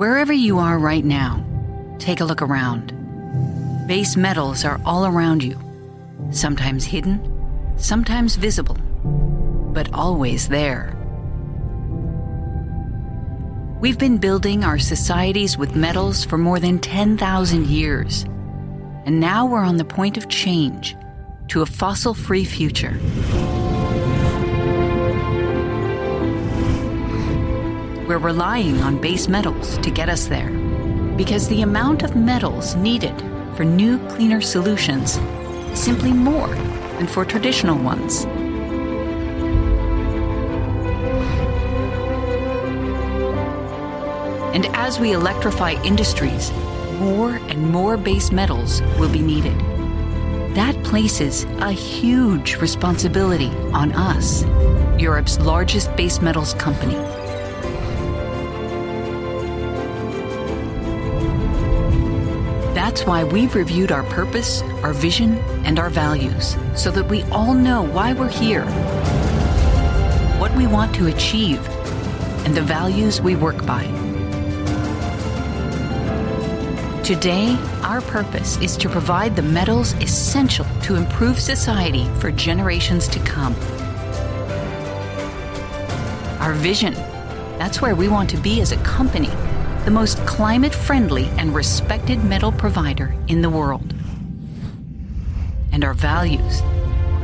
Wherever you are right now, take a look around. Base metals are all around you, sometimes hidden, sometimes visible, but always there. We've been building our societies with metals for more than 10,000 years, and now we're on the point of change to a fossil-free future. We're relying on base metals to get us there because the amount of metals needed for new cleaner solutions is simply more than for traditional ones. As we electrify industries, more and more base metals will be needed. That places a huge responsibility on us, Europe's largest base metals company. That's why we've reviewed our purpose, our vision, and our values so that we all know why we're here, what we want to achieve, and the values we work by. Today, our purpose is to provide the metals essential to improve society for generations to come. Our vision, that's where we want to be as a company, the most climate-friendly and respected metal provider in the world. Our values,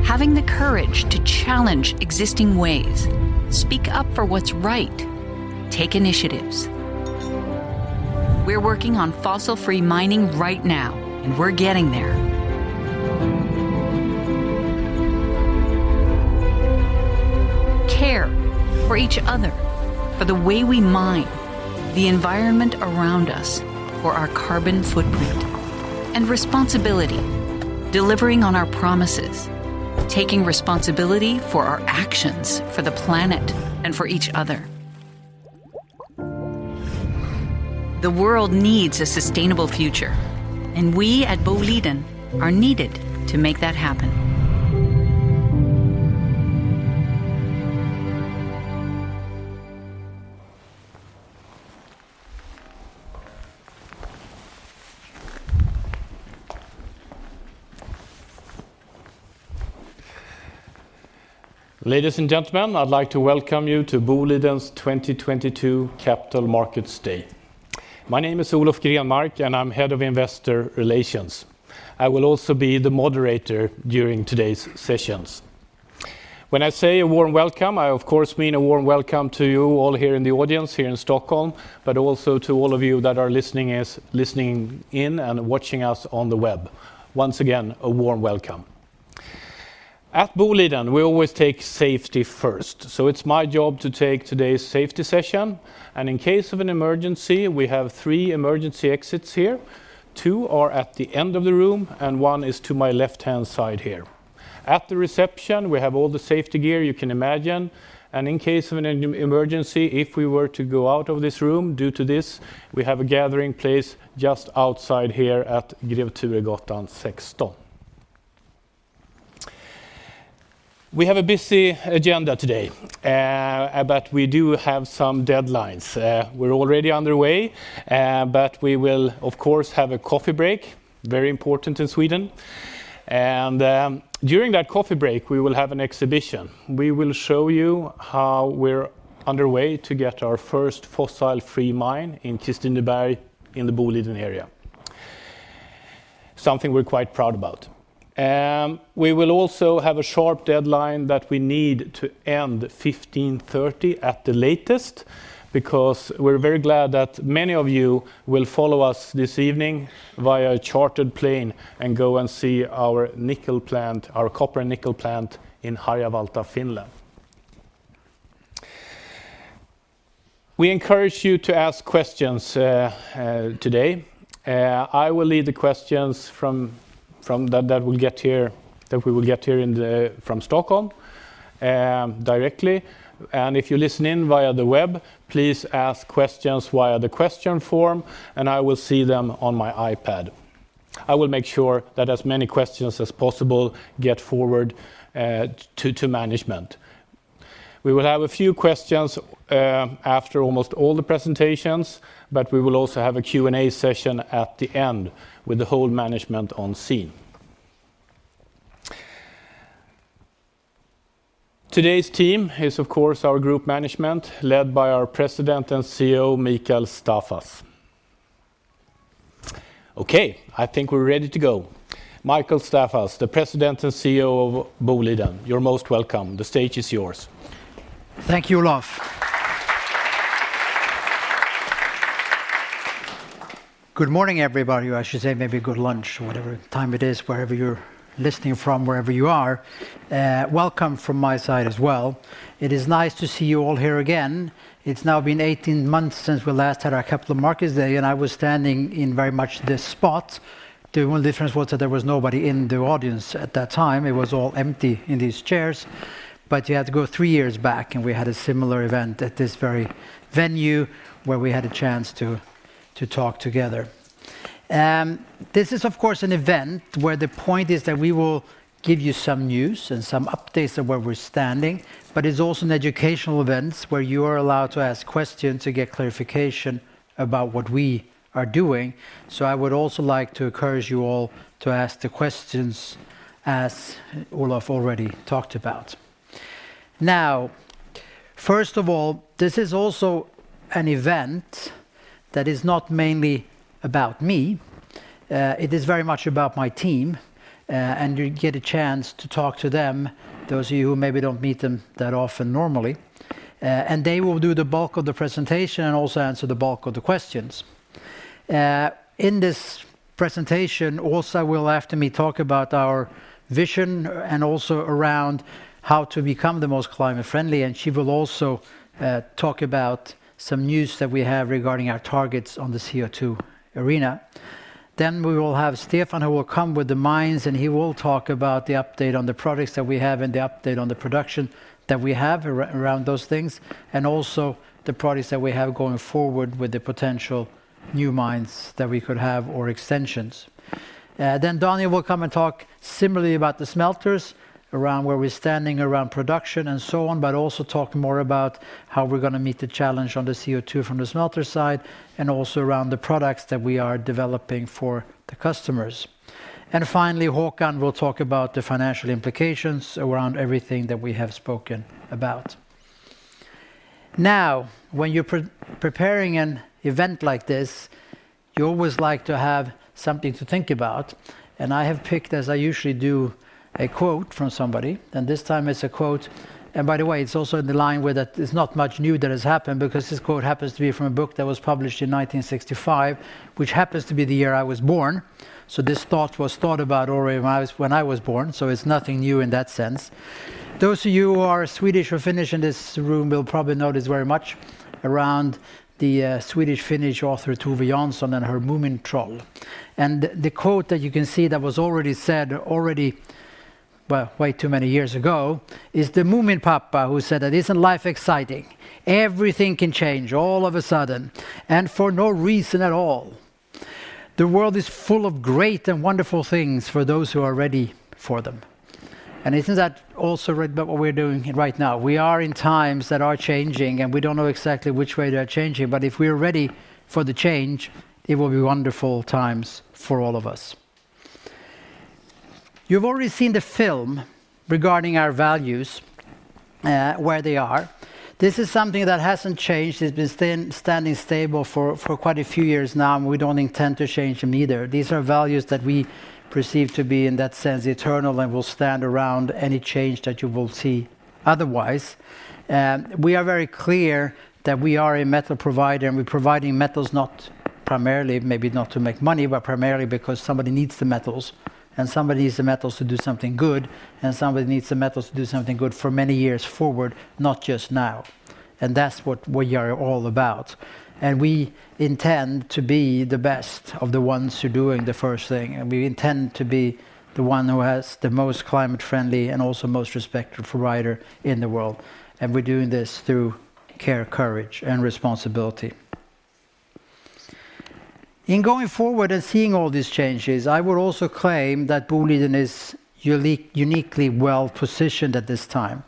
having the courage to challenge existing ways, speak up for what's right, take initiatives. We're working on fossil-free mining right now, and we're getting there. Care for each other, for the way we mine, the environment around us, for our carbon footprint. Responsibility, delivering on our promises, taking responsibility for our actions, for the planet, and for each other. The world needs a sustainable future, and we at Boliden are needed to make that happen. Ladies and gentlemen, I'd like to welcome you to Boliden's 2022 Capital Markets Day. My name is Olof Grenmark, and I'm Head of Investor Relations. I will also be the moderator during today's sessions. When I say a warm welcome, I of course mean a warm welcome to you all here in the audience here in Stockholm, but also to all of you that are listening in and watching us on the web. Once again, a warm welcome. At Boliden, we always take safety first, so it's my job to take today's safety session. In case of an emergency, we have three emergency exits here. Two are at the end of the room, and one is to my left-hand side here. At the reception, we have all the safety gear you can imagine. In case of an emergency, if we were to go out of this room due to this, we have a gathering place just outside here at Grev Turegatan 6. We have a busy agenda today, but we do have some deadlines. We're already underway, but we will, of course, have a coffee break, very important in Sweden. During that coffee break, we will have an exhibition. We will show you how we're underway to get our first fossil free mine in Kristineberg in the Boliden area. Something we're quite proud about. We will also have a sharp deadline that we need to end 3:30 P.M. at the latest, because we're very glad that many of you will follow us this evening via a chartered plane and go and see our nickel plant, our copper and nickel plant in Harjavalta, Finland. We encourage you to ask questions today. I will lead the questions from that we will get here from Stockholm directly. If you listen in via the web, please ask questions via the question form, and I will see them on my iPad. I will make sure that as many questions as possible get forward to management. We will have a few questions after almost all the presentations, but we will also have a Q&A session at the end with the whole management on scene. Today's team is, of course, our group management, led by our President and CEO, Mikael Staffas. Okay, I think we're ready to go. Mikael Staffas, the President and CEO of Boliden, you're most welcome. The stage is yours. Thank you, Olof. Good morning, everybody. I should say maybe good lunch or whatever time it is, wherever you're listening from, wherever you are. Welcome from my side as well. It is nice to see you all here again. It's now been 18 months since we last had our Capital Markets Day, and I was standing in very much this spot. The only difference was that there was nobody in the audience at that time. It was all empty in these chairs. You had to go three years back, and we had a similar event at this very venue where we had a chance to talk together. This is of course an event where the point is that we will give you some news and some updates of where we're standing, but it's also an educational event where you are allowed to ask questions to get clarification about what we are doing. I would also like to encourage you all to ask the questions as Olof already talked about. Now, first of all, this is also an event that is not mainly about me. It is very much about my team, and you get a chance to talk to them, those of you who maybe don't meet them that often normally. They will do the bulk of the presentation and also answer the bulk of the questions. In this presentation, Åsa will after me talk about our vision and also around how to become the most climate friendly, and she will also talk about some news that we have regarding our targets on the CO2 arena. Then we will have Stefan, who will come with the mines, and he will talk about the update on the products that we have and the update on the production that we have around those things, and also the products that we have going forward with the potential new mines that we could have or extensions. Daniel will come and talk similarly about the smelters, around where we're standing around production and so on, but also talk more about how we're gonna meet the challenge on the CO2 from the smelter side and also around the products that we are developing for the customers. Finally, Håkan will talk about the financial implications around everything that we have spoken about. Now, when you're preparing an event like this, you always like to have something to think about. I have picked, as I usually do, a quote from somebody, and this time it's a quote. By the way, it's also in line with that it's not much new that has happened because this quote happens to be from a book that was published in 1965, which happens to be the year I was born. This thought was thought about already when I was born, so it's nothing new in that sense. Those of you who are Swedish or Finnish in this room will probably know this very much around the Swedish-Finnish author Tove Jansson and her Moomintroll. The quote that you can see that was already said, well, way too many years ago, is the Moominpappa who said that, "Isn't life exciting? Everything can change all of a sudden, and for no reason at all. The world is full of great and wonderful things for those who are ready for them." Isn't that also right about what we're doing right now? We are in times that are changing, and we don't know exactly which way they are changing, but if we're ready for the change, it will be wonderful times for all of us. You've already seen the film regarding our values, where they are. This is something that hasn't changed. It's been standing stable for quite a few years now, and we don't intend to change them either. These are values that we perceive to be, in that sense, eternal and will stand around any change that you will see otherwise. We are very clear that we are a metal provider, and we're providing metals not primarily maybe not to make money, but primarily because somebody needs the metals, and somebody needs the metals to do something good, and somebody needs the metals to do something good for many years forward, not just now. That's what we are all about. We intend to be the best of the ones who're doing the first thing, and we intend to be the one who has the most climate friendly and also most respected provider in the world. We're doing this through care, courage, and responsibility. In going forward and seeing all these changes, I would also claim that Boliden is uniquely well-positioned at this time.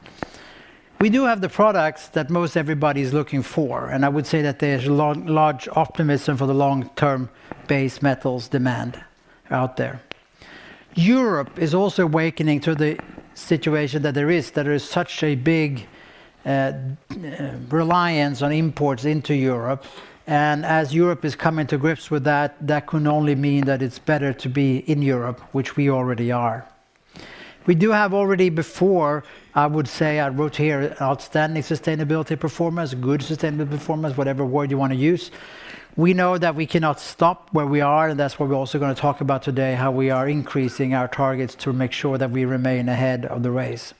We do have the products that most everybody is looking for, and I would say that there's large optimism for the long-term base metals demand out there. Europe is also awakening to the situation that there is, that there is such a big reliance on imports into Europe. As Europe is coming to grips with that can only mean that it's better to be in Europe, which we already are. We do have already before, I would say, I wrote here, outstanding sustainability performance, good sustainability performance, whatever word you wanna use. We know that we cannot stop where we are, and that's what we're also gonna talk about today, how we are increasing our targets to make sure that we remain ahead of the race.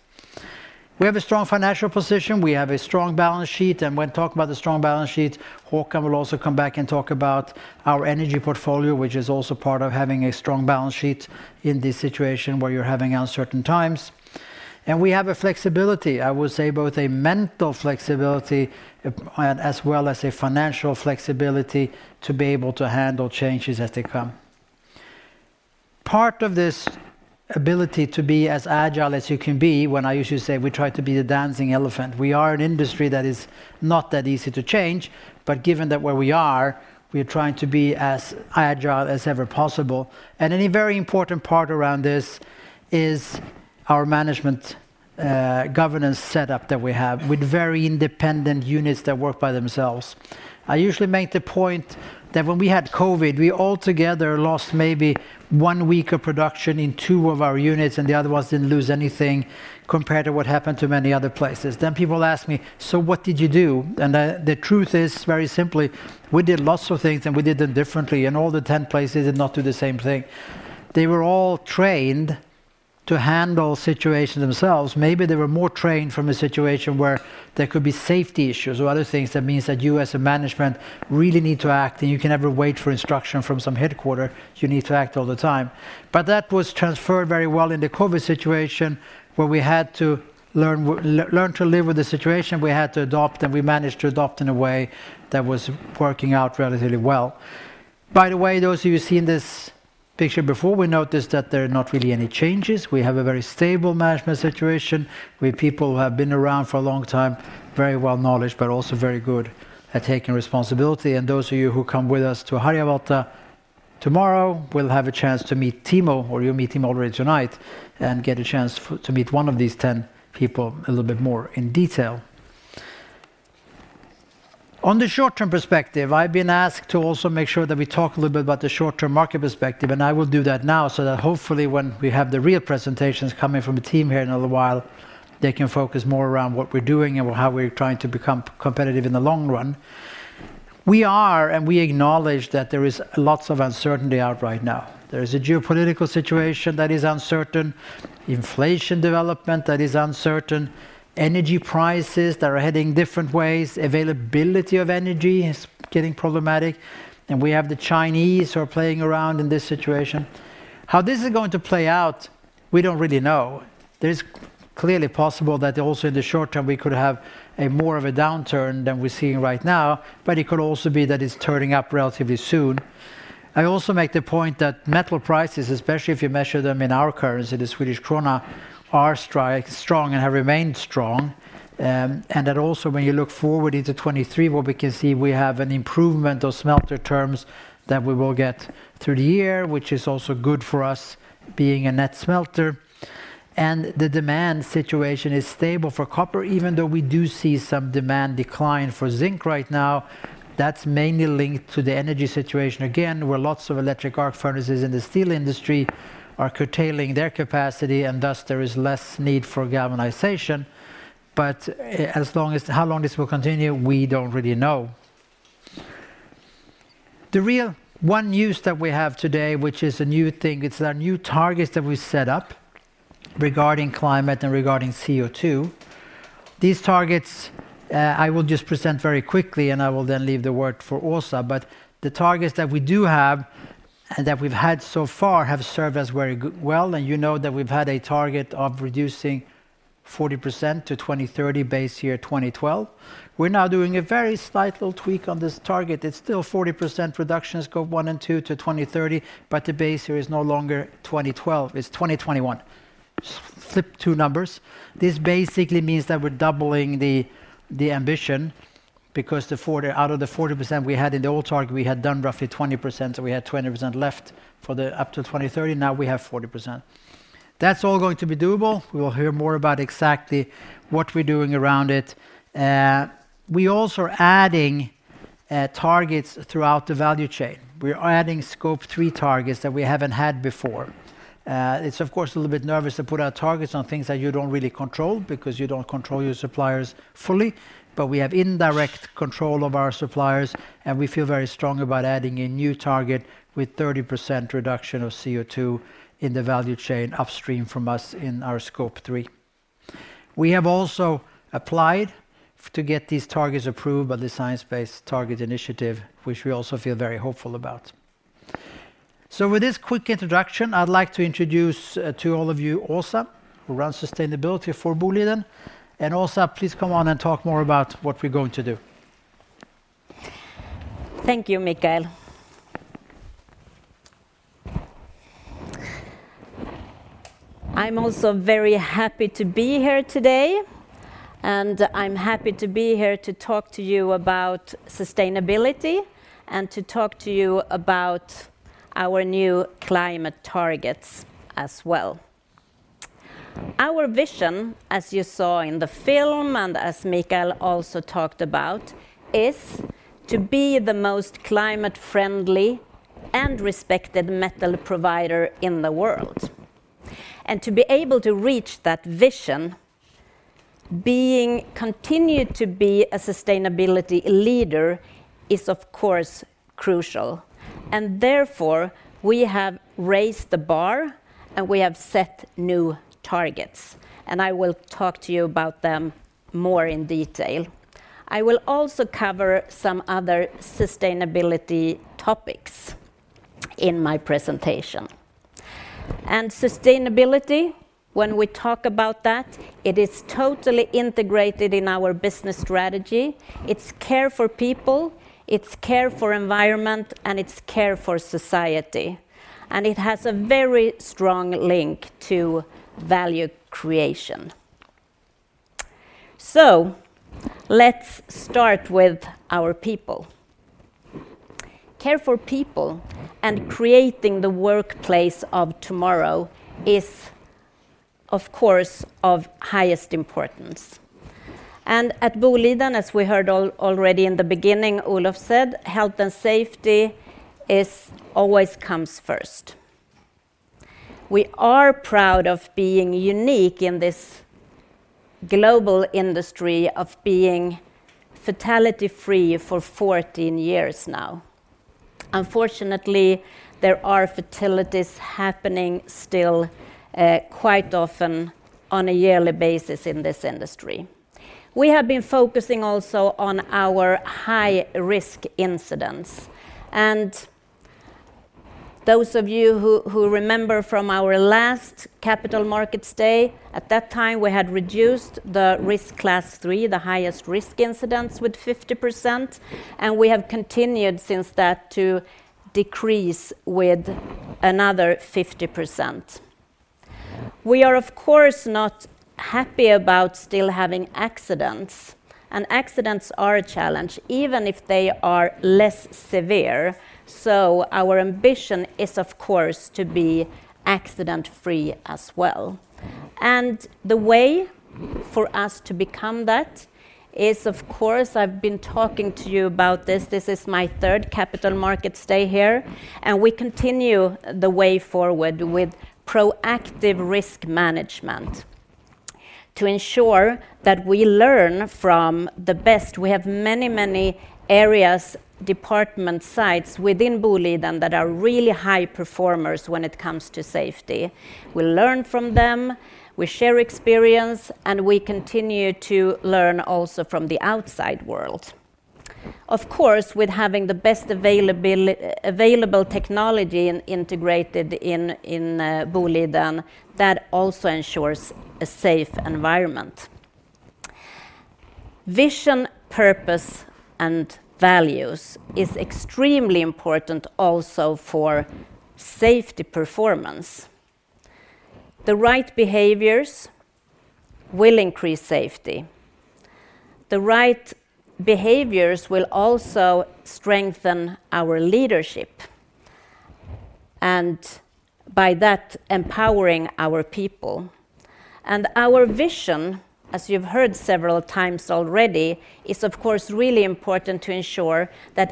We have a strong financial position. We have a strong balance sheet, and when talking about the strong balance sheet, Håkan will also come back and talk about our energy portfolio, which is also part of having a strong balance sheet in this situation where you're having uncertain times. We have a flexibility, I would say both a mental flexibility, as well as a financial flexibility to be able to handle changes as they come. Part of this ability to be as agile as you can be. When I usually say we try to be the dancing elephant, we are an industry that is not that easy to change. Given that where we are, we are trying to be as agile as ever possible. A very important part around this is our management governance setup that we have with very independent units that work by themselves. I usually make the point that when we had COVID, we altogether lost maybe one week of production in two of our units, and the other ones didn't lose anything compared to what happened to many other places. People ask me, "So what did you do?" The truth is, very simply, we did lots of things, and we did them differently, and all the 10 places did not do the same thing. They were all trained to handle situations themselves. Maybe they were more trained from a situation where there could be safety issues or other things that means that you as a management really need to act, and you can never wait for instruction from some headquarters. You need to act all the time. That was transferred very well in the COVID situation, where we had to learn to live with the situation, we had to adapt, and we managed to adapt in a way that was working out relatively well. By the way, those of you who've seen this picture before we notice that there are not really any changes. We have a very stable management situation. We have people who have been around for a long time, very well knowledgeable, but also very good at taking responsibility. Those of you who come with us to Harjavalta tomorrow will have a chance to meet Timo, or you'll meet him already tonight, and get a chance to meet one of these ten people a little bit more in detail. On the short-term perspective, I've been asked to also make sure that we talk a little bit about the short-term market perspective, and I will do that now so that hopefully when we have the real presentations coming from the team here in a little while, they can focus more around what we're doing and how we're trying to become competitive in the long run. We are, and we acknowledge that there is lots of uncertainty out there right now. There is a geopolitical situation that is uncertain, inflation development that is uncertain, energy prices that are heading different ways, availability of energy is getting problematic, and we have the Chinese who are playing around in this situation. How this is going to play out, we don't really know. There's clearly possible that also in the short term we could have a more of a downturn than we're seeing right now, but it could also be that it's turning up relatively soon. I also make the point that metal prices, especially if you measure them in our currency, the Swedish krona, are strong and have remained strong, and that also when you look forward into 2023, what we can see we have an improvement of smelter terms that we will get through the year, which is also good for us being a net smelter. The demand situation is stable for copper, even though we do see some demand decline for zinc right now. That's mainly linked to the energy situation again, where lots of electric arc furnaces in the steel industry are curtailing their capacity, and thus there is less need for galvanization. But how long this will continue, we don't really know. The real news that we have today, which is a new thing, it's our new targets that we set up regarding climate and regarding CO2. These targets, I will just present very quickly, and I will then leave the word for Åsa. The targets that we do have and that we've had so far have served us very well, and you know that we've had a target of reducing 40% to 2030 base year 2012. We're now doing a very slight little tweak on this target. It's still 40% reduction Scope 1 and 2 to 2030, but the base year is no longer 2012, it's 2021. Flip two numbers. This basically means that we're doubling the ambition because the 40% out of the 40% we had in the old target, we had done roughly 20%, so we had 20% left for the up to 2030, now we have 40%. That's all going to be doable. We will hear more about exactly what we're doing around it. We also are adding targets throughout the value chain. We are adding Scope 3 targets that we haven't had before. It's of course a little bit nervous to put out targets on things that you don't really control because you don't control your suppliers fully. We have indirect control of our suppliers, and we feel very strongly about adding a new target with 30% reduction of CO2 in the value chain upstream from us in our Scope 3. We have also applied to get these targets approved by the Science Based Targets initiative, which we also feel very hopeful about. With this quick introduction, I'd like to introduce to all of you Åsa, who runs sustainability for Boliden. Åsa, please come on and talk more about what we're going to do. Thank you, Mikael. I'm also very happy to be here today, and I'm happy to be here to talk to you about sustainability and to talk to you about our new climate targets as well. Our vision, as you saw in the film and as Mikael also talked about, is to be the most climate-friendly and respected metal provider in the world. To be able to reach that vision, continuing to be a sustainability leader is of course crucial, and therefore we have raised the bar, and we have set new targets, and I will talk to you about them more in detail. I will also cover some other sustainability topics in my presentation. Sustainability, when we talk about that, it is totally integrated in our business strategy. It's care for people, it's care for environment, and it's care for society, and it has a very strong link to value creation. Let's start with our people. Care for people and creating the workplace of tomorrow is, of course, of highest importance. At Boliden, as we heard already in the beginning, Olof said, health and safety always comes first. We are proud of being unique in this global industry of being fatality-free for 14 years now. Unfortunately, there are fatalities happening still, quite often on a yearly basis in this industry. We have been focusing also on our high-risk incidents. Those of you who remember from our last Capital Markets Day, at that time, we had reduced the risk class three, the highest risk incidents, with 50%, and we have continued since that to decrease with another 50%. We are, of course, not happy about still having accidents, and accidents are a challenge, even if they are less severe. Our ambition is, of course, to be accident-free as well. The way for us to become that is, of course, I've been talking to you about this is my third Capital Markets Day here, and we continue the way forward with proactive risk management to ensure that we learn from the best. We have many, many areas, department sites within Boliden that are really high performers when it comes to safety. We learn from them, we share experience, and we continue to learn also from the outside world. Of course, with having the best available technology integrated in Boliden, that also ensures a safe environment. Vision, purpose, and values is extremely important also for safety performance. The right behaviors will increase safety. The right behaviors will also strengthen our leadership, and by that, empowering our people. Our vision, as you've heard several times already, is of course really important to ensure that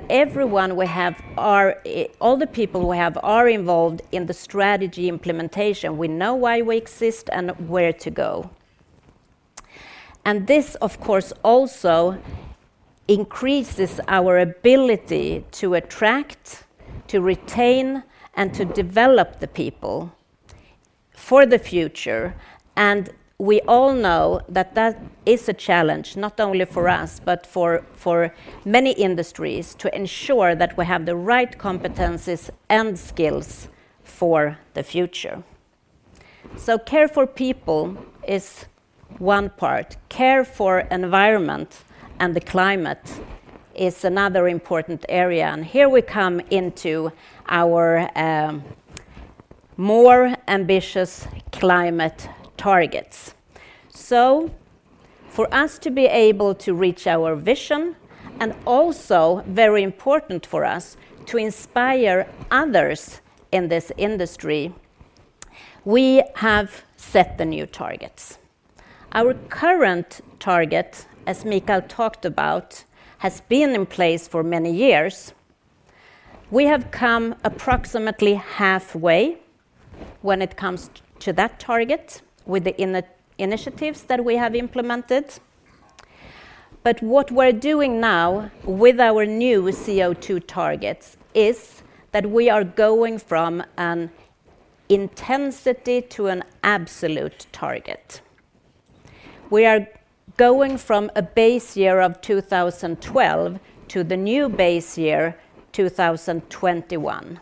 all the people we have are involved in the strategy implementation. We know why we exist and where to go. This, of course, also increases our ability to attract, to retain, and to develop the people for the future. We all know that that is a challenge, not only for us, but for many industries, to ensure that we have the right competencies and skills for the future. Care for people is one part. Care for environment and the climate is another important area, and here we come into our more ambitious climate targets. For us to be able to reach our vision, and also very important for us to inspire others in this industry, we have set the new targets. Our current target, as Mikael talked about, has been in place for many years. We have come approximately halfway when it comes to that target with the initiatives that we have implemented. What we're doing now with our new CO2 targets is that we are going from an intensity to an absolute target. We are going from a base year of 2012 to the new base year, 2021.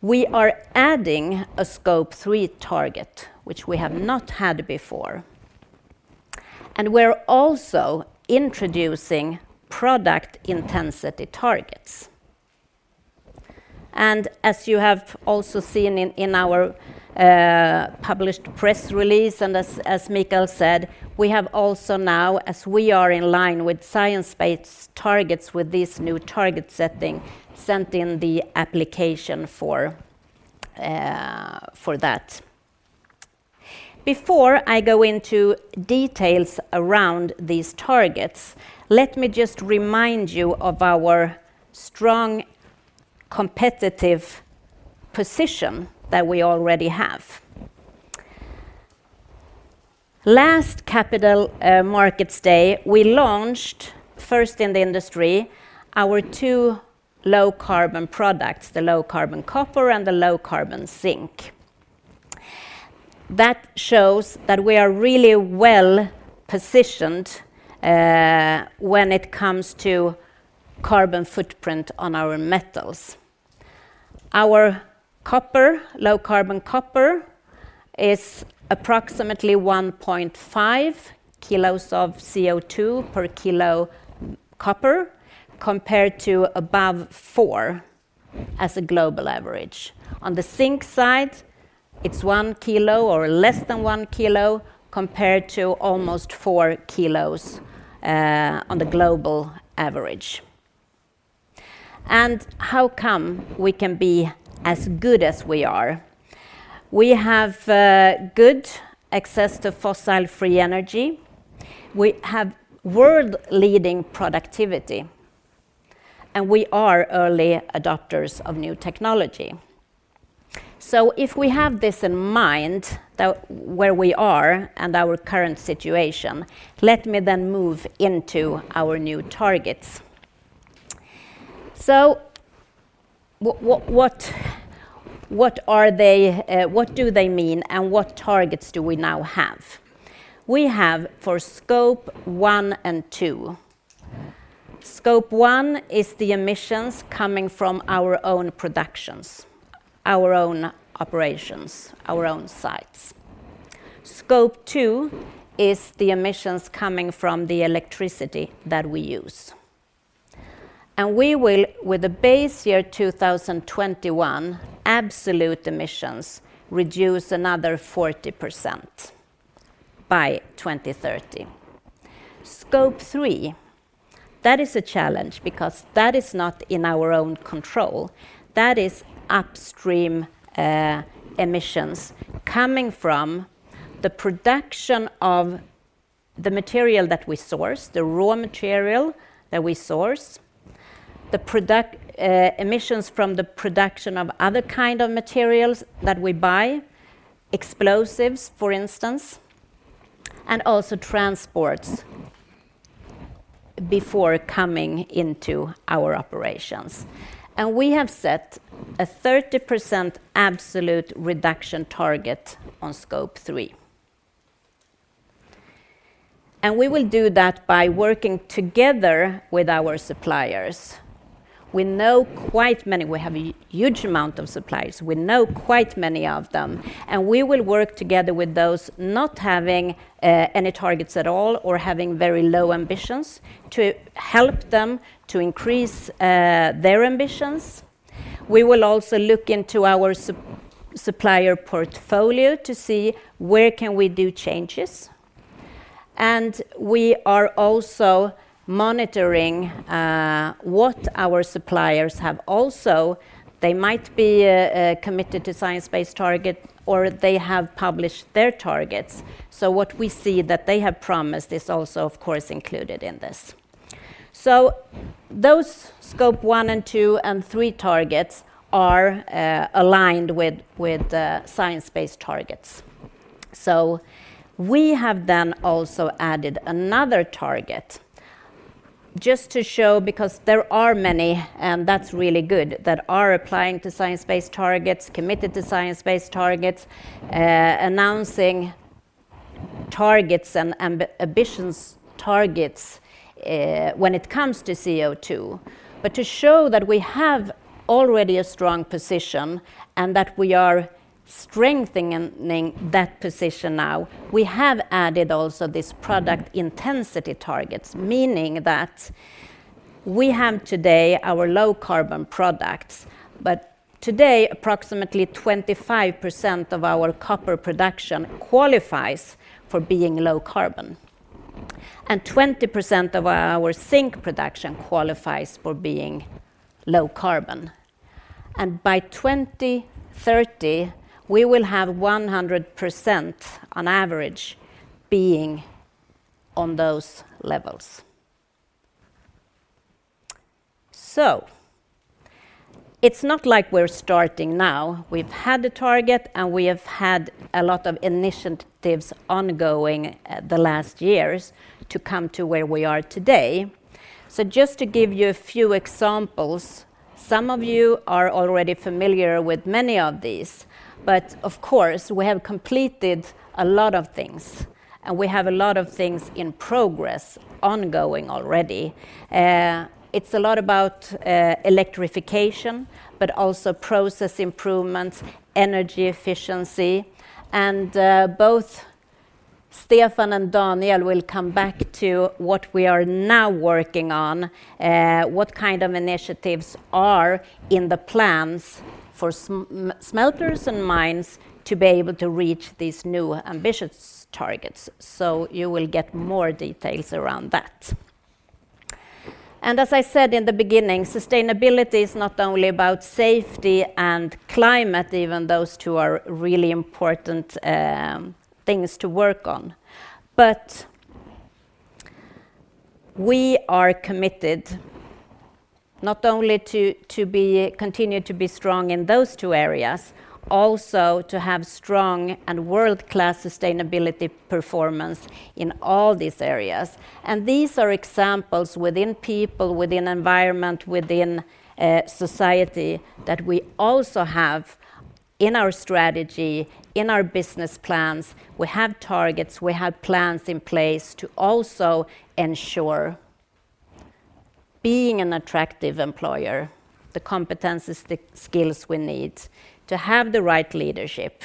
We are adding a Scope 3 target, which we have not had before, and we're also introducing product intensity targets. As you have also seen in our published press release, and as Mikael said, we have also now, as we are in line with science-based targets with this new target setting, sent in the application for that. Before I go into details around these targets, let me just remind you of our strong competitive position that we already have. Last capital markets day, we launched, first in the industry, our two low-carbon products, the Low-Carbon Copper and the Low-Carbon Zinc. That shows that we are really well-positioned when it comes to carbon footprint on our metals. Our copper, Low-Carbon Copper, is approximately 1.5 kilos of CO2 per kilo copper, compared to above four as a global average. On the zinc side, it's 1 kilo or less than 1 kilo, compared to almost 4 kilos on the global average. How come we can be as good as we are? We have good access to fossil-free energy. We have world-leading productivity, and we are early adopters of new technology. If we have this in mind, where we are and our current situation, let me then move into our new targets. What are they, what do they mean, and what targets do we now have? We have for Scope 1 and 2. Scope 1 is the emissions coming from our own productions, our own operations, our own sites. Scope 2 is the emissions coming from the electricity that we use. We will, with the base year 2021, absolute emissions reduce another 40% by 2030. Scope 3, that is a challenge because that is not in our own control. That is upstream emissions coming from the production of the raw material that we source, emissions from the production of other kind of materials that we buy, explosives, for instance, and also transports before coming into our operations. We have set a 30% absolute reduction target on Scope 3. We will do that by working together with our suppliers. We know quite many, we have a huge amount of suppliers. We know quite many of them, and we will work together with those not having any targets at all or having very low ambitions to help them to increase their ambitions. We will also look into our supplier portfolio to see where we can do changes. We are also monitoring what our suppliers have also, they might be committed to science-based target or they have published their targets. What we see that they have promised is also, of course, included in this. Those Scope 1 and 2 and 3 targets are aligned with science-based targets. We have then also added another target just to show because there are many, and that's really good, that are applying to science-based targets, committed to science-based targets, announcing targets and ambitions targets when it comes to CO2. To show that we have already a strong position and that we are strengthening that position now, we have added also this product intensity targets, meaning that we have today our Low-Carbon products, but today, approximately 25% of our copper production qualifies for being Low-Carbon, and 20% of our zinc production qualifies for being Low-Carbon. By 2030, we will have 100% on average being on those levels. It's not like we're starting now. We've had the target, and we have had a lot of initiatives ongoing, the last years to come to where we are today. Just to give you a few examples, some of you are already familiar with many of these, but of course, we have completed a lot of things, and we have a lot of things in progress ongoing already. It's a lot about electrification, but also process improvements, energy efficiency. Both Stefan and Daniel will come back to what we are now working on, what kind of initiatives are in the plans for smelters and mines to be able to reach these new ambitious targets. You will get more details around that. As I said in the beginning, sustainability is not only about safety and climate, even those two are really important things to work on. We are committed not only to continue to be strong in those two areas, also to have strong and world-class sustainability performance in all these areas. These are examples within people, within environment, within society that we also have in our strategy, in our business plans. We have targets, we have plans in place to also ensure being an attractive employer, the competencies, the skills we need to have the right leadership,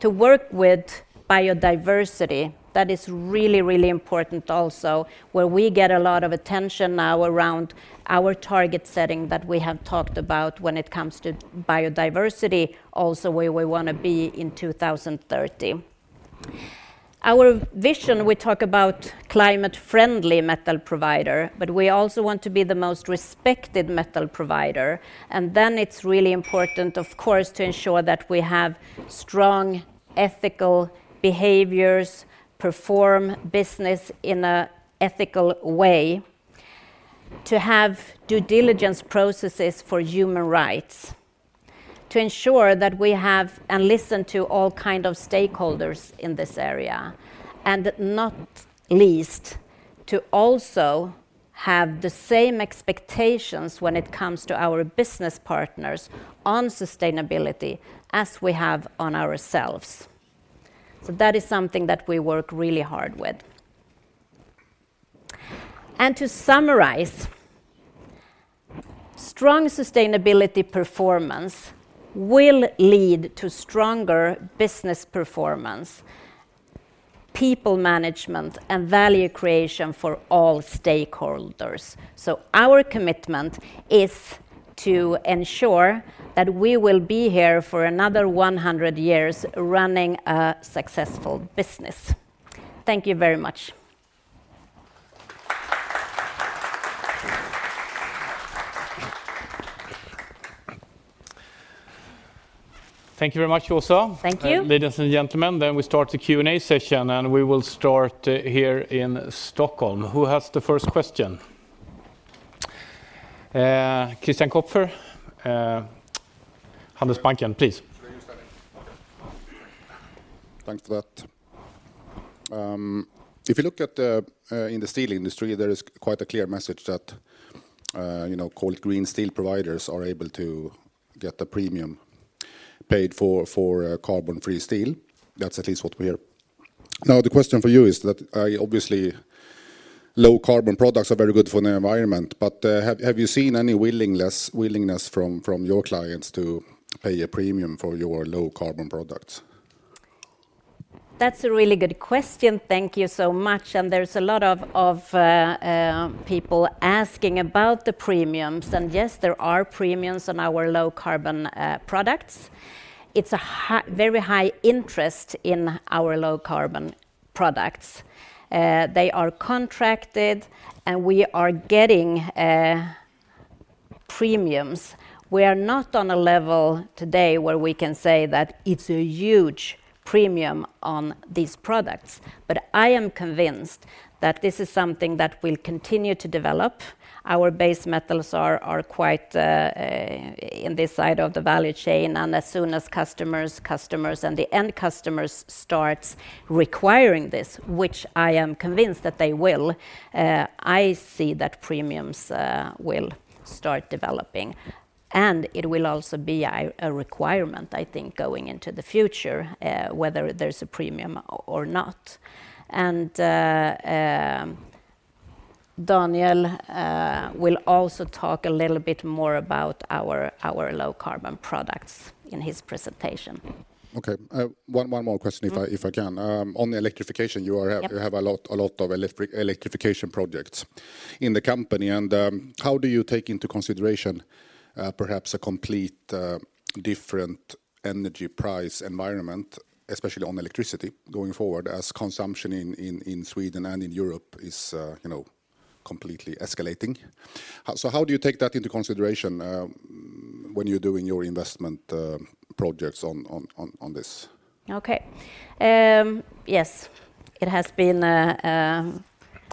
to work with biodiversity. That is really, really important also, where we get a lot of attention now around our target setting that we have talked about when it comes to biodiversity, also where we wanna be in 2030. Our vision, we talk about climate-friendly metal provider, but we also want to be the most respected metal provider. It's really important, of course, to ensure that we have strong ethical behaviors, perform business in an ethical way, to have due diligence processes for human rights, to ensure that we have and listen to all kind of stakeholders in this area, and not least, to also have the same expectations when it comes to our business partners on sustainability as we have on ourselves. That is something that we work really hard with. To summarize, strong sustainability performance will lead to stronger business performance, people management, and value creation for all stakeholders. Our commitment is to ensure that we will be here for another 100 years running a successful business. Thank you very much. Thank you very much also. Thank you. Ladies and gentlemen, we start the Q&A session, and we will start here in Stockholm. Who has the first question? Christian Kopfer, Handelsbanken, please. Thanks for that. If you look at in the steel industry, there is quite a clear message that you know called green steel providers are able to get the premium paid for for carbon-free steel. That's at least what we hear. Now, the question for you is that obviously low carbon products are very good for the environment, but have you seen any willingness from your clients to pay a premium for your low carbon products? That's a really good question. Thank you so much, and there's a lot of people asking about the premiums, and yes, there are premiums on our low carbon products. It's a very high interest in our low carbon products. They are contracted, and we are getting premiums. We are not on a level today where we can say that it's a huge premium on these products. I am convinced that this is something that will continue to develop. Our base metals are quite in this side of the value chain, and as soon as customers and the end customers starts requiring this, which I am convinced that they will, I see that premiums will start developing.It will also be a requirement, I think, going into the future, whether there's a premium or not. Daniel will also talk a little bit more about our low carbon products in his presentation. Okay. One more question. Mm If I can. On the electrification, you are have- Yeah You have a lot of electrification projects in the company, and how do you take into consideration perhaps a complete different energy price environment, especially on electricity going forward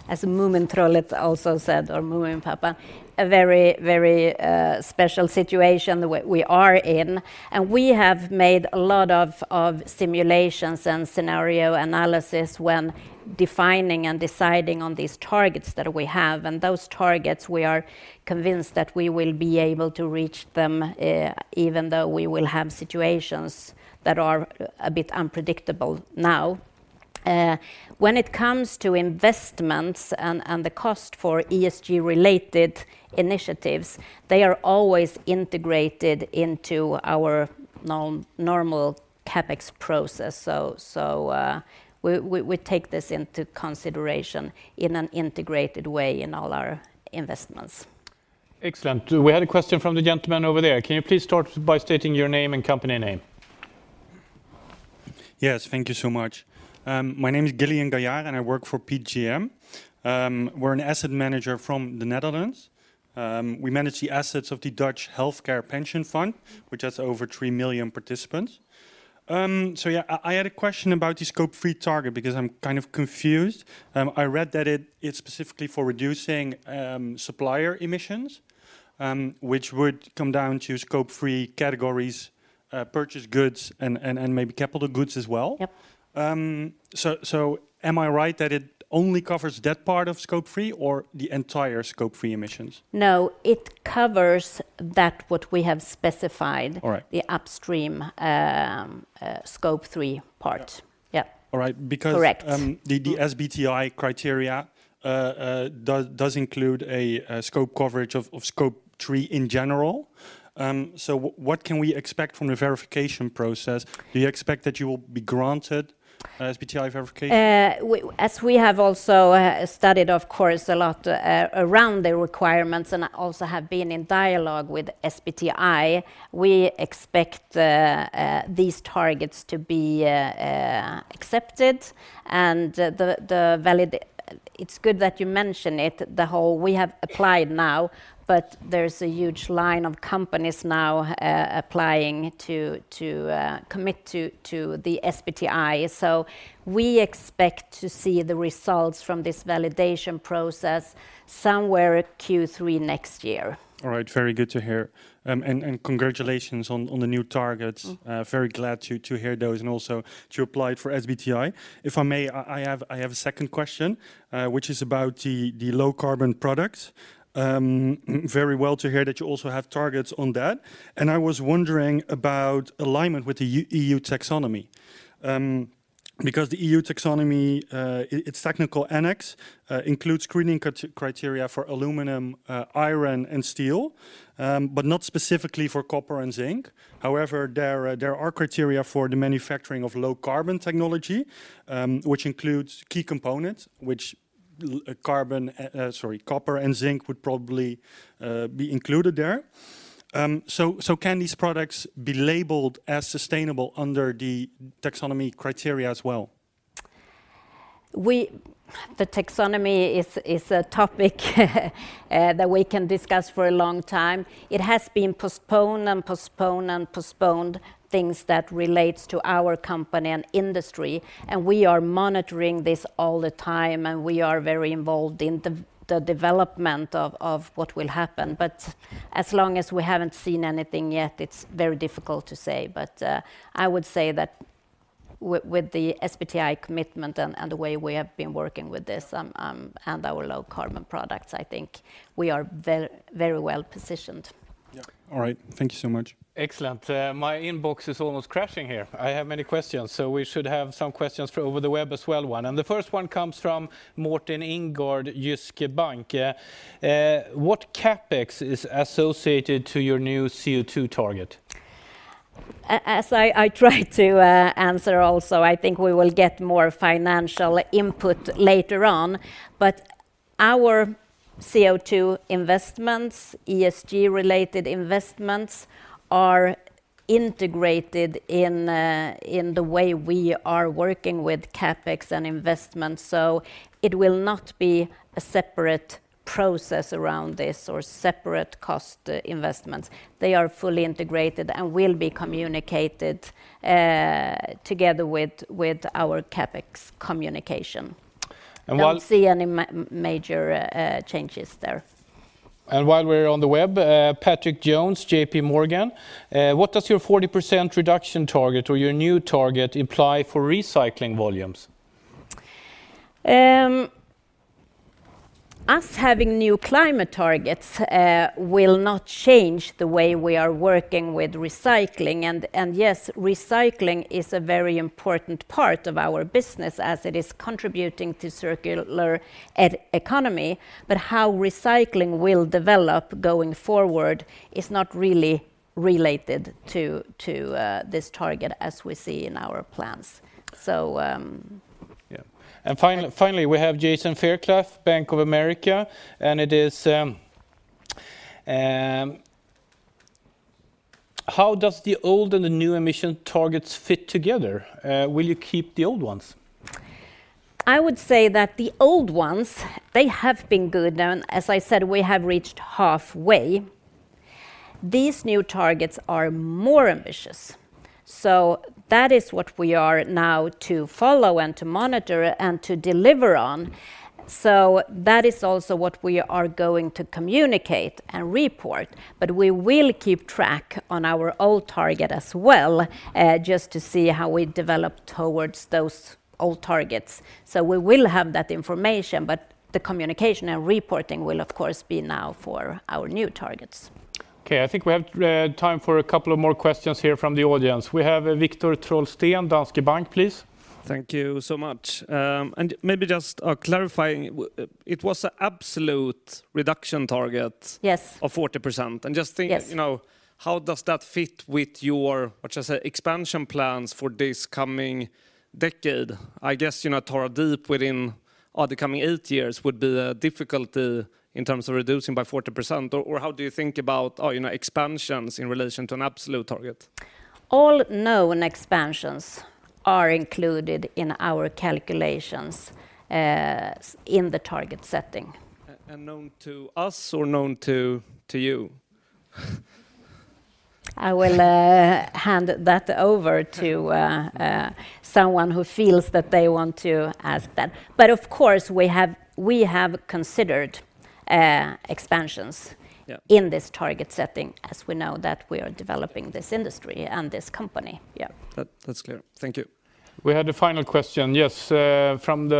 as consumption in Sweden and in Europe is, you know, completely escalating? How do you take that into consideration when you're doing your investment projects on this? Yes. It has been, as Moomintroll also said, or Moominpappa, a very special situation the way we are in, and we have made a lot of simulations and scenario analysis when defining and deciding on these targets that we have, and those targets we are convinced that we will be able to reach them, even though we will have situations that are a bit unpredictable now. When it comes to investments and the cost for ESG related initiatives, they are always integrated into our normal CapEx process. We take this into consideration in an integrated way in all our investments. Excellent. We had a question from the gentleman over there. Can you please start by stating your name and company name? Yes. Thank you so much. My name is Gillian Gailliaert, and I work for PGGM. We're an asset manager from the Netherlands. We manage the assets of the Dutch healthcare pension fund, which has over 3,000,000 participants. I had a question about the Scope 3 target because I'm kind of confused. I read that it's specifically for reducing supplier emissions, which would come down to Scope 3 categories, purchase goods and maybe capital goods as well. Yep. Am I right that it only covers that part of Scope 3 or the entire Scope 3 emissions? No, it covers that what we have specified. All right. The upstream, Scope 3 part. Yeah. All right. Correct The SBTi criteria does include a scope coverage of Scope 3 in general. What can we expect from the verification process? Do you expect that you will be granted SBTi verification? As we have also studied, of course, a lot around the requirements and also have been in dialogue with SBTi, we expect these targets to be accepted, and the validation. It's good that you mention it, though we have applied now, but there's a huge line of companies now applying to commit to the SBTi. We expect to see the results from this validation process somewhere Q3 next year. All right. Very good to hear. Congratulations on the new targets. Mm. Very glad to hear those and also to apply for SBTi. If I may, I have a second question, which is about the low-carbon products. Very well to hear that you also have targets on that, and I was wondering about alignment with the EU taxonomy. Because the EU taxonomy, its technical annex, includes screening criteria for aluminum, iron, and steel, but not specifically for copper and zinc. However, there are criteria for the manufacturing of low-carbon technology, which includes key components, which Low-Carbon Copper and zinc would probably be included there. Can these products be labeled as sustainable under the taxonomy criteria as well? The taxonomy is a topic that we can discuss for a long time. It has been postponed, things that relates to our company and industry, and we are monitoring this all the time, and we are very involved in the development of what will happen. As long as we haven't seen anything yet, it's very difficult to say. I would say that with the SBTi commitment and the way we have been working with this, and our low-carbon products, I think we are very well positioned. Yeah. All right. Thank you so much. Excellent. My inbox is almost crashing here. I have many questions, so we should have some questions through over the web as well, one. The first one comes from Morten Enggaard, Jyske Bank. What CapEx is associated to your new CO2 target? As I try to answer also, I think we will get more financial input later on. Our CO2 investments, ESG-related investments, are integrated in the way we are working with CapEx and investments. It will not be a separate process around this or separate cost investments. They are fully integrated and will be communicated together with our CapEx communication. And while Don't see any major changes there. While we're on the web, Patrick Jones, JPMorgan, what does your 40% reduction target or your new target imply for recycling volumes? Us having new climate targets will not change the way we are working with recycling. Yes, recycling is a very important part of our business as it is contributing to circular economy, but how recycling will develop going forward is not really related to this target as we see in our plans. Yeah. Finally, we have Jason Fairclough, Bank of America, and it is, how does the old and the new emission targets fit together? Will you keep the old ones? I would say that the old ones, they have been good, and as I said, we have reached halfway. These new targets are more ambitious, so that is what we are now to follow and to monitor and to deliver on. That is also what we are going to communicate and report. We will keep track on our old target as well, just to see how we develop towards those old targets. We will have that information, but the communication and reporting will of course be now for our new targets. Okay. I think we have time for a couple of more questions here from the audience. We have Viktor Trollsten, Danske Bank, please. Thank you so much. Maybe just clarifying, it was an absolute reduction target. Yes Of 40%. Just think Yes You know, how does that fit with your, let's just say, expansion plans for this coming decade? I guess, you know, Tara Deep within the coming eight years would be difficult in terms of reducing by 40%. Or how do you think about, you know, expansions in relation to an absolute target? All known expansions are included in our calculations in the target setting. Known to us or known to you? I will hand that over to someone who feels that they want to ask that. Of course, we have considered expansions. Yeah In this target setting as we know that we are developing this industry and this company. Yeah. That's clear. Thank you. We have the final question. Yes, from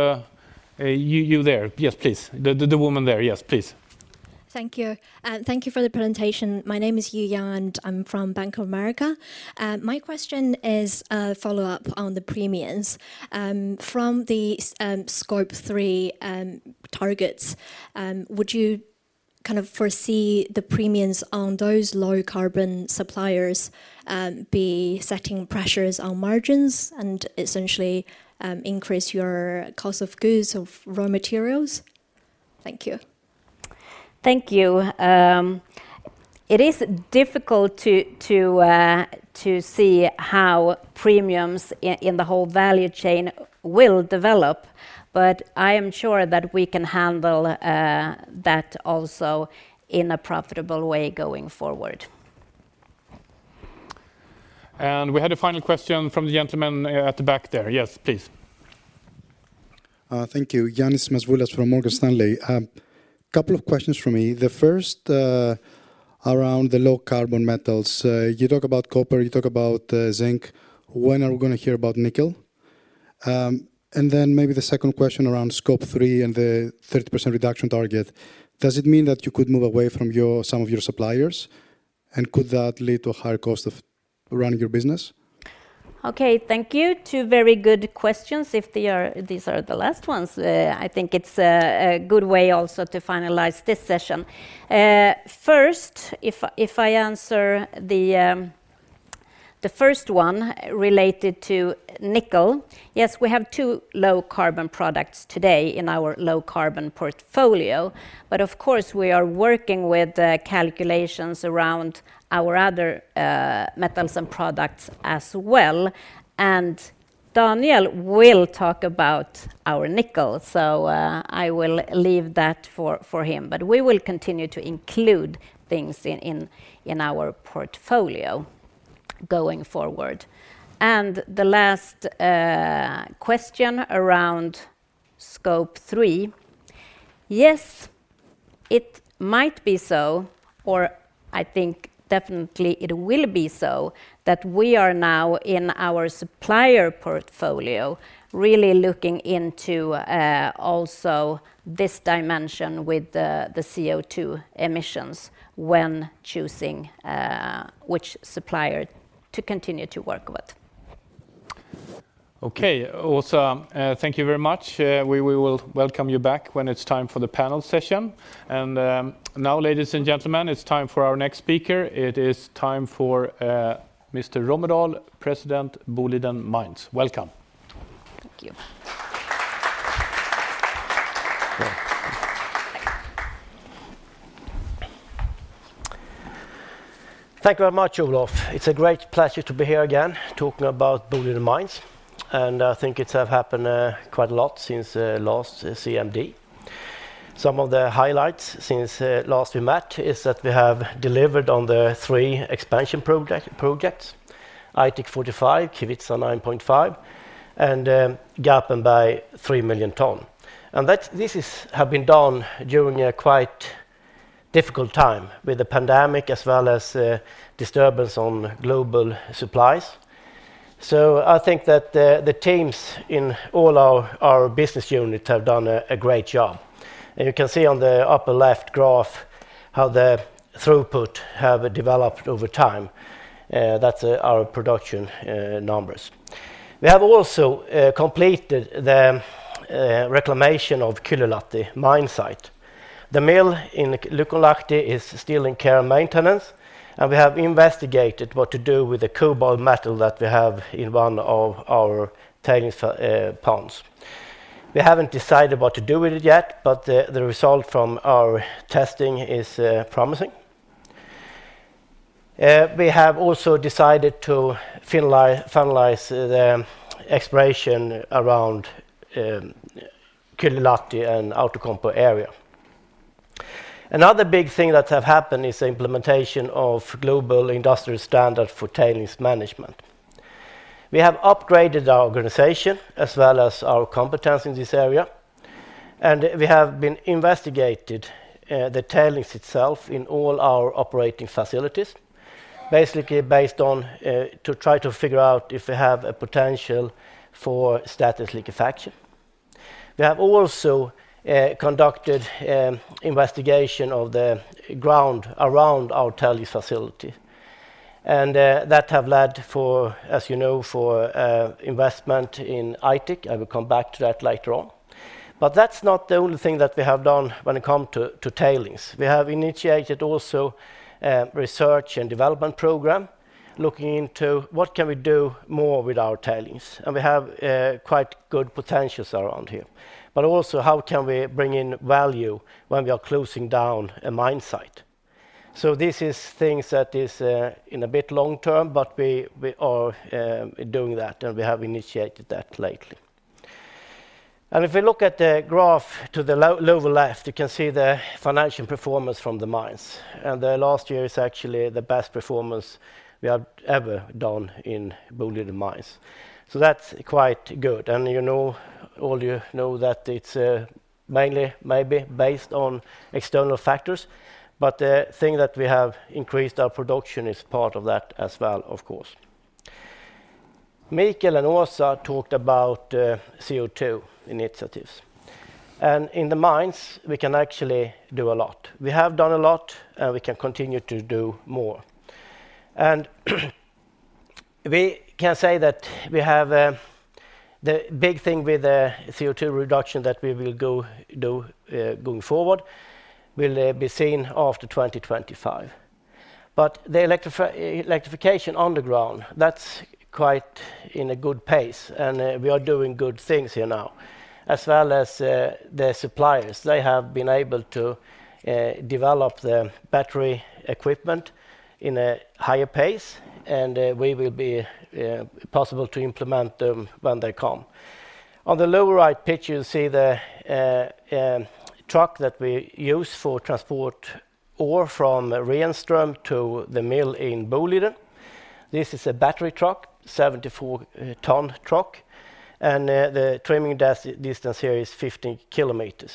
you there. Yes, please. The woman there. Yes, please. Thank you. Thank you for the presentation. My name is Yu Yan. I'm from Bank of America. My question is a follow-up on the premiums. From the Scope 3 targets, would you kind of foresee the premiums on those low-carbon suppliers be setting pressures on margins and essentially increase your cost of goods of raw materials? Thank you. Thank you. It is difficult to see how premiums in the whole value chain will develop, but I am sure that we can handle that also in a profitable way going forward. We had a final question from the gentleman at the back there. Yes, please. Thank you. Ioannis Masvoulas from Morgan Stanley. Couple of questions from me. The first around the low-carbon metals. You talk about copper, you talk about zinc. When are we gonna hear about nickel? Maybe the second question around Scope 3 and the 30% reduction target. Does it mean that you could move away from some of your suppliers? Could that lead to a higher cost of running your business? Okay, thank you. Two very good questions. These are the last ones. I think it's a good way also to finalize this session. First, if I answer the first one related to nickel. Yes, we have two Low-Carbon products today in our Low-Carbon portfolio, but of course, we are working with calculations around our other metals and products as well, and Daniel will talk about our nickel. I will leave that for him. We will continue to include things in our portfolio going forward. The last question around Scope 3, yes, it might be so, or I think definitely it will be so that we are now in our supplier portfolio really looking into also this dimension with the CO2 emissions when choosing which supplier to continue to work with. Okay. Åsa, thank you very much. We will welcome you back when it's time for the panel session. Now, ladies and gentlemen, it's time for our next speaker. It is time for Mr. Romedahl, President Boliden Mines. Welcome. Thank you. Thank you very much, Olof. It's a great pleasure to be here again talking about Boliden Mines, and I think it has happened quite a lot since last CMD. Some of the highlights since last we met is that we have delivered on the three expansion projects, Aitik 45, Kevitsa 9.5, and Garpenberg 3,000,000 ton. This has been done during a quite difficult time with the pandemic as well as disturbance on global supplies. I think that the teams in all our business units have done a great job. You can see on the upper left graph how the throughput have developed over time. That's our production numbers. We have also completed the reclamation of Kylylahti mine site. The mill in Kylylahti is still in care and maintenance, and we have investigated what to do with the cobalt metal that we have in one of our tailings ponds. We haven't decided what to do with it yet, but the result from our testing is promising. We have also decided to finalize the exploration around Kylylahti and Outokumpu area. Another big thing that have happened is the implementation of Global Industry Standard for Tailings Management. We have upgraded our organization as well as our competence in this area, and we have investigated the tailings itself in all our operating facilities, basically based on to try to figure out if we have a potential for static liquefaction. We have also conducted investigation of the ground around our tailings facility, and that have led to, as you know, investment in Aitik. I will come back to that later on. That's not the only thing that we have done when it come to tailings. We have initiated also research and development program looking into what can we do more with our tailings. We have quite good potentials around here. But also how can we bring in value when we are closing down a mine site. This is things that is in a bit long term, but we are doing that, and we have initiated that lately. If we look at the graph to the lower left, you can see the financial performance from the mines. The last year is actually the best performance we have ever done in Boliden Mines. That's quite good. You know, all you know that it's mainly maybe based on external factors, but the thing that we have increased our production is part of that as well, of course. Mikael and Åsa talked about CO2 initiatives. In the mines, we can actually do a lot. We have done a lot, and we can continue to do more. We can say that we have the big thing with the CO2 reduction that we will do going forward will be seen after 2025. The electrification on the ground, that's quite in a good pace, and we are doing good things here now. As well as the suppliers, they have been able to develop the battery equipment at a higher pace, and it will be possible to implement them when they come. On the lower right picture, you see the truck that we use to transport ore from Renström to the mill in Boliden. This is a battery 74-ton truck. The tramming distance here is 15km.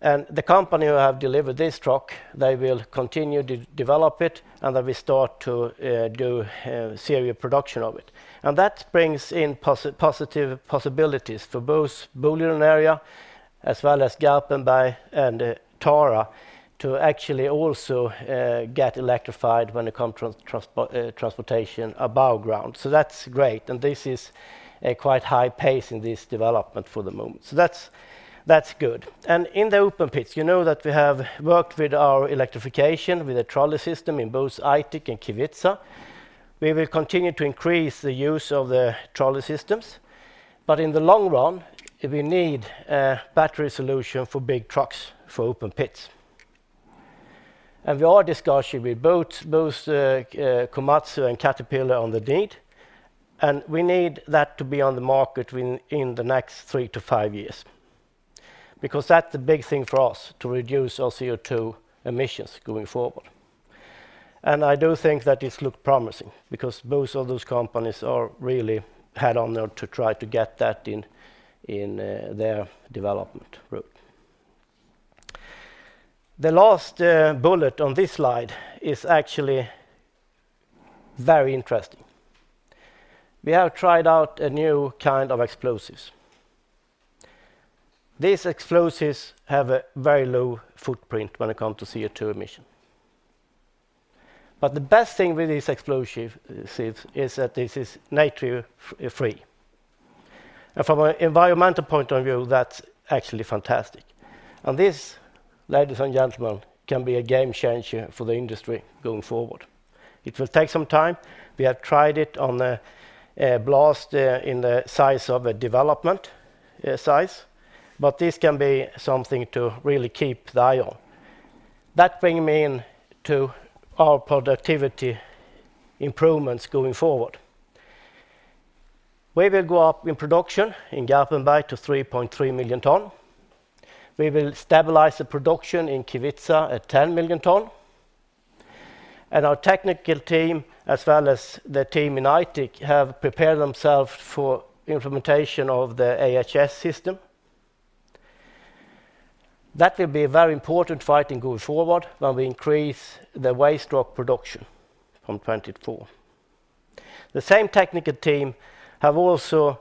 The company who have delivered this truck, they will continue to develop it, and they will start to do serial production of it. That brings in positive possibilities for both Boliden area as well as Garpenberg and Tara to actually also get electrified when it comes to transportation above ground. That's great, and this is a quite high pace in this development for the moment. That's good. In the open pits, you know that we have worked with our electrification with a trolley system in both Aitik and Kevitsa. We will continue to increase the use of the trolley systems. In the long run, we need a battery solution for big trucks for open pits. We are discussing with both Komatsu and Caterpillar on the need. We need that to be on the market within the next three to five years because that's the big thing for us to reduce our CO2 emissions going forward. I do think that this look promising because both of those companies are really head on to try to get that in their development route. The last bullet on this slide is actually very interesting. We have tried out a new kind of explosives. These explosives have a very low footprint when it comes to CO2 emission. The best thing with these explosives is that this is nitrate-free. From an environmental point of view, that's actually fantastic. This, ladies and gentlemen, can be a game changer for the industry going forward. It will take some time. We have tried it on a blast in the size of a development size. This can be something to really keep the eye on. That bring me in to our productivity improvements going forward. We will go up in production in Garpenberg to 3,300,000 ton. We will stabilize the production in Kevitsa at 10,000,000 ton. Our technical team, as well as the team in Aitik, have prepared themselves for implementation of the AHS system. That will be a very important fight in going forward when we increase the waste rock production from 24. The same technical team have also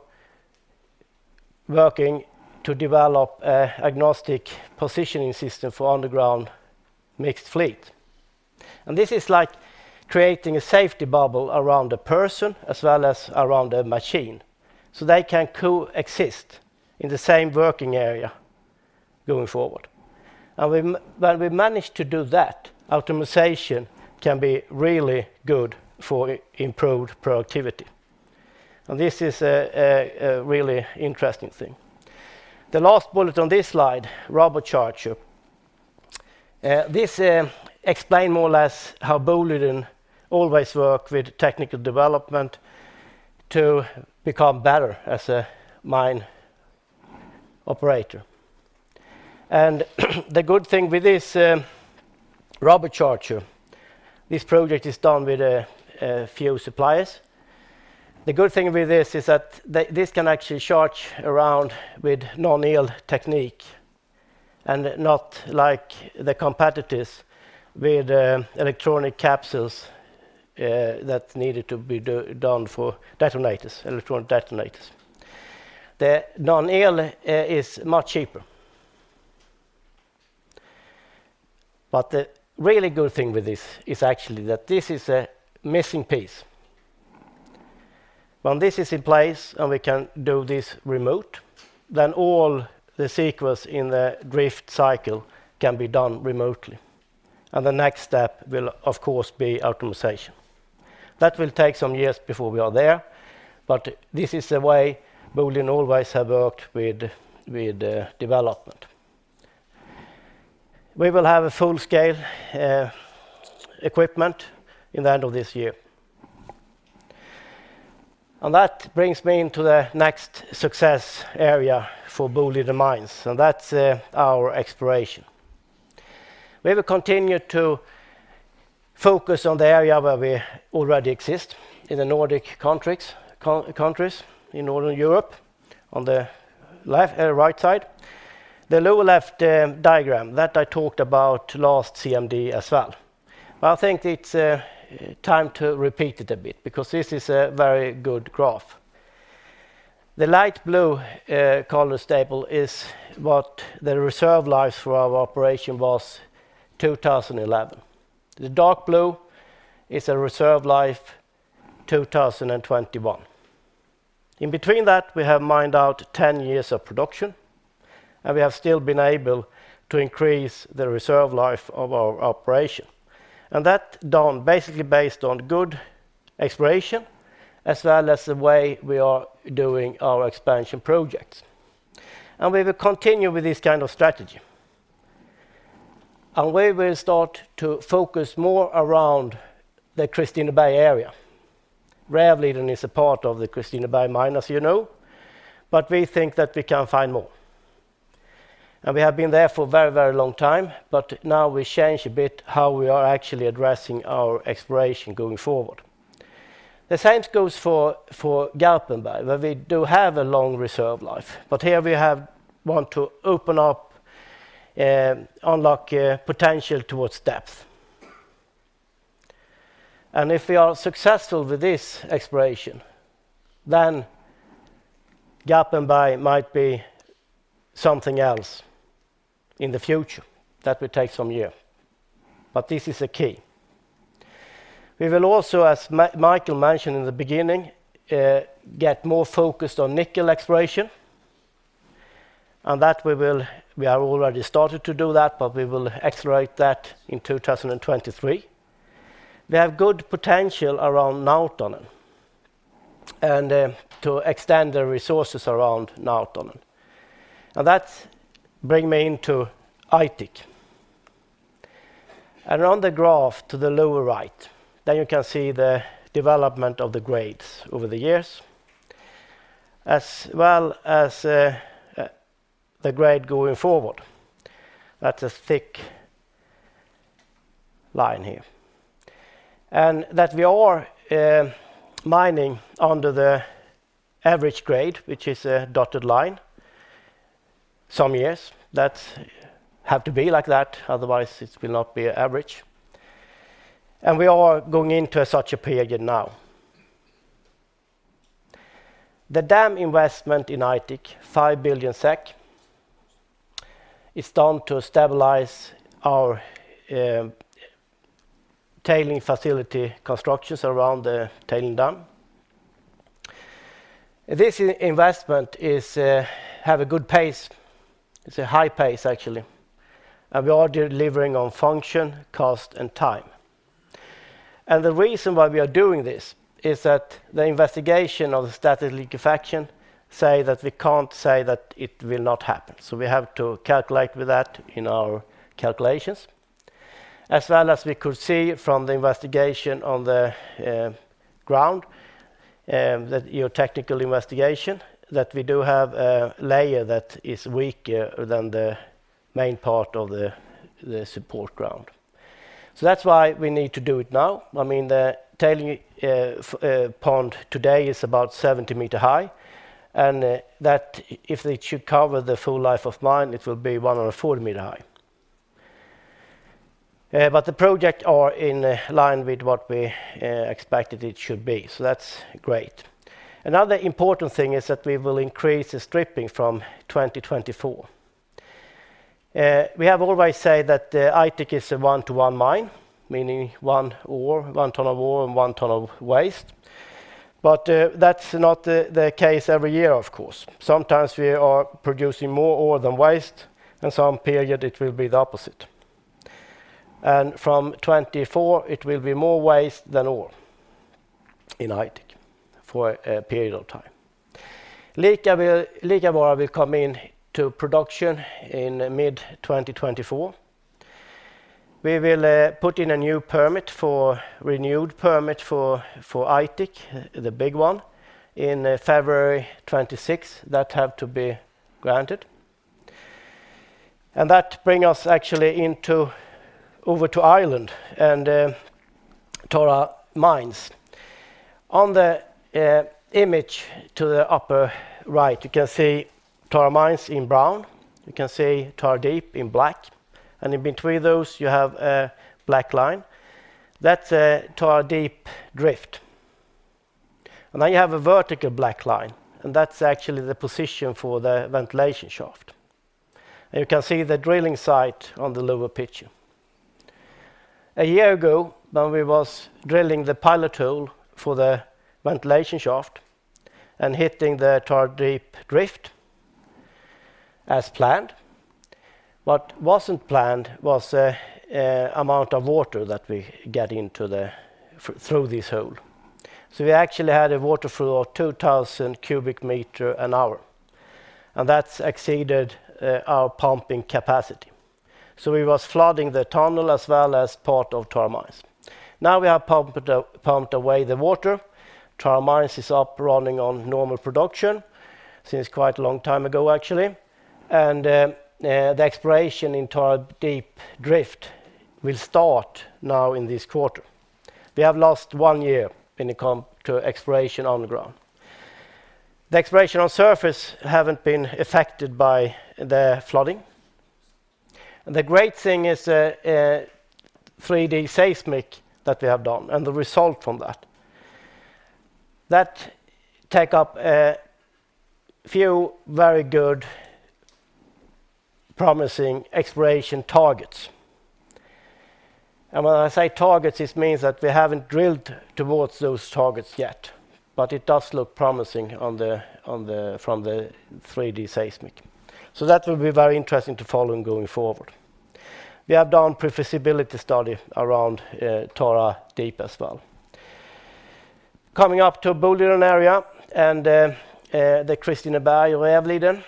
working to develop an agnostic positioning system for underground mixed fleet. This is like creating a safety bubble around a person as well as around a machine, so they can coexist in the same working area going forward. When we manage to do that, optimization can be really good for improved productivity. This is a really interesting thing. The last bullet on this slide, robot charger. This explains more or less how Boliden always work with technical development to become better as a mine operator. The good thing with this robot charger, this project is done with a few suppliers. The good thing with this is that this can actually charge round with non-electric technique and not like the competitors with electronic capsules that needed to be done for detonators, electronic detonators. The non-electric is much cheaper. The really good thing with this is actually that this is a missing piece. When this is in place and we can do this remote, then all the sequence in the drift cycle can be done remotely. The next step will, of course, be optimization. That will take some years before we are there, but this is the way Boliden always have worked with development. We will have a full-scale equipment in the end of this year. That brings me into the next success area for Boliden Mines, and that's our exploration. We will continue to focus on the area where we already exist in the Nordic countries in Northern Europe on the left, right side. The lower left diagram that I talked about last CMD as well. I think it's time to repeat it a bit because this is a very good graph. The light blue color staple is what the reserve life for our operation was 2011. The dark blue is a reserve life 2021. In between that, we have mined out 10 years of production, and we have still been able to increase the reserve life of our operation. That done basically based on good exploration as well as the way we are doing our expansion projects. We will continue with this kind of strategy. We will start to focus more around the Kristineberg area. Rävliden is a part of the Kristineberg mine, as you know, but we think that we can find more. We have been there for a very, very long time, but now we change a bit how we are actually addressing our exploration going forward. The same goes for Garpenberg, where we do have a long reserve life. Here we want to open up, unlock potential towards depth. If we are successful with this exploration, then Garpenberg might be something else in the future that will take some year. This is the key. We will also, as Mikael mentioned in the beginning, get more focused on nickel exploration. We have already started to do that, but we will accelerate that in 2023. We have good potential around Nautanen and to extend the resources around Nautanen. Now, that bring me into Aitik. Around the graph to the lower right, there you can see the development of the grades over the years, as well as the grade going forward. That's a thick line here. That we are mining under the average grade, which is a dotted line, some years. That have to be like that, otherwise it will not be an average. We are going into such a period now. The dam investment in Aitik, 5 billion SEK, is done to stabilize our tailings facility constructions around the tailings dam. This investment is have a good pace. It's a high pace, actually. We are delivering on function, cost, and time. The reason why we are doing this is that the investigation of the static liquefaction say that we can't say that it will not happen. We have to calculate with that in our calculations. As well as we could see from the investigation on the ground, that your technical investigation, that we do have a layer that is weaker than the main part of the support ground. That's why we need to do it now. I mean, the tailings pond today is about 70 meters high, and that if it should cover the full life of mine, it will be 140 meters high. But the project are in line with what we expected it should be. That's great. Another important thing is that we will increase the stripping from 2024. We have always said that Aitik is a one-to-one mine, meaning one ton of ore, and one ton of waste. That's not the case every year, of course. Sometimes we are producing more ore than waste, and some period it will be the opposite. From 2024, it will be more waste than ore in Aitik for a period of time. Liikavaara will come into production in mid-2024. We will put in a renewed permit for Aitik, the big one, in February 2026. That have to be granted. That bring us actually over to Ireland and Tara Mines. On the image to the upper right, you can see Tara Mines in brown, you can see Tara Deep in black, and in between those, you have a black line. That's Tara Deep drift. Then you have a vertical black line, and that's actually the position for the ventilation shaft. You can see the drilling site on the lower picture. A year ago, when we was drilling the pilot hole for the ventilation shaft and hitting the Tara Deep drift as planned, what wasn't planned was a amount of water that we get into through this hole. So we actually had a water flow of 2,000 cubic meter an hour, and that's exceeded our pumping capacity. So we was flooding the tunnel as well as part of Tara Mines. Now we have pumped away the water. Tara Mines is up running on normal production since quite a long time ago, actually. The exploration in Tara Deep drift will start now in this quarter. We have lost one year when it come to exploration on the ground. The exploration on surface haven't been affected by the flooding. The great thing is, 3D seismic that we have done and the result from that. That take up a few very good promising exploration targets. When I say targets, this means that we haven't drilled towards those targets yet, but it does look promising from the 3D seismic. That will be very interesting to follow and going forward. We have done pre-feasibility study around, Tara Deep as well. Coming up to Boliden area and, the Kristineberg-Rävliden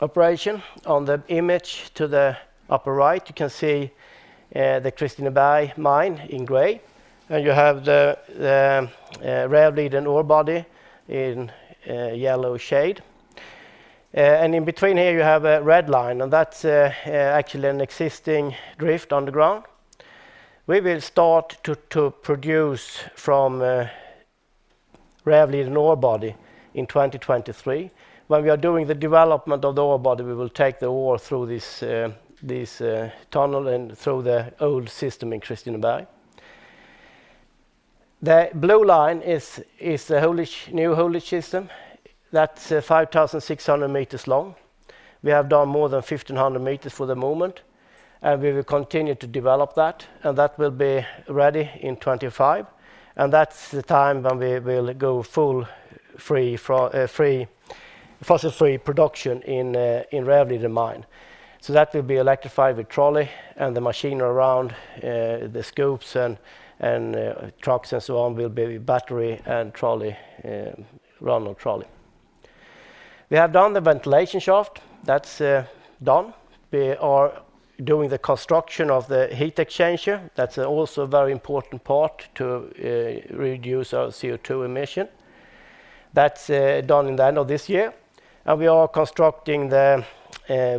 operation. On the image to the upper right, you can see, the Kristineberg mine in gray. You have the, Rävliden ore body in a yellow shade. In between here you have a red line, and that's, actually an existing drift underground. We will start to produce from, Rävliden ore body in 2023. When we are doing the development of the ore body, we will take the ore through this tunnel and through the old system in Kristineberg. The blue line is the whole new system that's 5,600 meters long. We have done more than 1,500 meters for the moment, and we will continue to develop that, and that will be ready in 2025. That's the time when we will go full fossil free production in Rävliden mine. That will be electrified with trolley and the machine around the scoops and trucks and so on will be battery and trolley run on trolley. We have done the ventilation shaft. That's done. We are doing the construction of the heat exchanger. That's also a very important part to reduce our CO2 emission. That's done in the end of this year. We are constructing the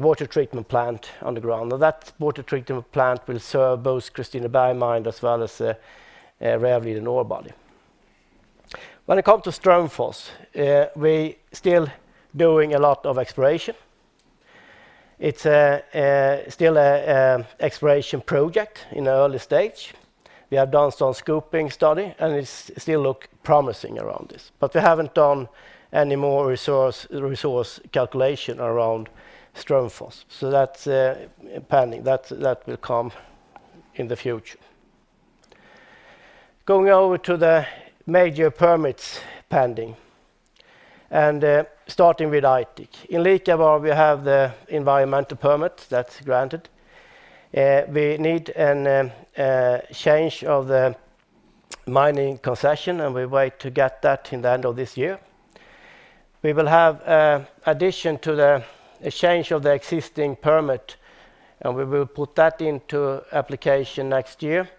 water treatment plant on the ground. Now that water treatment plant will serve both Kristineberg mine as well as Rävliden ore body. When it come to Strömfors, we still doing a lot of exploration. It's still a exploration project in the early stage. We have done some scoping study, and it's still look promising around this. We haven't done any more resource calculation around Strömfors. That's pending. That will come in the future. Going over to the major permits pending, starting with Aitik. In Liikavaara, we have the environmental permit that's granted. We need a change of the mining concession, and we wait to get that in the end of this year. We will have addition to the change of the existing permit, and we will put that into application next year.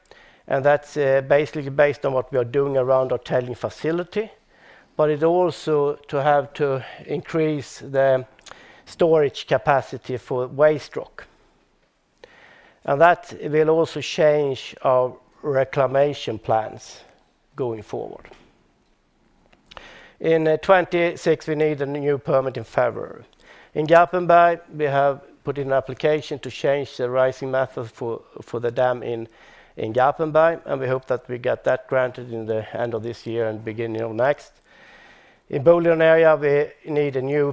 That's basically based on what we are doing around our tailings facility, but it also has to increase the storage capacity for waste rock. That will also change our reclamation plans going forward. In 2026, we need a new permit in February. In Garpenberg, we have put in an application to change the raising method for the dam in Garpenberg, and we hope that we get that granted in the end of this year and beginning of next. In Boliden Area, we need a new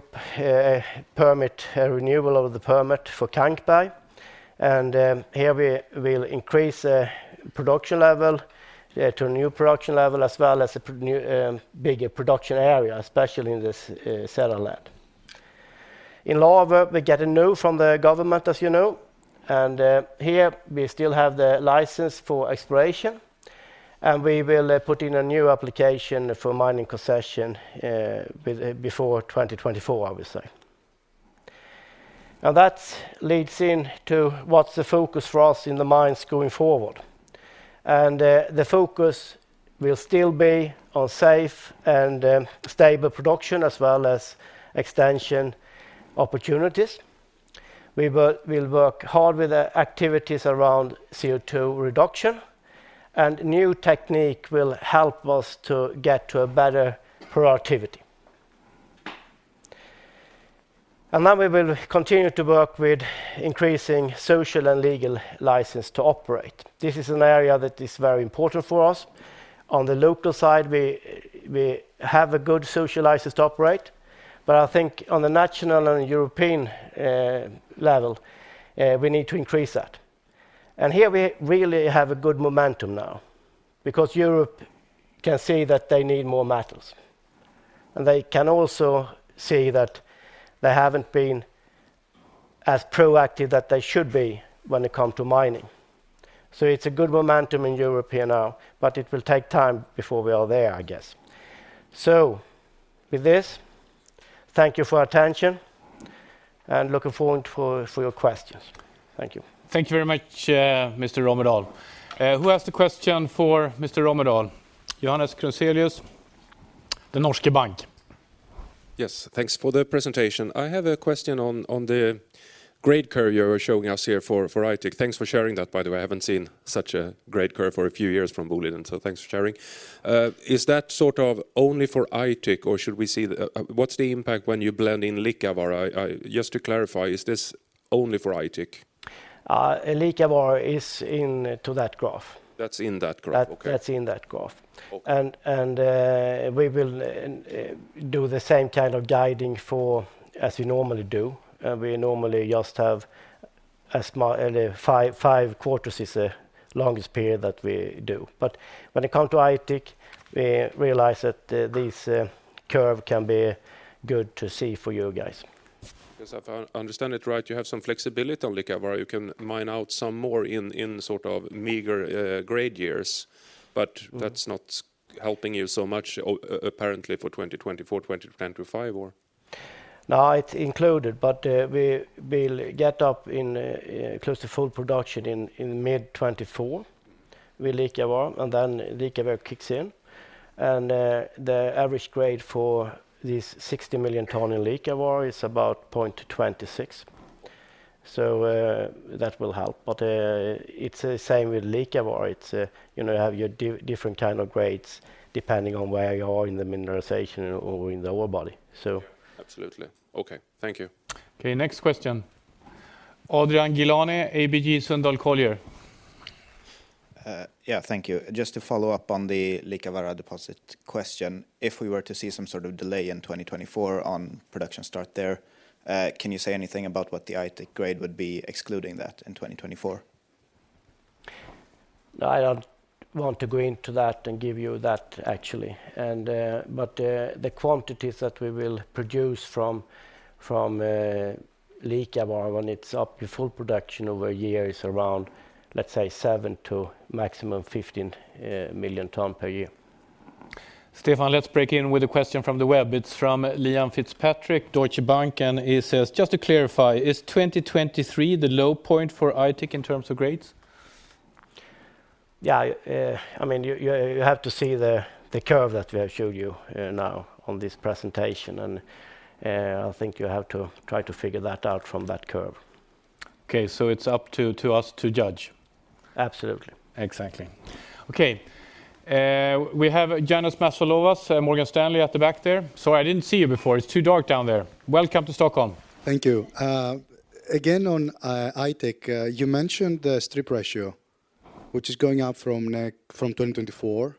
permit, a renewal of the permit for Kankberg. Here we will increase production level to a new production level as well as a new bigger production area, especially in this settlement. In Laver, we get a no from the government, as you know. Here we still have the license for exploration, and we will put in a new application for mining concession before 2024, I would say. Now that leads into what's the focus for us in the mines going forward. The focus will still be on safe and stable production as well as extension opportunities. We will work hard with the activities around CO2 reduction, and new technique will help us to get to a better productivity. We will continue to work with increasing social and legal license to operate. This is an area that is very important for us. On the local side, we have a good social license to operate, but I think on the national and European level, we need to increase that. Here we really have a good momentum now because Europe can see that they need more metals, and they can also see that they haven't been as proactive that they should be when it come to mining. It's a good momentum in European now, but it will take time before we are there, I guess. With this, thank you for attention and looking forward for your questions. Thank you. Thank you very much, Mr. Romedahl. Who has the question for Mr. Romedahl? Johannes Grunselius, Den Norske Bank. Yes. Thanks for the presentation. I have a question on the grade curve you were showing us here for Aitik. Thanks for sharing that, by the way. I haven't seen such a great curve for a few years from Boliden, so thanks for sharing. Is that sort of only for Aitik, or should we see what's the impact when you blend in Liikavaara? Just to clarify, is this only for Aitik? Liikavaara is into that graph. That's in that graph. Okay. That, that's in that graph. Okay. We will do the same kind of guiding for as we normally do. We normally just have five quarters is the longest period that we do. When it come to Aitik, we realize that this curve can be good to see for you guys. Yes. If I understand it right, you have some flexibility on Liikavaara. You can mine out some more in sort of meager grade years, but that's not helping you so much apparently for 2024, 2025, or? No, it's included, but we'll get up to close to full production in mid-2024 with Liikavaara, and then Liikavaara kicks in. The average grade for this 60,000,000 ton in Liikavaara is about 0.26. That will help. It's the same with Liikavaara. It's you know have your different kind of grades depending on where you are in the mineralization or in the ore body. Absolutely. Okay. Thank you. Okay, next question. Adrian Gilani, ABG Sundal Collier. Thank you. Just to follow up on the Liikavaara deposit question. If we were to see some sort of delay in 2024 on production start there, can you say anything about what the Aitik grade would be excluding that in 2024? I don't want to go into that and give you that actually. The quantities that we will produce from Liikavaara when it's up to full production over a year is around, let's say seven to a maximum of 15,000,000 tons per year. Stefan, let's break in with a question from the web. It's from Liam Fitzpatrick, Deutsche Bank, and he says, "Just to clarify, is 2023 the low point for Aitik in terms of grades? Yeah. I mean, you have to see the curve that we have showed you now on this presentation, and I think you have to try to figure that out from that curve. Okay. It's up to us to judge. Absolutely. Exactly. Okay. We have Ioannis Masvoulas, Morgan Stanley at the back there. Sorry, I didn't see you before. It's too dark down there. Welcome to Stockholm. Thank you. Again, on Aitik, you mentioned the strip ratio, which is going up from 2024.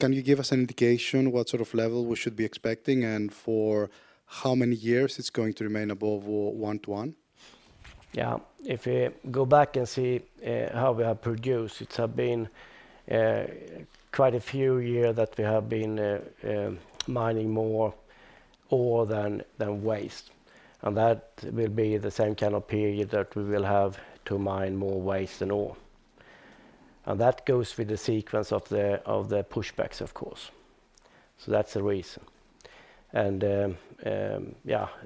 Can you give us an indication what sort of level we should be expecting and for how many years it's going to remain above one to one? If we go back and see how we have produced, it has been quite a few years that we have been mining more ore than waste, and that will be the same kind of period that we will have to mine more waste than ore. That goes with the sequence of the pushbacks, of course. That's the reason. The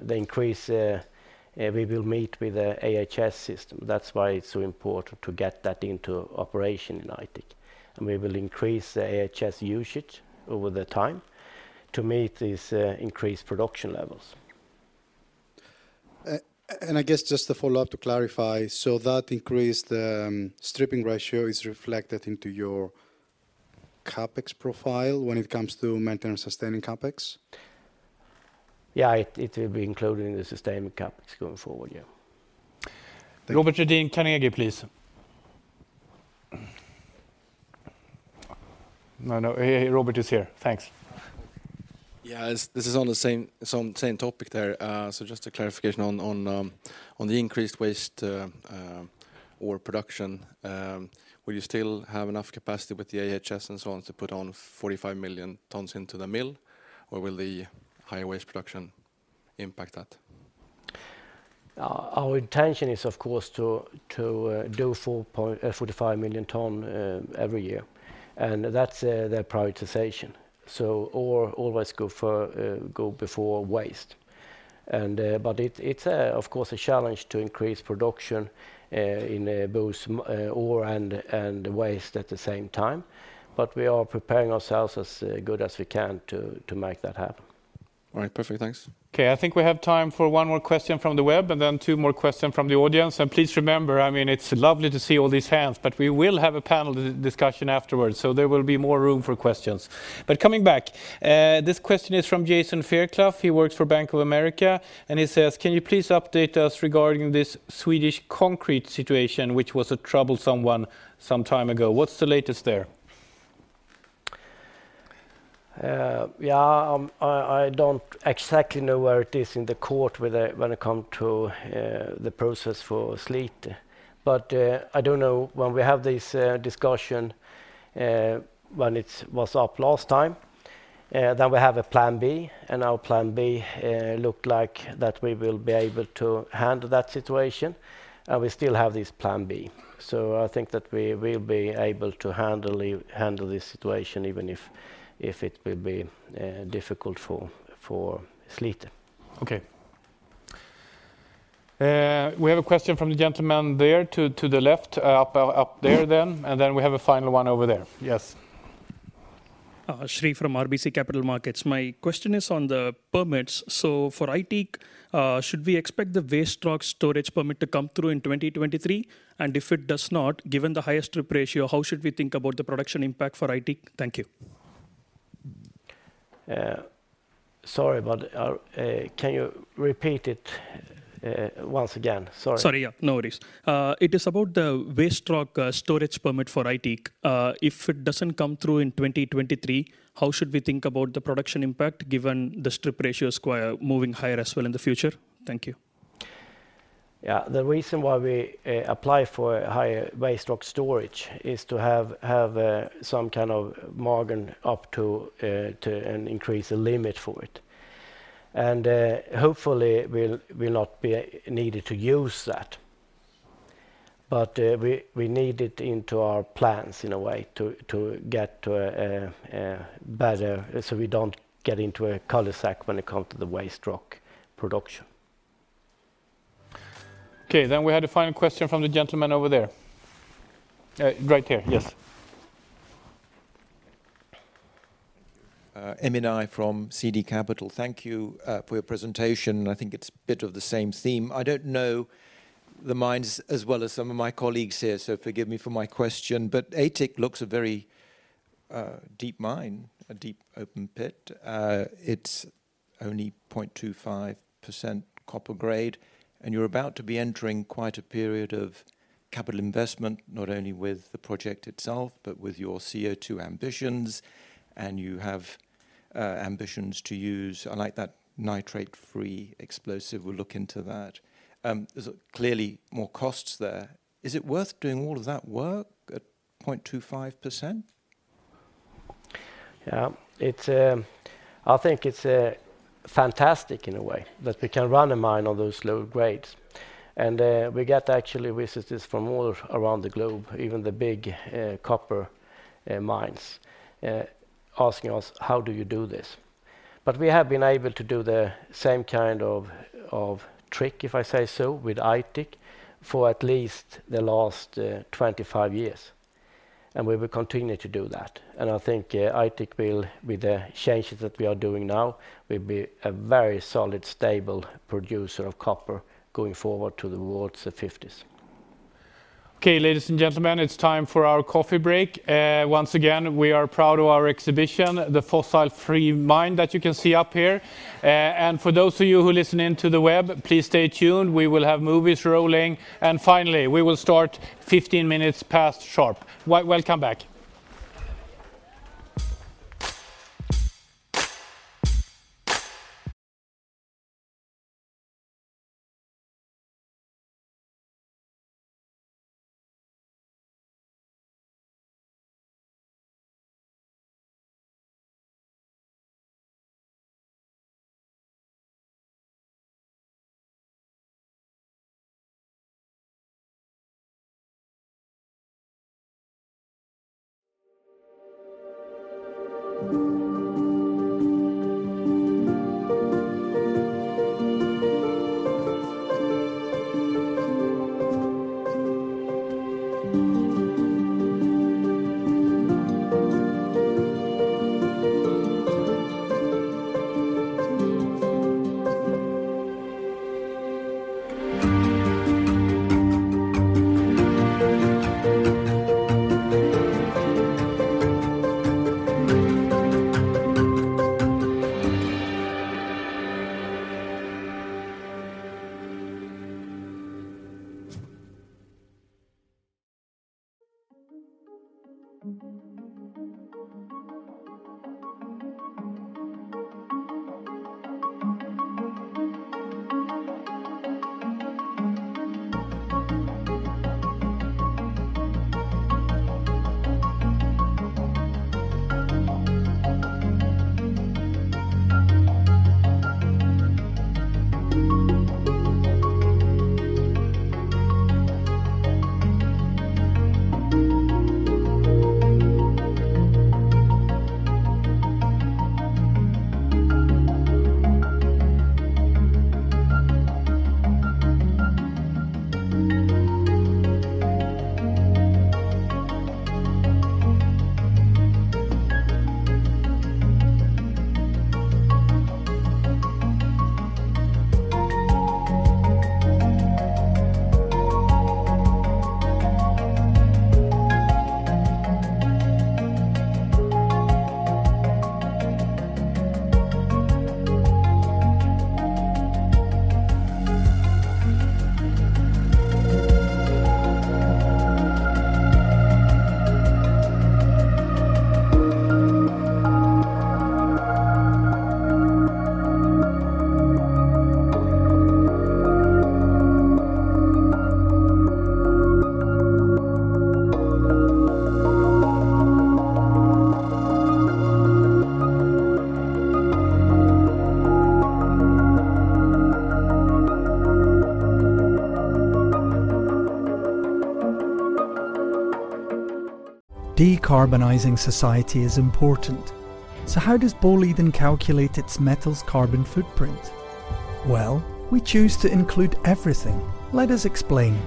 increase we will meet with the AHS system. That's why it's so important to get that into operation in Aitik. We will increase the AHS usage over time to meet these increased production levels. I guess just to follow up to clarify, so that increased stripping ratio is reflected into your CapEx profile when it comes to maintenance and sustaining CapEx? Yeah, it will be included in the sustaining CapEx going forward, yeah. Thank you. Robert Redin, Carnegie, please. No, no, Robert is here. Thanks. Yeah, this is on the same topic there. Just a clarification on the increased waste ore production. Will you still have enough capacity with the AHS and so on to put on 45,000,000 tons into the mill, or will the higher waste production impact that? Our intention is, of course, to do 45,000,000 tonnes every year, and that's the prioritization. Ore always go before waste. It's of course a challenge to increase production in both ore and waste at the same time. We are preparing ourselves as good as we can to make that happen. All right. Perfect. Thanks. Okay, I think we have time for one more question from the web and then two more question from the audience. Please remember, I mean, it's lovely to see all these hands, but we will have a panel discussion afterwards, so there will be more room for questions. Coming back, this question is from Jason Fairclough. He works for Bank of America, and he says, "Can you please update us regarding this Swedish concentrate situation, which was a troublesome one some time ago? What's the latest there? I don't exactly know where it is in the court when it come to the process for Slite. I do know when we have this discussion when it's was up last time that we have a plan B, and our plan B looked like that we will be able to handle that situation. We still have this plan B. I think that we will be able to handle it, handle this situation even if it will be difficult for Slite. Okay. We have a question from the gentleman there to the left, up there then, and then we have a final one over there. Yes. Sri from RBC Capital Markets. My question is on the permits. For Aitik, should we expect the waste rock storage permit to come through in 2023? And if it does not, given the higher strip ratio, how should we think about the production impact for Aitik? Thank you. Sorry, but can you repeat it once again? Sorry. Sorry, yeah. No worries. It is about the waste rock storage permit for Aitik. If it doesn't come through in 2023, how should we think about the production impact given the strip ratios moving higher as well in the future? Thank you. Yeah. The reason why we apply for higher waste rock storage is to have some kind of margin up to an increased limit for it. Hopefully, we'll not be needed to use that. But we need it into our plans in a way to get to a better so we don't get into a cul-de-sac when it comes to the waste rock production. Okay, we had a final question from the gentleman over there. Right there, yes. Thank you. Emin Eyi from CD Capital. Thank you for your presentation. I think it's a bit of the same theme. I don't know the mines as well as some of my colleagues here, so forgive me for my question, but Aitik looks a very deep mine, a deep open pit. It's only 0.25% copper grade, and you're about to be entering quite a period of capital investment, not only with the project itself, but with your CO2 ambitions, and you have ambitions to use. I like that nitrate-free explosive. We'll look into that. There's clearly more costs there. Is it worth doing all of that work at 0.25%? Yeah. I think it's fantastic in a way that we can run a mine on those low grades. We get actually visitors from all around the globe, even the big copper mines, asking us, "How do you do this?" We have been able to do the same kind of trick, if I say so, with Aitik for at least the last 25 years, and we will continue to do that. I think Aitik will, with the changes that we are doing now, will be a very solid, stable producer of copper going forward towards the fifties. Okay, ladies and gentlemen, it's time for our coffee break. Once again, we are proud of our exhibition, the fossil-free mine, that you can see up here. For those of you who listen in to the web, please stay tuned. We will have movies rolling. Finally, we will start 15 minutes past sharp. Welcome back. Decarbonizing society is important, so how does Boliden calculate its metals carbon footprint? Well, we choose to include everything. Let us explain.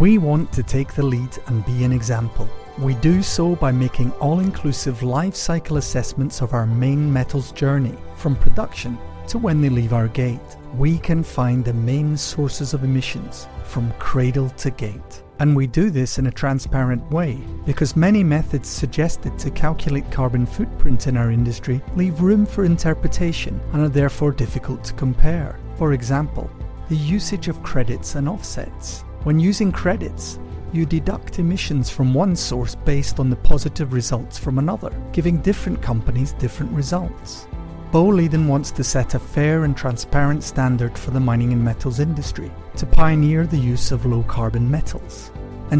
We want to take the lead and be an example. We do so by making all-inclusive life cycle assessments of our main metals journey from production to when they leave our gate. We can find the main sources of emissions from cradle-to-gate, and we do this in a transparent way because many methods suggested to calculate carbon footprint in our industry leave room for interpretation and are therefore difficult to compare. For example, the usage of credits and offsets. When using credits, you deduct emissions from one source based on the positive results from another, giving different companies different results. Boliden wants to set a fair and transparent standard for the mining and metals industry to pioneer the use of low-carbon metals.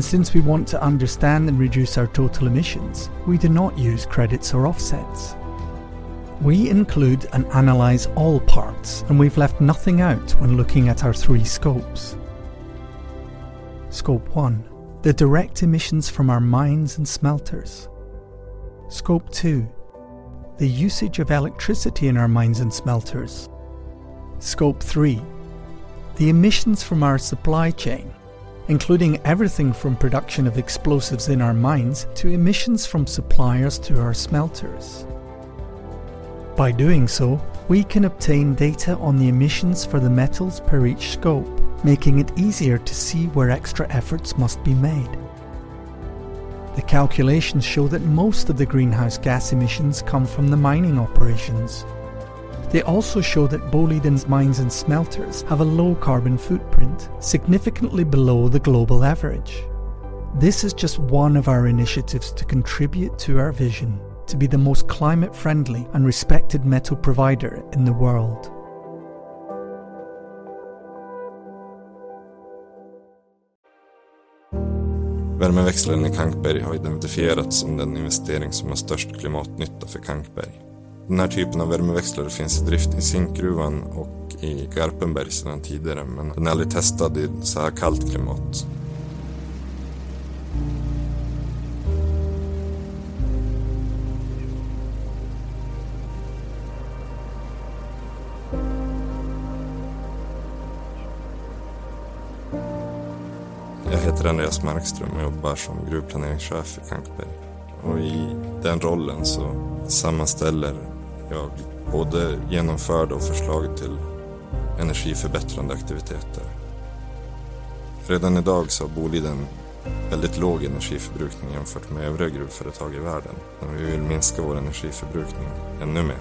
Since we want to understand and reduce our total emissions, we do not use credits or offsets. We include and analyze all parts, and we've left nothing out when looking at our three scopes. Scope 1. The direct emissions from our mines and smelters. Scope 2. The usage of electricity in our mines and smelters. Scope 3. The emissions from our supply chain, including everything from production of explosives in our mines to emissions from suppliers to our smelters. By doing so, we can obtain data on the emissions for the metals per each scope, making it easier to see where extra efforts must be made. The calculations show that most of the greenhouse gas emissions come from the mining operations. They also show that Boliden's mines and smelters have a low carbon footprint, significantly below the global average. This is just one of our initiatives to contribute to our vision to be the most climate friendly and respected metal provider in the world. Värmeväxeln i Kankberg har identifierats som den investering som har störst klimatnytta för Kankberg. Den här typen av värmeväxlare finns i drift i Zinkgruvan och i Garpenberg sedan tidigare, men den är aldrig testad i så här kallt klimat. Jag heter Andreas Markström och jobbar som gruvplaneringschef för Kankberg. I den rollen så sammanställer jag både genomförda och förslag till energiförbättrande aktiviteter. Redan i dag så har Boliden väldigt låg energiförbrukning jämfört med övriga gruvföretag i världen. Vi vill minska vår energiförbrukning ännu mer.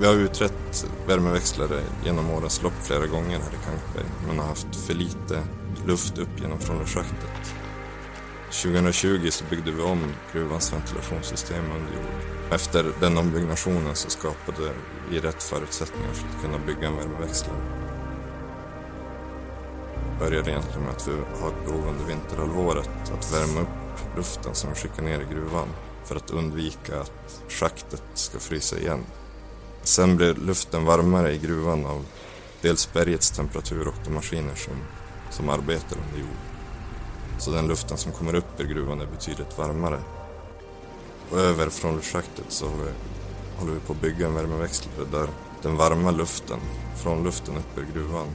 Vi har utrett värmeväxlare genom årens lopp flera gånger här i Kankberg, men har haft för lite luft upp genom frånluftschaktet. 2020 så byggde vi om gruvans ventilationssystem under jord. Efter den ombyggnationen så skapade vi rätt förutsättningar för att kunna bygga en värmeväxling. Det började egentligen med att vi har ett behov under vinterhalvåret att värma upp luften som vi skickar ner i gruvan för att undvika att schaktet ska frysa igen. Blev luften varmare i gruvan av dels bergets temperatur och de maskiner som arbetar under jord. Den luften som kommer upp ur gruvan är betydligt varmare. Över frånluftschaktet så håller vi på att bygga en värmeväxling där den varma luften, frånluften upp ur gruvan,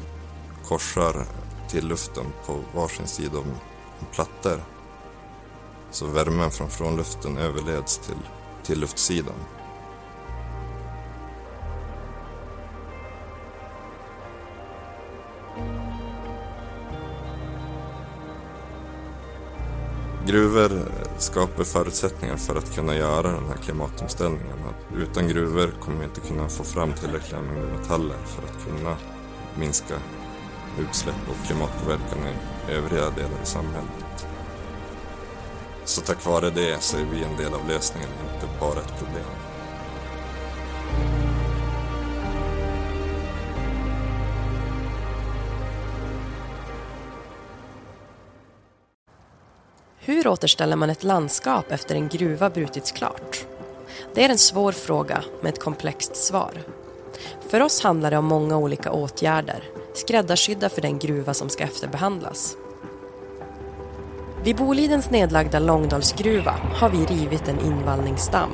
korsar tilluften på varsin sida om plattor. Värmen från frånluften överleds till tilluftssidan. Gruvor skapar förutsättningar för att kunna göra den här klimatomställningen. Utan gruvor kommer vi inte kunna få fram tillräckliga metaller för att kunna minska utsläpp och klimatpåverkan i övriga delar i samhället. Tack vare det så är vi en del av lösningen, inte bara ett problem. Hur återställer man ett landskap efter en gruva brutits klart? Det är en svår fråga med ett komplext svar. För oss handlar det om många olika åtgärder, skräddarsydda för den gruva som ska efterbehandlas. Vid Bolidens nedlagda Långdalsgruva har vi rivit en invallningsdamm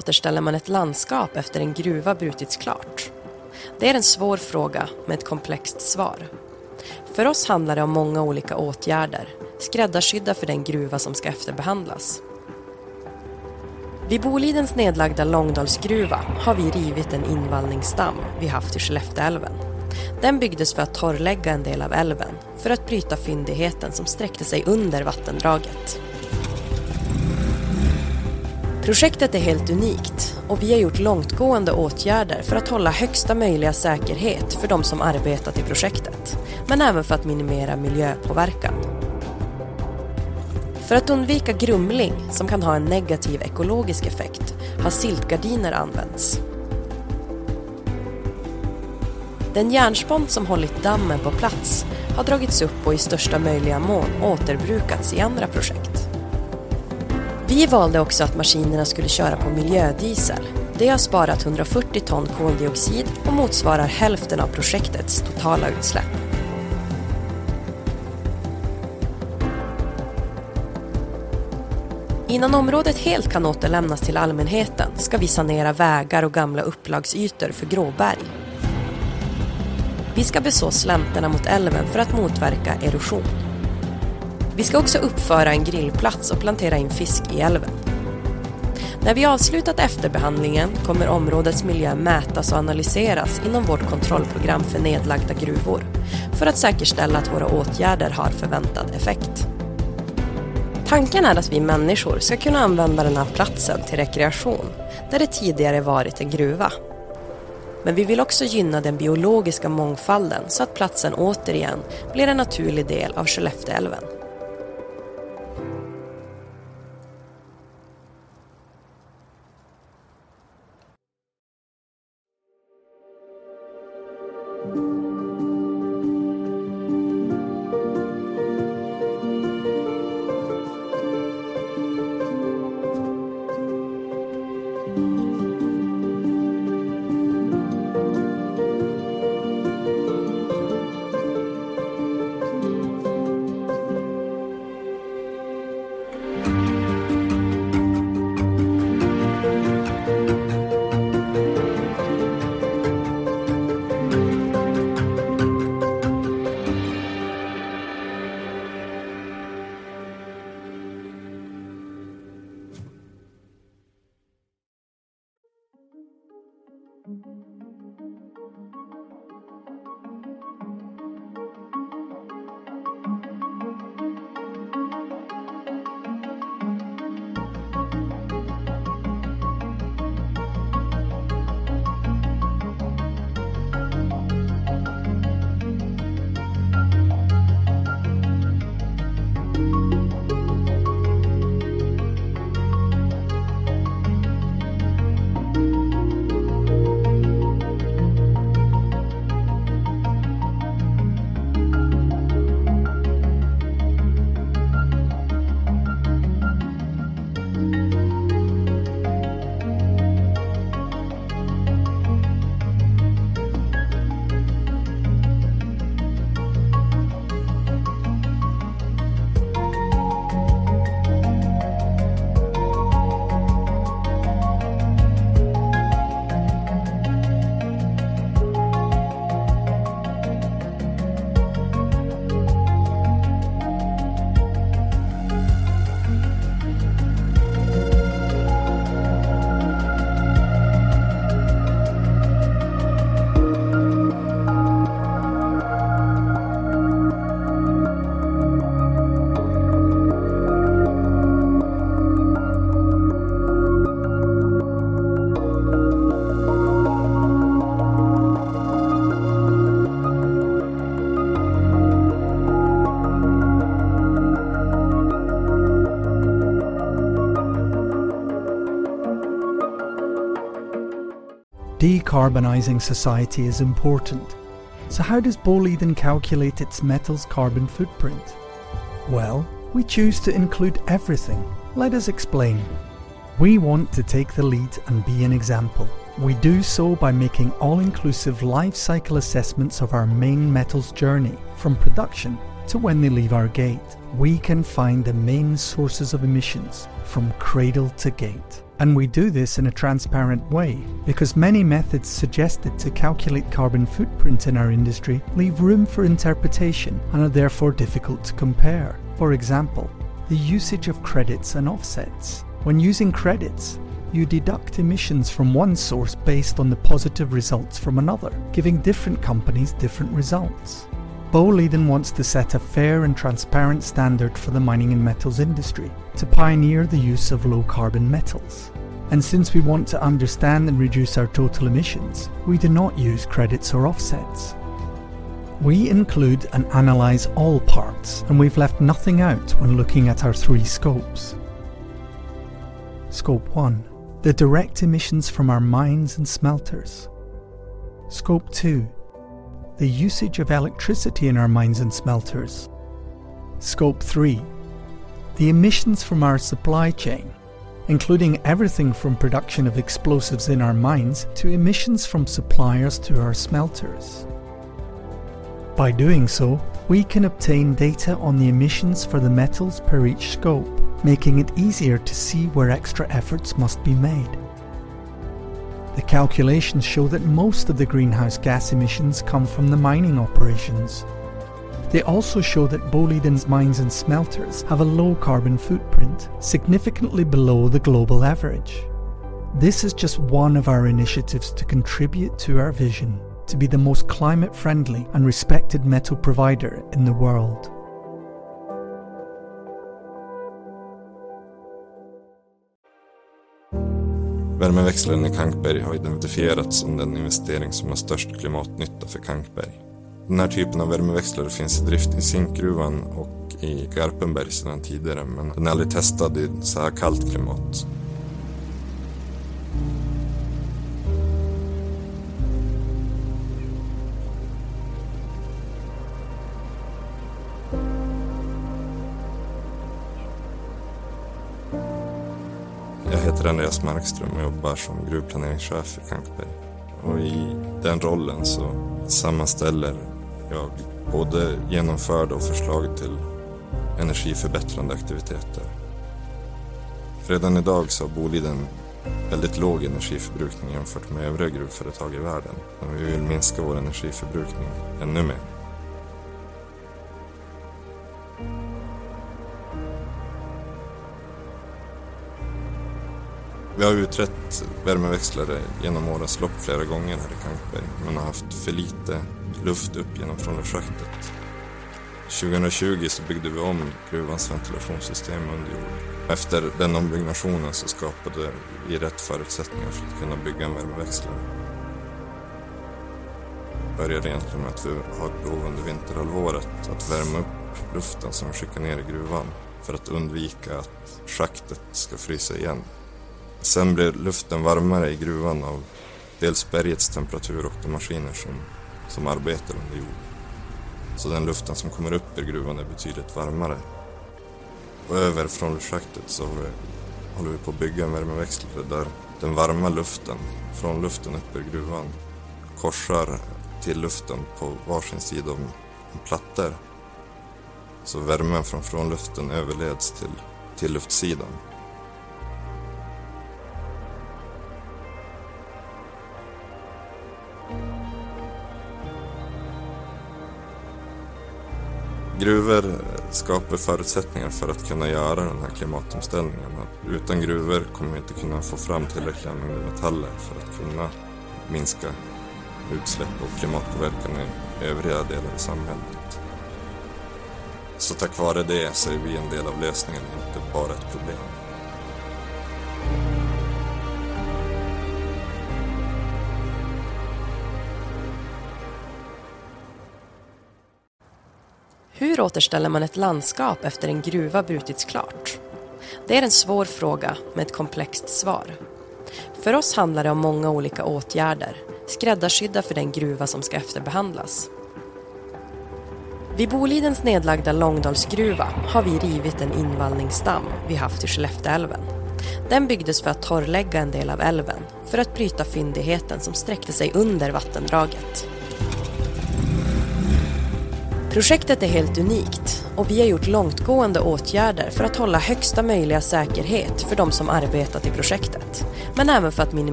vid Håf i Skellefteälven. Den byggdes för att torrlägga en del av älven för att bryta fyndigheten som sträckte sig under vattendraget. Projektet är helt unikt och vi har gjort långtgående åtgärder för att hålla högsta möjliga säkerhet för de som arbetat i projektet, men även för att minimera miljöpåverkan. För att undvika grumling som kan ha en negativ ekologisk effekt har siltgardiner använts. Den järnspont som hållit dammen på plats har dragits upp och i största möjliga mån återbrukats i andra projekt. Vi valde också att maskinerna skulle köra på miljödiesel. Det har sparat 140 ton koldioxid och motsvarar hälften av projektets totala utsläpp Innan området helt kan återlämnas till allmänheten ska vi sanera vägar och gamla upplagsytor för gråberg. Vi ska beså slänterna mot älven för att motverka erosion. Vi ska också uppföra en grillplats och plantera in fisk i älven. När vi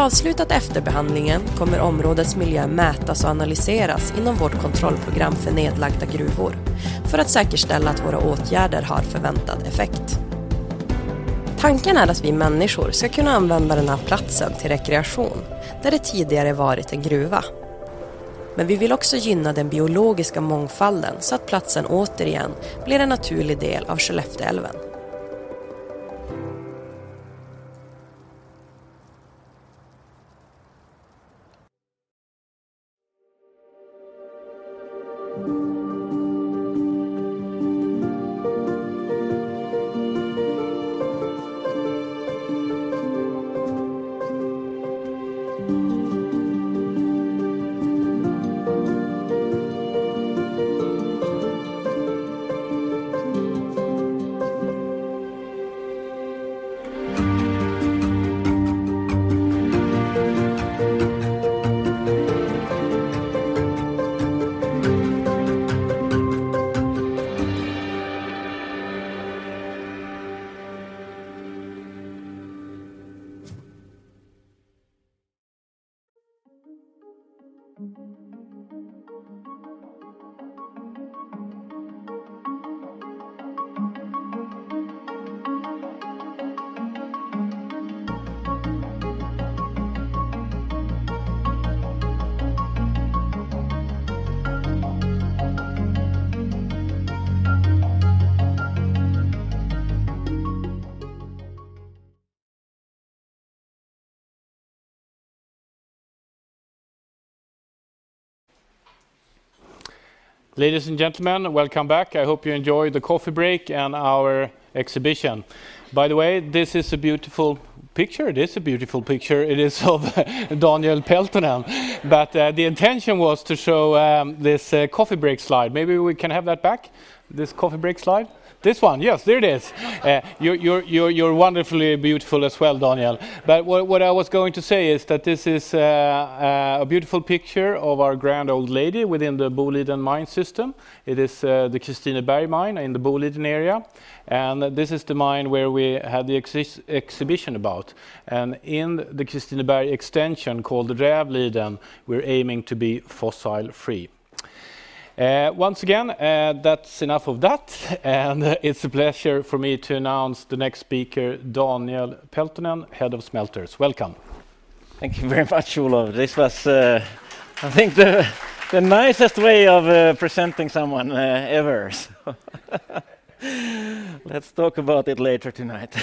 avslutat efterbehandlingen kommer områdets miljö mätas och analyseras inom vårt kontrollprogram för nedlagda gruvor för att säkerställa att våra åtgärder har förväntad effekt. Tanken är att vi människor ska kunna använda den här platsen till rekreation där det tidigare varit en gruva. Vi vill också gynna den biologiska mångfalden så att platsen återigen blir en naturlig del av Skellefteälven. Ladies and gentlemen, welcome back. I hope you enjoyed the coffee break and our exhibition. By the way, this is a beautiful picture. It is of Daniel Peltonen. The intention was to show this coffee break slide. Maybe we can have that back, this coffee break slide. This one, yes. There it is. You're wonderfully beautiful as well, Daniel. What I was going to say is that this is a beautiful picture of our grand old lady within the Boliden mine system. It is the Kristineberg mine in the Boliden area, and this is the mine where we had the exhibition about. In the Kristineberg extension called the Rävliden, we're aiming to be fossil-free. Once again, that's enough of that, and it's a pleasure for me to announce the next speaker, Daniel Peltonen, Head of Smelters. Welcome. Thank you very much, Olof. This was, I think the nicest way of presenting someone ever, so let's talk about it later tonight.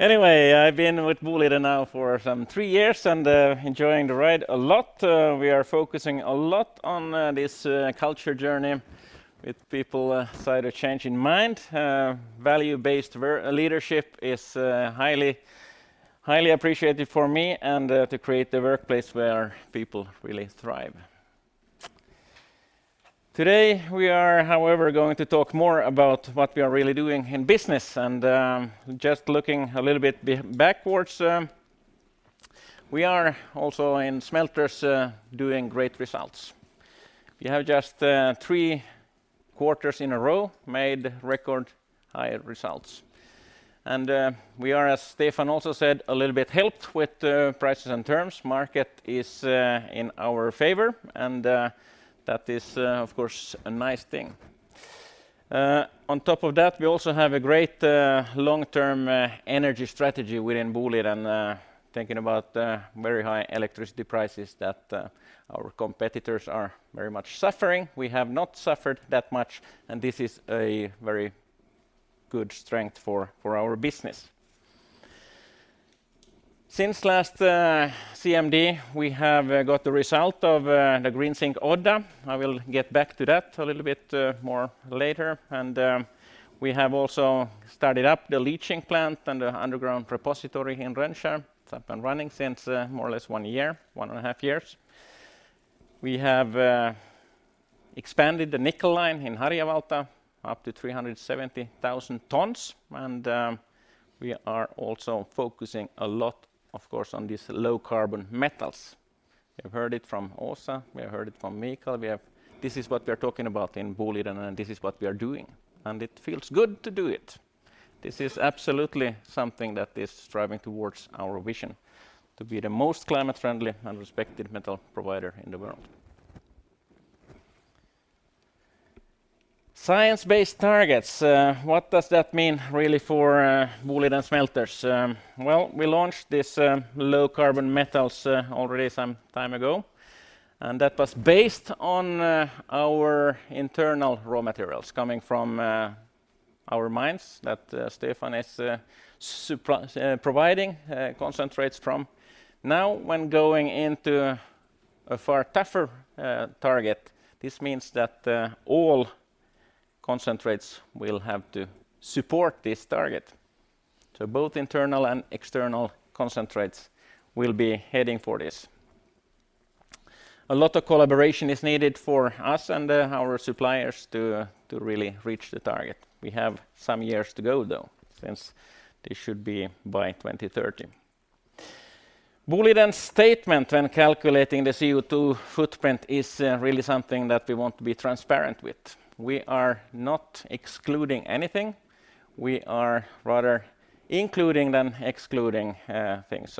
Anyway, I've been with Boliden now for some three years and enjoying the ride a lot. We are focusing a lot on this culture journey with people, sustainable change in mind. Value-based leadership is highly appreciated for me and to create the workplace where people really thrive. Today, we are, however, going to talk more about what we are really doing in business, and just looking a little bit backwards, we are also in smelters doing great results. We have just three quarters in a row made record high results. We are, as Stefan also said, a little bit helped with the prices and terms. Market is in our favor, and that is of course a nice thing. On top of that, we also have a great long-term energy strategy within Boliden, thinking about very high electricity prices that our competitors are very much suffering. We have not suffered that much, and this is a very good strength for our business. Since last CMD, we have got the result of the Green Zinc Odda. I will get back to that a little bit more later. We have also started up the leaching plant and the underground repository in Rönnskär. It's up and running since more or less one year, one and a half years. We have expanded the nickel line in Harjavalta up to 370,000 tons, and we are also focusing a lot, of course, on these low-carbon metals. We have heard it from Åsa, we have heard it from Mikael. This is what we are talking about in Boliden, and this is what we are doing, and it feels good to do it. This is absolutely something that is striving towards our vision to be the most climate-friendly and respected metal provider in the world. Science-based targets, what does that mean really for Boliden smelters? Well, we launched this low-carbon metals already some time ago, and that was based on our internal raw materials coming from our mines that Stefan is providing concentrates from. Now, when going into a far tougher target, this means that all concentrates will have to support this target, so both internal and external concentrates will be heading for this. A lot of collaboration is needed for us and our suppliers to really reach the target. We have some years to go, though, since this should be by 2030. Boliden's statement when calculating the CO2 footprint is really something that we want to be transparent with. We are not excluding anything. We are rather including than excluding things.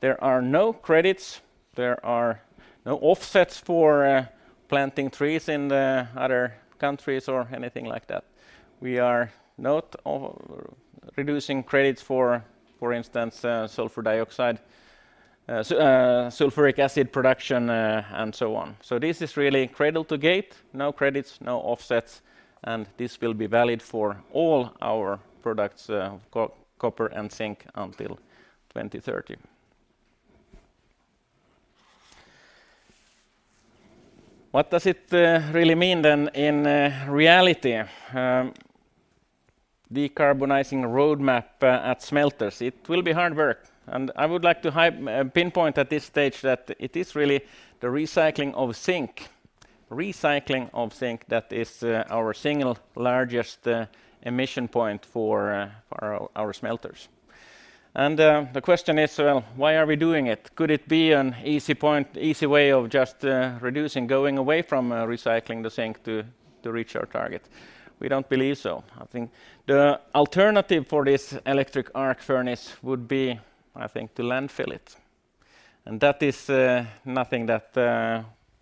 There are no credits, there are no offsets for planting trees in the other countries or anything like that. We are not reducing credits for instance, sulfuric acid production, and so on. This is really cradle-to-gate, no credits, no offsets, and this will be valid for all our products, copper and zinc until 2030. What does it really mean then in reality? Decarbonizing roadmap at smelters, it will be hard work. I would like to highlight at this stage that it is really the recycling of zinc that is our single largest emission point for our smelters. Well, the question is, why are we doing it? Could it be an easy point, easy way of just reducing, going away from recycling the zinc to reach our target? We don't believe so. I think the alternative for this electric arc furnace would be, I think, to landfill it. That is nothing that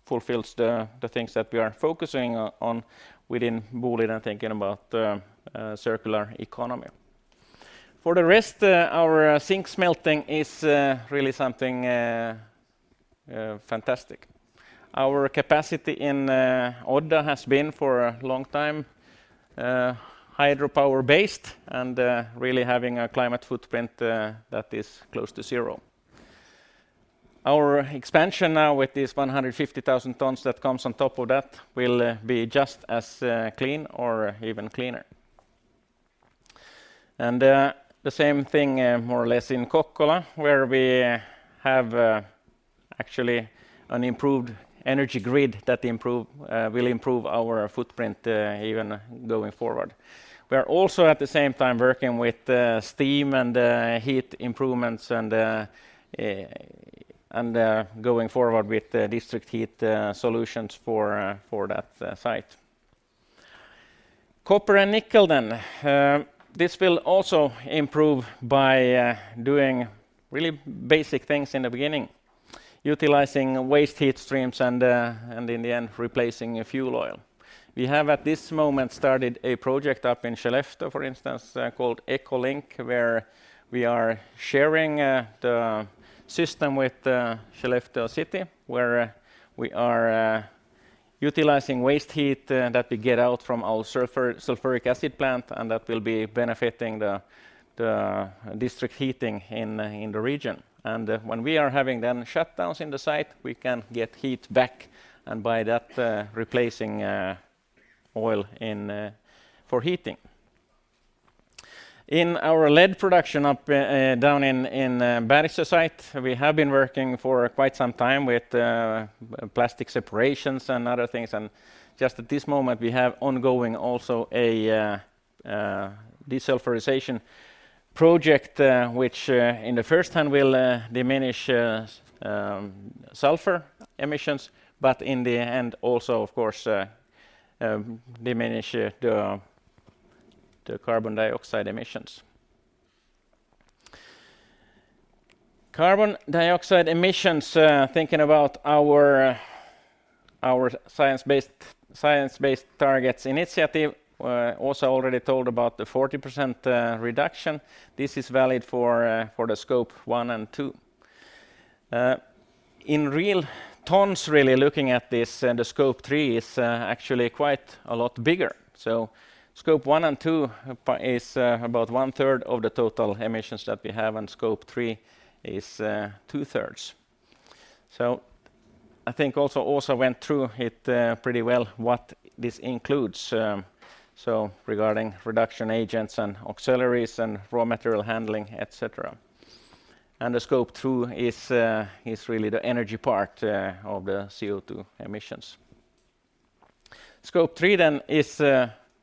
fulfills the things that we are focusing on within Boliden and thinking about circular economy. For the rest, our zinc smelting is really something fantastic. Our capacity in Odda has been for a long time hydropower-based and really having a climate footprint that is close to zero. Our expansion now with this 150,000 tons that comes on top of that will be just as clean or even cleaner. The same thing more or less in Kokkola, where we have actually an improved energy grid that will improve our footprint even going forward. We are also at the same time working with steam and heat improvements and going forward with the district heat solutions for that site. Copper and nickel. This will also improve by doing really basic things in the beginning, utilizing waste heat streams and in the end, replacing a fuel oil. We have, at this moment, started a project up in Skellefteå, for instance, called EcoLink, where we are sharing the system with Skellefteå city, where we are utilizing waste heat that we get out from our sulfuric acid plant, and that will be benefiting the district heating in the region. When we are having shutdowns in the site, we can get heat back, and by that replacing oil for heating. In our lead production down in Bergsöe site, we have been working for quite some time with plastic separations and other things. Just at this moment, we have ongoing also a desulfurization project, which in the first hand will diminish sulfur emissions, but in the end also of course diminish the carbon dioxide emissions. Carbon dioxide emissions thinking about our Science Based Targets initiative, also already told about the 40% reduction. This is valid for the Scope 1 and 2. In real tons really looking at this, the Scope 3 is actually quite a lot bigger. Scope 1 and 2 is about one third of the total emissions that we have, and Scope 3 is two thirds. I think also Åsa went through it pretty well what this includes, so regarding reduction agents and auxiliaries and raw material handling, et cetera. The Scope 2 is really the energy part of the CO2 emissions. Scope 3 then is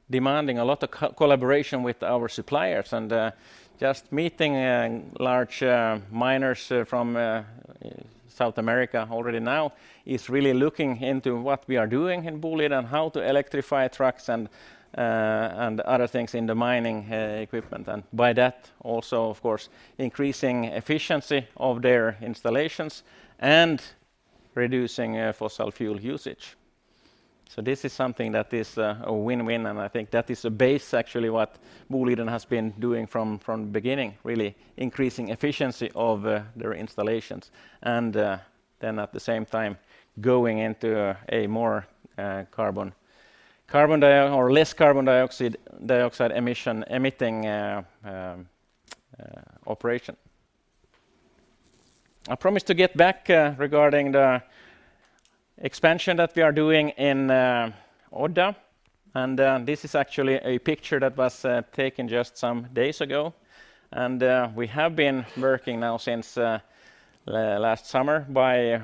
demanding a lot of collaboration with our suppliers, and just meeting large miners from South America already now is really looking into what we are doing in Boliden and how to electrify trucks and other things in the mining equipment. By that also of course, increasing efficiency of their installations and reducing fossil fuel usage. This is something that is a win-win, and I think that is a base actually what Boliden has been doing from the beginning, really increasing efficiency of their installations. Then at the same time, going into a more carbon or less carbon dioxide emission emitting operation. I promised to get back regarding the expansion that we are doing in Odda. This is actually a picture that was taken just some days ago. We have been working now since last summer by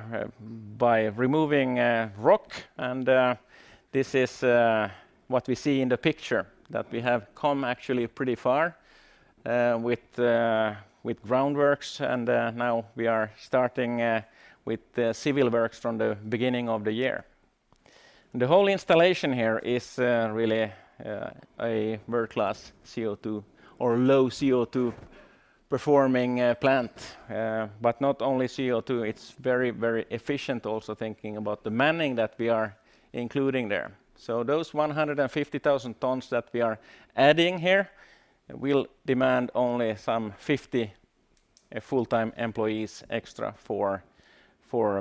removing rock. This is what we see in the picture, that we have come actually pretty far with groundworks, and now we are starting with the civil works from the beginning of the year. The whole installation here is really a world-class CO2 or low CO2 performing plant. Not only CO2, it's very, very efficient also thinking about the manning that we are including there. Those 150,000 tons that we are adding here will demand only some 50 full-time employees extra for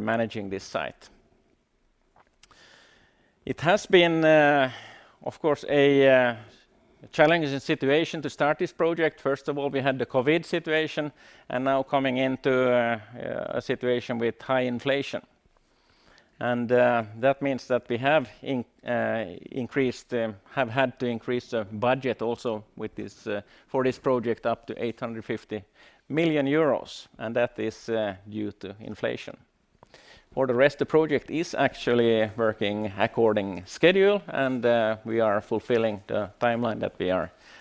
managing this site. It has been, of course, a challenging situation to start this project. First of all, we had the COVID situation, and now coming into a situation with high inflation. That means that we have had to increase the budget also with this for this project up to 850 million euros, and that is due to inflation. For the rest, the project is actually working according to schedule, and we are fulfilling the timeline that we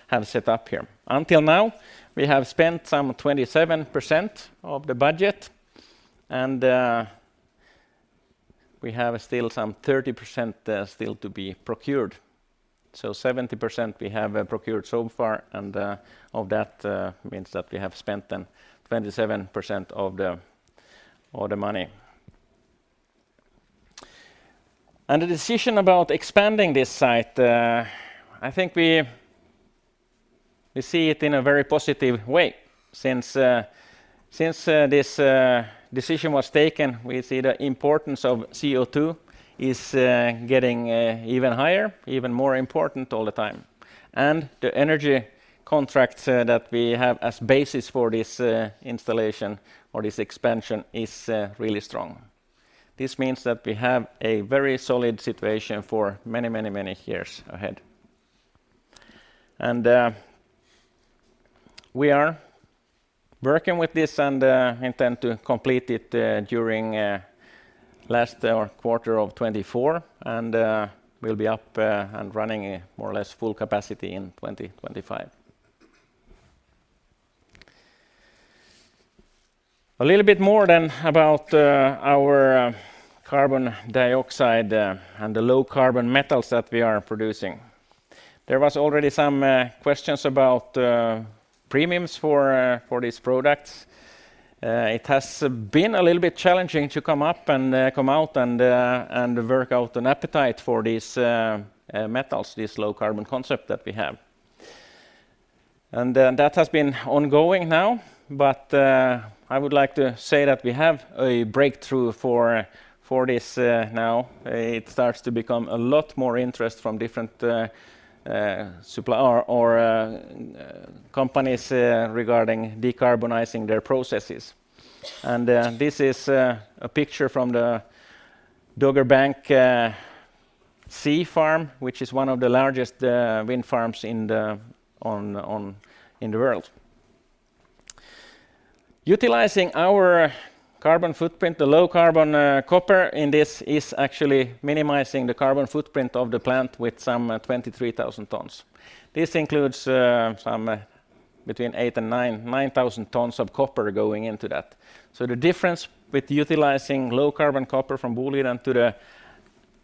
have set up here. Until now, we have spent some 27% of the budget, and we have still some 30% to be procured. 70% we have procured so far, and of that means that we have spent then 27% of the money. The decision about expanding this site, I think we see it in a very positive way. Since this decision was taken, we see the importance of CO2 is getting even higher, even more important all the time. The energy contract that we have as basis for this installation or this expansion is really strong. This means that we have a very solid situation for many years ahead. We are working with this and intend to complete it during last quarter of 2024, and we'll be up and running at more or less full capacity in 2025. A little bit more, then about our carbon dioxide and the low-carbon metals that we are producing. There was already some questions about premiums for these products. It has been a little bit challenging to work out an appetite for these metals, this low-carbon concept that we have. That has been ongoing now, but I would like to say that we have a breakthrough for this now. It starts to become a lot more interest from different suppliers or companies regarding decarbonizing their processes. This is a picture from the Dogger Bank C farm, which is one of the largest wind farms in the world. Utilizing our carbon footprint, the low-carbon copper in this is actually minimizing the carbon footprint of the plant with some 23,000 tons. This includes some between 8,000 and 9,000 tons of copper going into that. The difference with utilizing Low-Carbon Copper from Boliden to the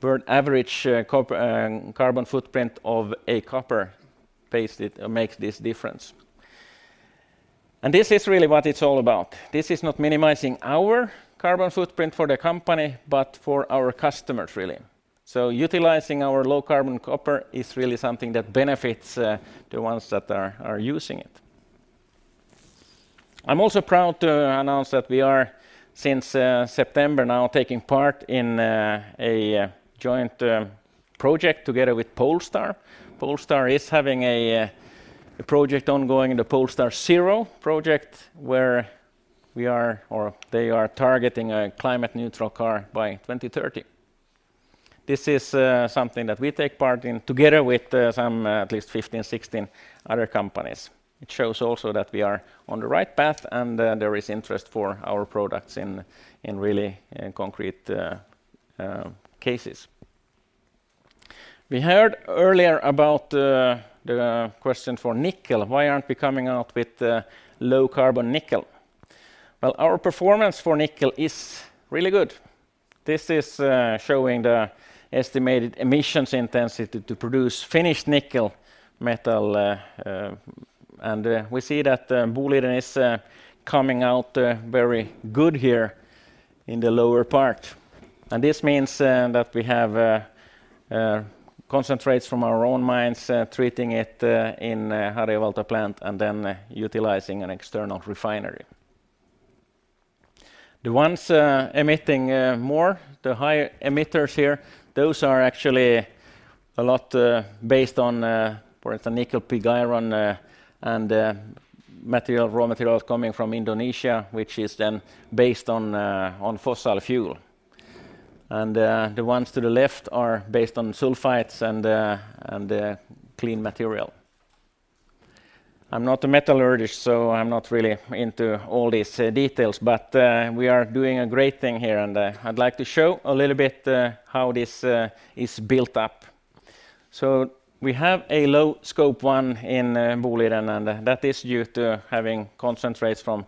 world average carbon footprint of a copper cathode, it makes this difference. This is really what it's all about. This is not minimizing our carbon footprint for the company, but for our customers really. Utilizing our Low-Carbon Copper is really something that benefits the ones that are using it. I'm also proud to announce that we are, since September now, taking part in a joint project together with Polestar. Polestar is having a project ongoing, the Polestar 0 project, where we are or they are targeting a climate neutral car by 2030. This is something that we take part in together with some at least 15, 16 other companies. It shows also that we are on the right path and there is interest for our products in really concrete cases. We heard earlier about the question for nickel. Why aren't we coming out with low carbon nickel? Well, our performance for nickel is really good. This is showing the estimated emissions intensity to produce finished nickel metal. And we see that Boliden is coming out very good here in the lower part. This means that we have concentrates from our own mines treating it in a Harjavalta plant and then utilizing an external refinery. The ones emitting more, the high emitters here, those are actually a lot based on the nickel pig iron and raw materials coming from Indonesia, which is then based on fossil fuel. The ones to the left are based on sulfides and clean material. I'm not a metallurgist, so I'm not really into all these details, but we are doing a great thing here, and I'd like to show a little bit how this is built up. We have a low Scope 1 in Boliden, and that is due to having concentrates from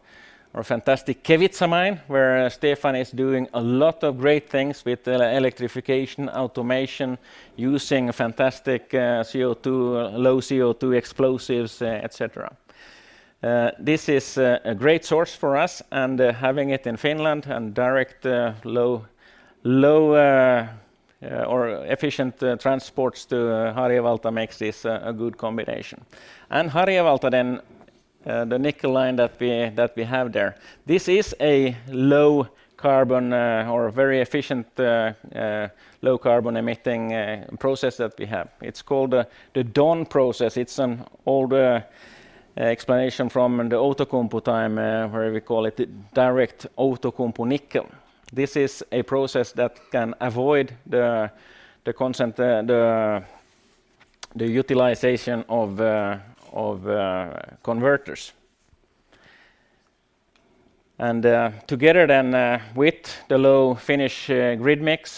our fantastic Kevitsa mine, where Stefan is doing a lot of great things with electrification, automation, using fantastic low CO2 explosives, et cetera. This is a great source for us and having it in Finland and direct low or efficient transports to Harjavalta makes this a good combination. Harjavalta, the nickel line that we have there. This is a low carbon or a very efficient low carbon emitting process that we have. It's called the DON process. It's an older explanation from the Outokumpu time where we call it direct Outokumpu nickel. This is a process that can avoid the utilization of converters. Together then with the low Finnish grid mix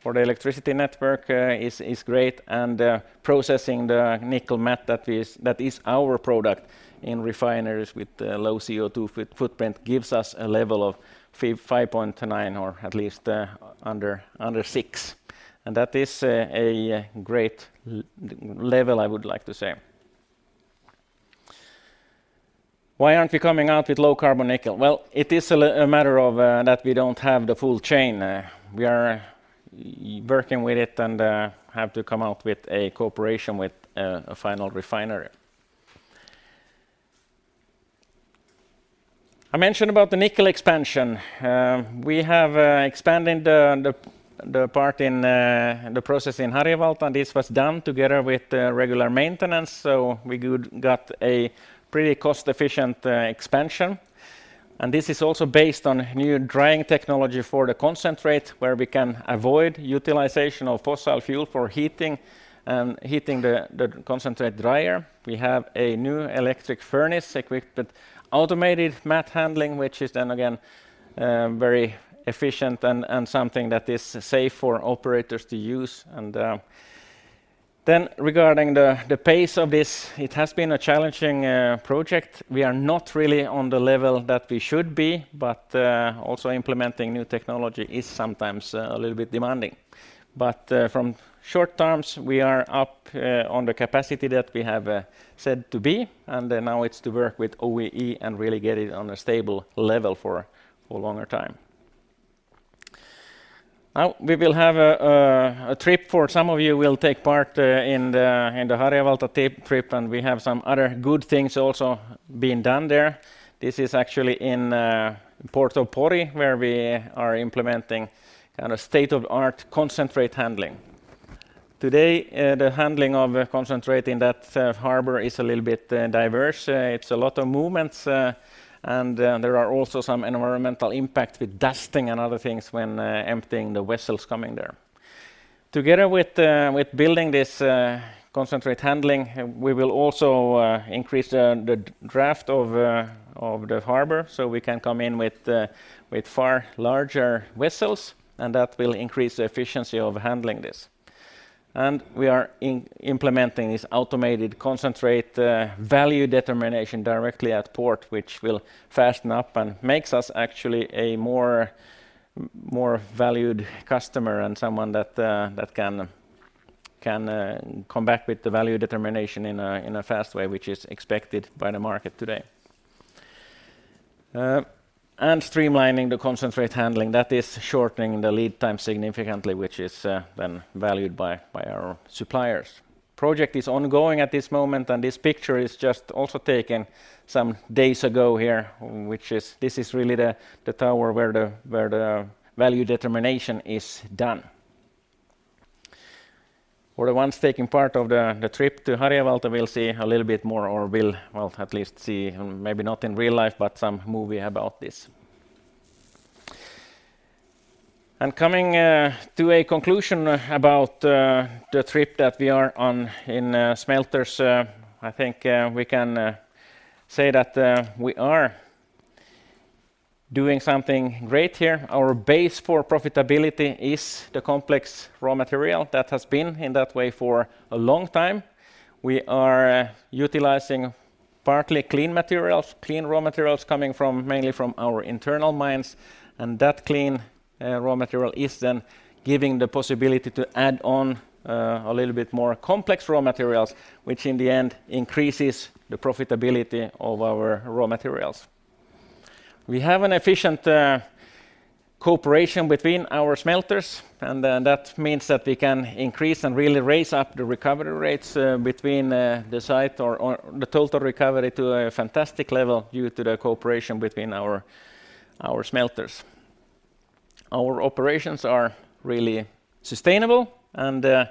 for the electricity network is great and processing the nickel matte that is our product in refineries with low CO2 footprint gives us a level of 5.9 or at least under six. That is a great level I would like to say. Why aren't we coming out with low carbon nickel? Well, it is a matter of that we don't have the full chain. We are working with it and have to come out with a cooperation with a final refinery. I mentioned about the nickel expansion. We have expanded the part in the process in Harjavalta, and this was done together with regular maintenance, so we got a pretty cost-efficient expansion. This is also based on new drying technology for the concentrate, where we can avoid utilization of fossil fuel for heating the concentrate drier. We have a new electric furnace equipped with automated matte handling, which is then again very efficient and something that is safe for operators to use. Then regarding the pace of this, it has been a challenging project. We are not really on the level that we should be, but also implementing new technology is sometimes a little bit demanding. From short terms, we are up on the capacity that we have said to be, and then now it's to work with OEE and really get it on a stable level for longer time. Now, we will have a trip for some of you will take part in the Harjavalta trip, and we have some other good things also being done there. This is actually in Port of Pori, where we are implementing kind of state-of-the-art concentrate handling. Today, the handling of concentrate in that harbor is a little bit diverse. It's a lot of movements, and there are also some environmental impact with dusting and other things when emptying the vessels coming there. Together with building this concentrate handling, we will also increase the draft of the harbor, so we can come in with far larger vessels, and that will increase the efficiency of handling this. We are implementing this automated concentrate value determination directly at port, which will hasten up and makes us actually a more valued customer and someone that can come back with the value determination in a fast way, which is expected by the market today. Streamlining the concentrate handling, that is shortening the lead time significantly, which is then valued by our suppliers. Project is ongoing at this moment, and this picture is just also taken some days ago here, which is really the tower where the value determination is done. For the ones taking part of the trip to Harjavalta will see a little bit more, well, at least see, maybe not in real life, but some movie about this. Coming to a conclusion about the trip that we are on in smelters, I think we can say that we are doing something great here. Our base for profitability is the complex raw material that has been in that way for a long time. We are utilizing partly clean materials, clean raw materials coming from, mainly from our internal mines, and that clean raw material is then giving the possibility to add on a little bit more complex raw materials, which in the end increases the profitability of our raw materials. We have an efficient cooperation between our smelters, and then that means that we can increase and really raise up the recovery rates between the sites or the total recovery to a fantastic level due to the cooperation between our smelters. Our operations are really sustainable, and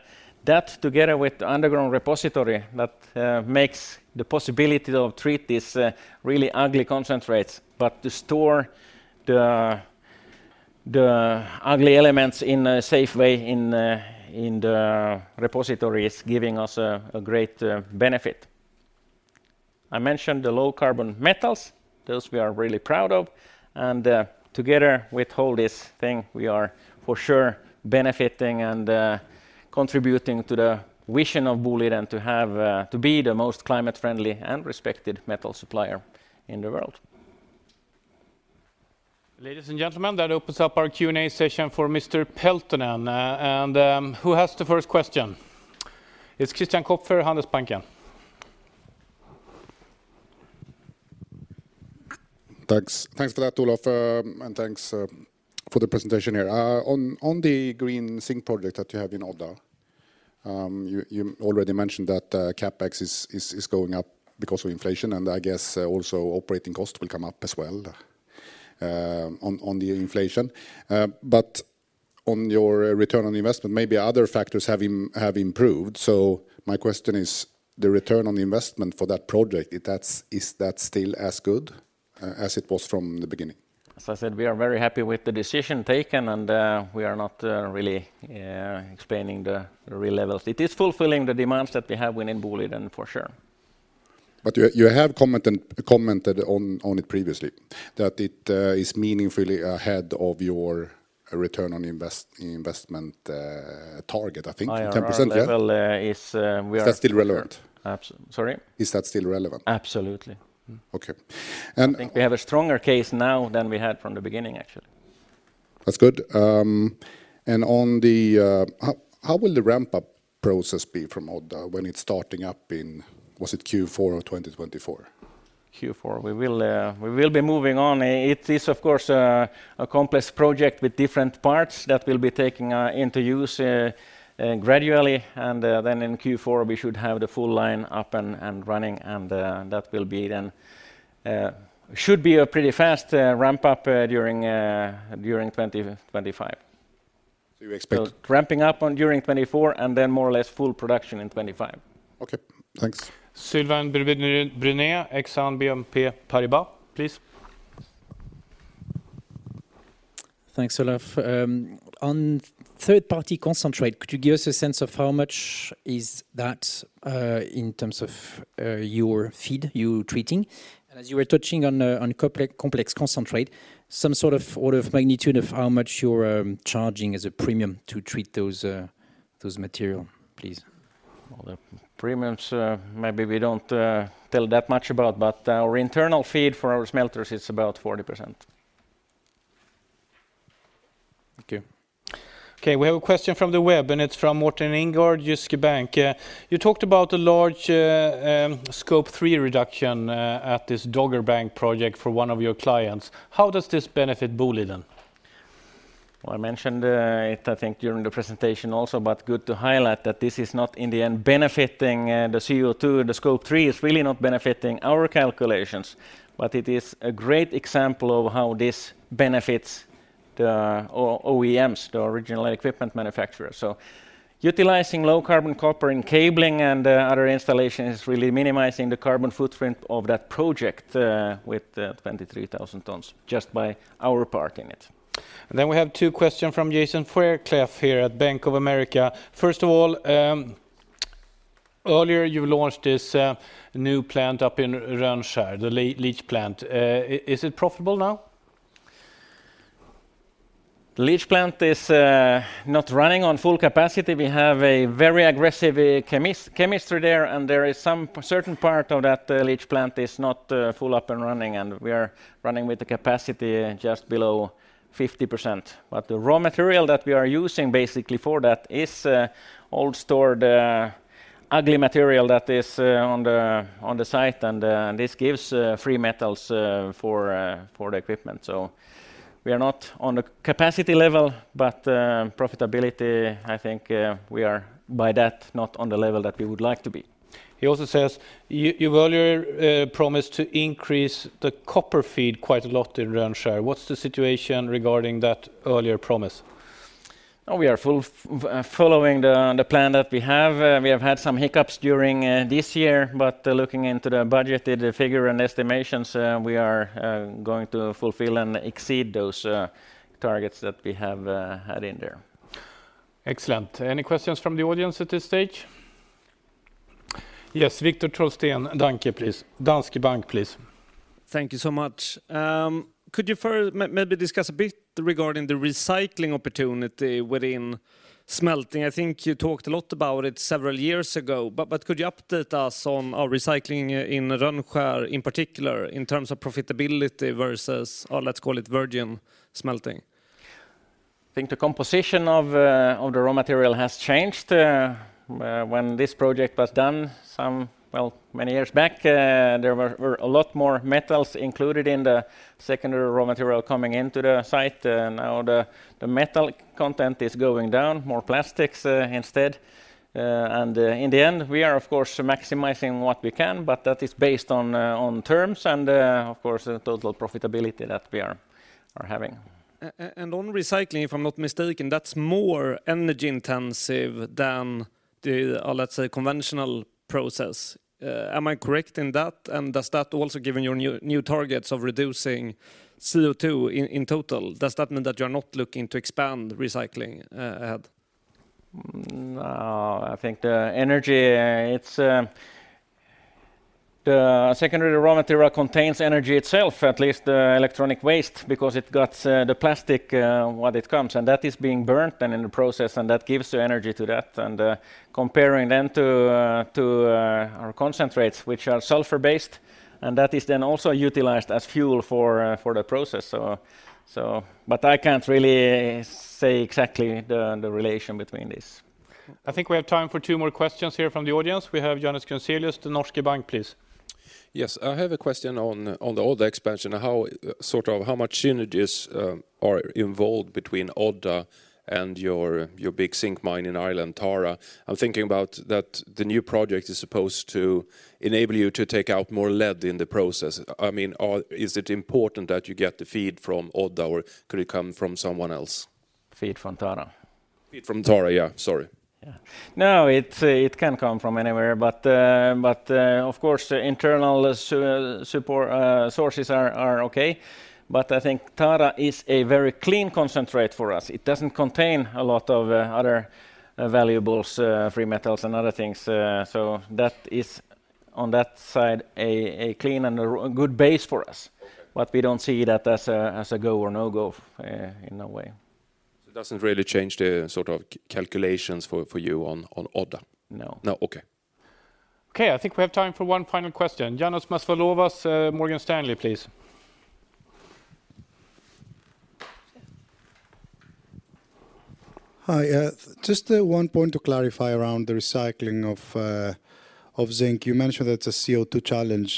that together with the underground repository that makes the possibility to treat these really ugly concentrates, but to store the ugly elements in a safe way in the repository is giving us a great benefit. I mentioned the low carbon metals. Those we are really proud of. Together with all this thing, we are for sure benefiting and contributing to the vision of Boliden to have to be the most climate friendly and respected metal supplier in the world. Ladies and gentlemen, that opens up our Q&A session for Mr. Peltonen. Who has the first question? It's Christian Kopfer, Handelsbanken. Thanks. Thanks for that, Olof. Thanks for the presentation here. On the Green Zinc project that you have in Odda, you already mentioned that CapEx is going up because of inflation, and I guess also operating costs will come up as well on the inflation. But on your return on investment, maybe other factors have improved. My question is, the return on the investment for that project, is that still as good as it was from the beginning? As I said, we are very happy with the decision taken, and we are not really explaining the real levels. It is fulfilling the demands that we have within Boliden for sure. You have commented on it previously that it is meaningfully ahead of your return on investment target, I think 10%, yeah? IRR level is Is that still relevant? Sorry? Is that still relevant? Absolutely. Okay. I think we have a stronger case now than we had from the beginning, actually. That's good. How will the ramp-up process be from Odda when it's starting up in, was it Q4 of 2024? Q4. We will be moving on. It is of course a complex project with different parts that we'll be taking into use gradually. Then in Q4 we should have the full line up and running and that will be then should be a pretty fast ramp-up during 2025. You expect. Ramping up during 2024 and then more or less full production in 2025. Okay. Thanks. Sylvain Brunet, Exane BNP Paribas, please. Thanks, Olof. On third-party concentrate, could you give us a sense of how much is that in terms of your feed you're treating? As you were touching on complex concentrate, some sort of order of magnitude of how much you're charging as a premium to treat those material, please. Well, the premiums, maybe we don't tell that much about, but our internal feed for our smelters is about 40%. Thank you. Okay, we have a question from the web, and it's from Morten Enggaard, Jyske Bank. You talked about a large Scope 3 reduction at this Dogger Bank project for one of your clients. How does this benefit Boliden? Well, I mentioned it, I think, during the presentation also, but good to highlight that this is not in the end benefiting the CO2. The Scope 3 is really not benefiting our calculations, but it is a great example of how this benefits the OEMs, the original equipment manufacturer. Utilizing Low-Carbon Copper in cabling and other installation is really minimizing the carbon footprint of that project with 23,000 tons just by our part in it. We have two question from Jason Fairclough here at Bank of America. First of all, earlier you launched this new plant up in Rönnskär, the leach plant. Is it profitable now? The leach plant is not running on full capacity. We have a very aggressive chemistry there, and there is some certain part of that leach plant that is not full up and running, and we are running with the capacity just below 50%. The raw material that we are using basically for that is old stored ugly material that is on the site, and this gives free metals for the equipment. We are not on a capacity level, but profitability, I think, we are by that not on the level that we would like to be. He also says you earlier promised to increase the copper feed quite a lot in Rönnskär. What's the situation regarding that earlier promise? We are following the plan that we have. We have had some hiccups during this year. Looking into the budgeted figure and estimations, we are going to fulfill and exceed those targets that we have had in there. Excellent. Any questions from the audience at this stage? Yes. Viktor Trollsten, Danske Bank, please. Thank you so much. Could you maybe discuss a bit regarding the recycling opportunity within smelting? I think you talked a lot about it several years ago, but could you update us on recycling in Rönnskär in particular in terms of profitability versus, let's call it virgin smelting? I think the composition of the raw material has changed. When this project was done many years back, there were a lot more metals included in the secondary raw material coming into the site. Now the metal content is going down, more plastics instead. In the end, we are of course maximizing what we can, but that is based on terms and of course the total profitability that we are having. On recycling, if I'm not mistaken, that's more energy intensive than the, let's say conventional process. Am I correct in that? Does that also giving you new targets of reducing CO2 in total? Does that mean that you're not looking to expand recycling ahead? No, I think the energy, it's the secondary raw material contains energy itself, at least, electronic waste because it got the plastic when it comes, and that is being burnt then in the process and that gives the energy to that. Comparing them to our concentrates, which are sulfur-based, and that is then also utilized as fuel for the process. I can't really say exactly the relation between this. I think we have time for two more questions here from the audience. We have Johannes Grunselius, the DNB / Den Norske Bank, please. Yes. I have a question on the Odda expansion. Sort of how much synergies are involved between Odda and your big zinc mine in Ireland, Tara? I'm thinking about the new project is supposed to enable you to take out more lead in the process. I mean, is it important that you get the feed from Odda, or could it come from someone else? Feed from Tara. Feed from Tara, yeah. Sorry. Yeah. No, it can come from anywhere. Of course, the internal supply sources are okay. I think Tara is a very clean concentrate for us. It doesn't contain a lot of other valuables, free metals and other things. That is, on that side, a clean and a good base for us. We don't see that as a go or no-go, in a way. It doesn't really change the sort of calculations for you on Odda? No. No, okay. Okay, I think we have time for one final question. Ioannis Masvoulas, Morgan Stanley, please. Hi. Just one point to clarify around the recycling of zinc. You mentioned that it's a CO2 challenge.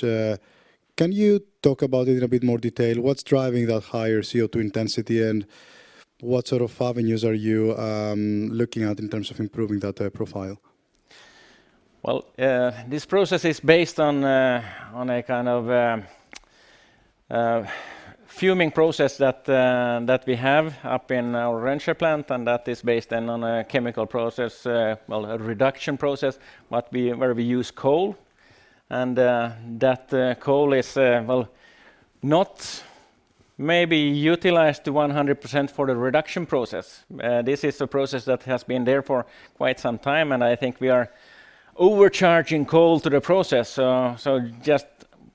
Can you talk about it in a bit more detail? What's driving that higher CO2 intensity, and what sort of avenues are you looking at in terms of improving that profile? Well, this process is based on a kind of fuming process that we have up in our Rönnskär plant, and that is based on a chemical process, well, a reduction process, but where we use coal. That coal is, well, not maybe utilized to 100% for the reduction process. This is a process that has been there for quite some time, and I think we are overcharging coal to the process. Just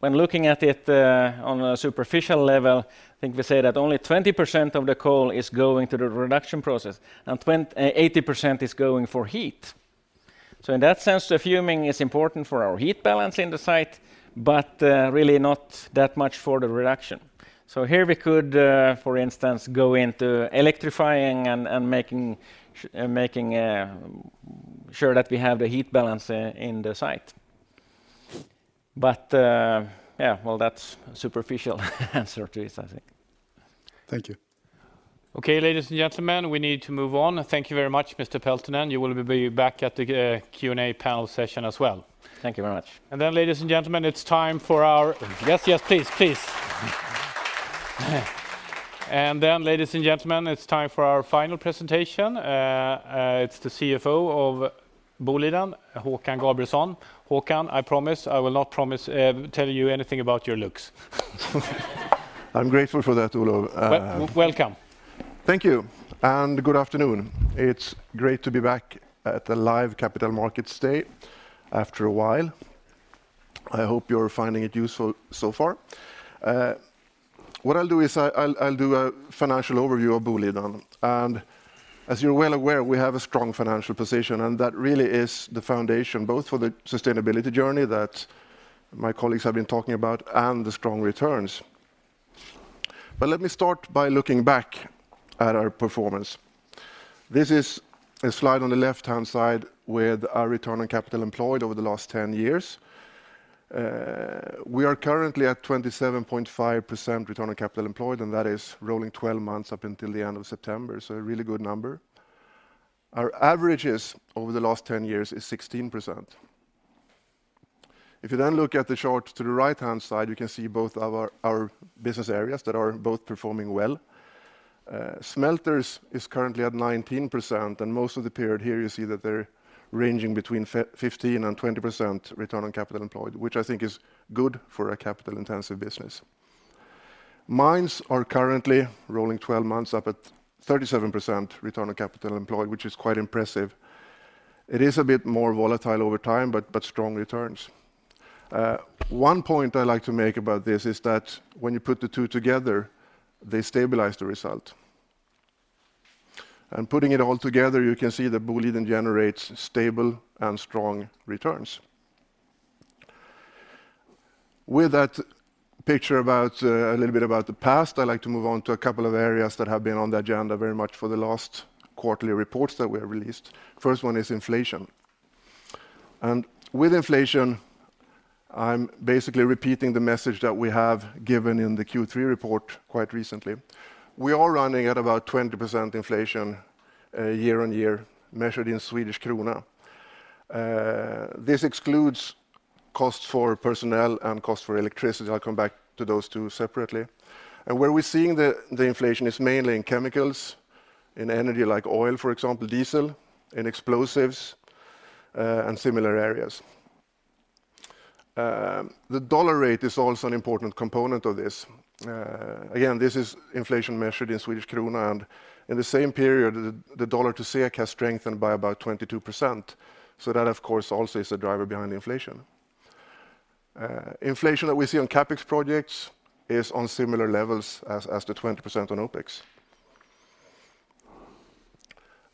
when looking at it on a superficial level, I think we say that only 20% of the coal is going to the reduction process, and 80% is going for heat. In that sense, the fuming is important for our heat balance in the site, but really not that much for the reduction. Here we could, for instance, go into electrifying and making sure that we have the heat balance in the site. Yeah. Well, that's superficial answer to this, I think. Thank you. Okay, ladies and gentlemen, we need to move on. Thank you very much, Mr. Peltonen. You will be back at the Q&A panel session as well. Thank you very much. Ladies and gentlemen, it's time for our final presentation. It's the CFO of Boliden, Håkan Gabrielsson. Håkan, I promise I will not tell you anything about your looks. I'm grateful for that, Olof. Welcome. Thank you, and good afternoon. It's great to be back at the live Capital Markets Day after a while. I hope you're finding it useful so far. What I'll do is I'll do a financial overview of Boliden. As you're well aware, we have a strong financial position, and that really is the foundation both for the sustainability journey that my colleagues have been talking about and the strong returns. Let me start by looking back at our performance. This is a slide on the left-hand side with our return on capital employed over the last 10 years. We are currently at 27.5% return on capital employed, and that is rolling 12 months up until the end of September, so a really good number. Our averages over the last 10 years is 16%. If you look at the chart to the right-hand side, you can see both our business areas that are both performing well. Smelters is currently at 19%, and most of the period here you see that they're ranging between 15%-20% return on capital employed, which I think is good for a capital-intensive business. Mines are currently rolling 12 months up at 37% return on capital employed, which is quite impressive. It is a bit more volatile over time, but strong returns. One point I like to make about this is that when you put the two together, they stabilize the result. Putting it all together, you can see that Boliden generates stable and strong returns. With that picture about a little bit about the past, I'd like to move on to a couple of areas that have been on the agenda very much for the last quarterly reports that we have released. First one is inflation. With inflation, I'm basically repeating the message that we have given in the Q3 report quite recently. We are running at about 20% inflation year-over-year, measured in Swedish krona. This excludes costs for personnel and costs for electricity. I'll come back to those two separately. Where we're seeing the inflation is mainly in chemicals, in energy like oil, for example, diesel, in explosives and similar areas. The dollar rate is also an important component of this. Again, this is inflation measured in Swedish krona, and in the same period, the dollar to SEK has strengthened by about 22%, so that of course also is a driver behind inflation. Inflation that we see on CapEx projects is on similar levels as the 20% on OpEx.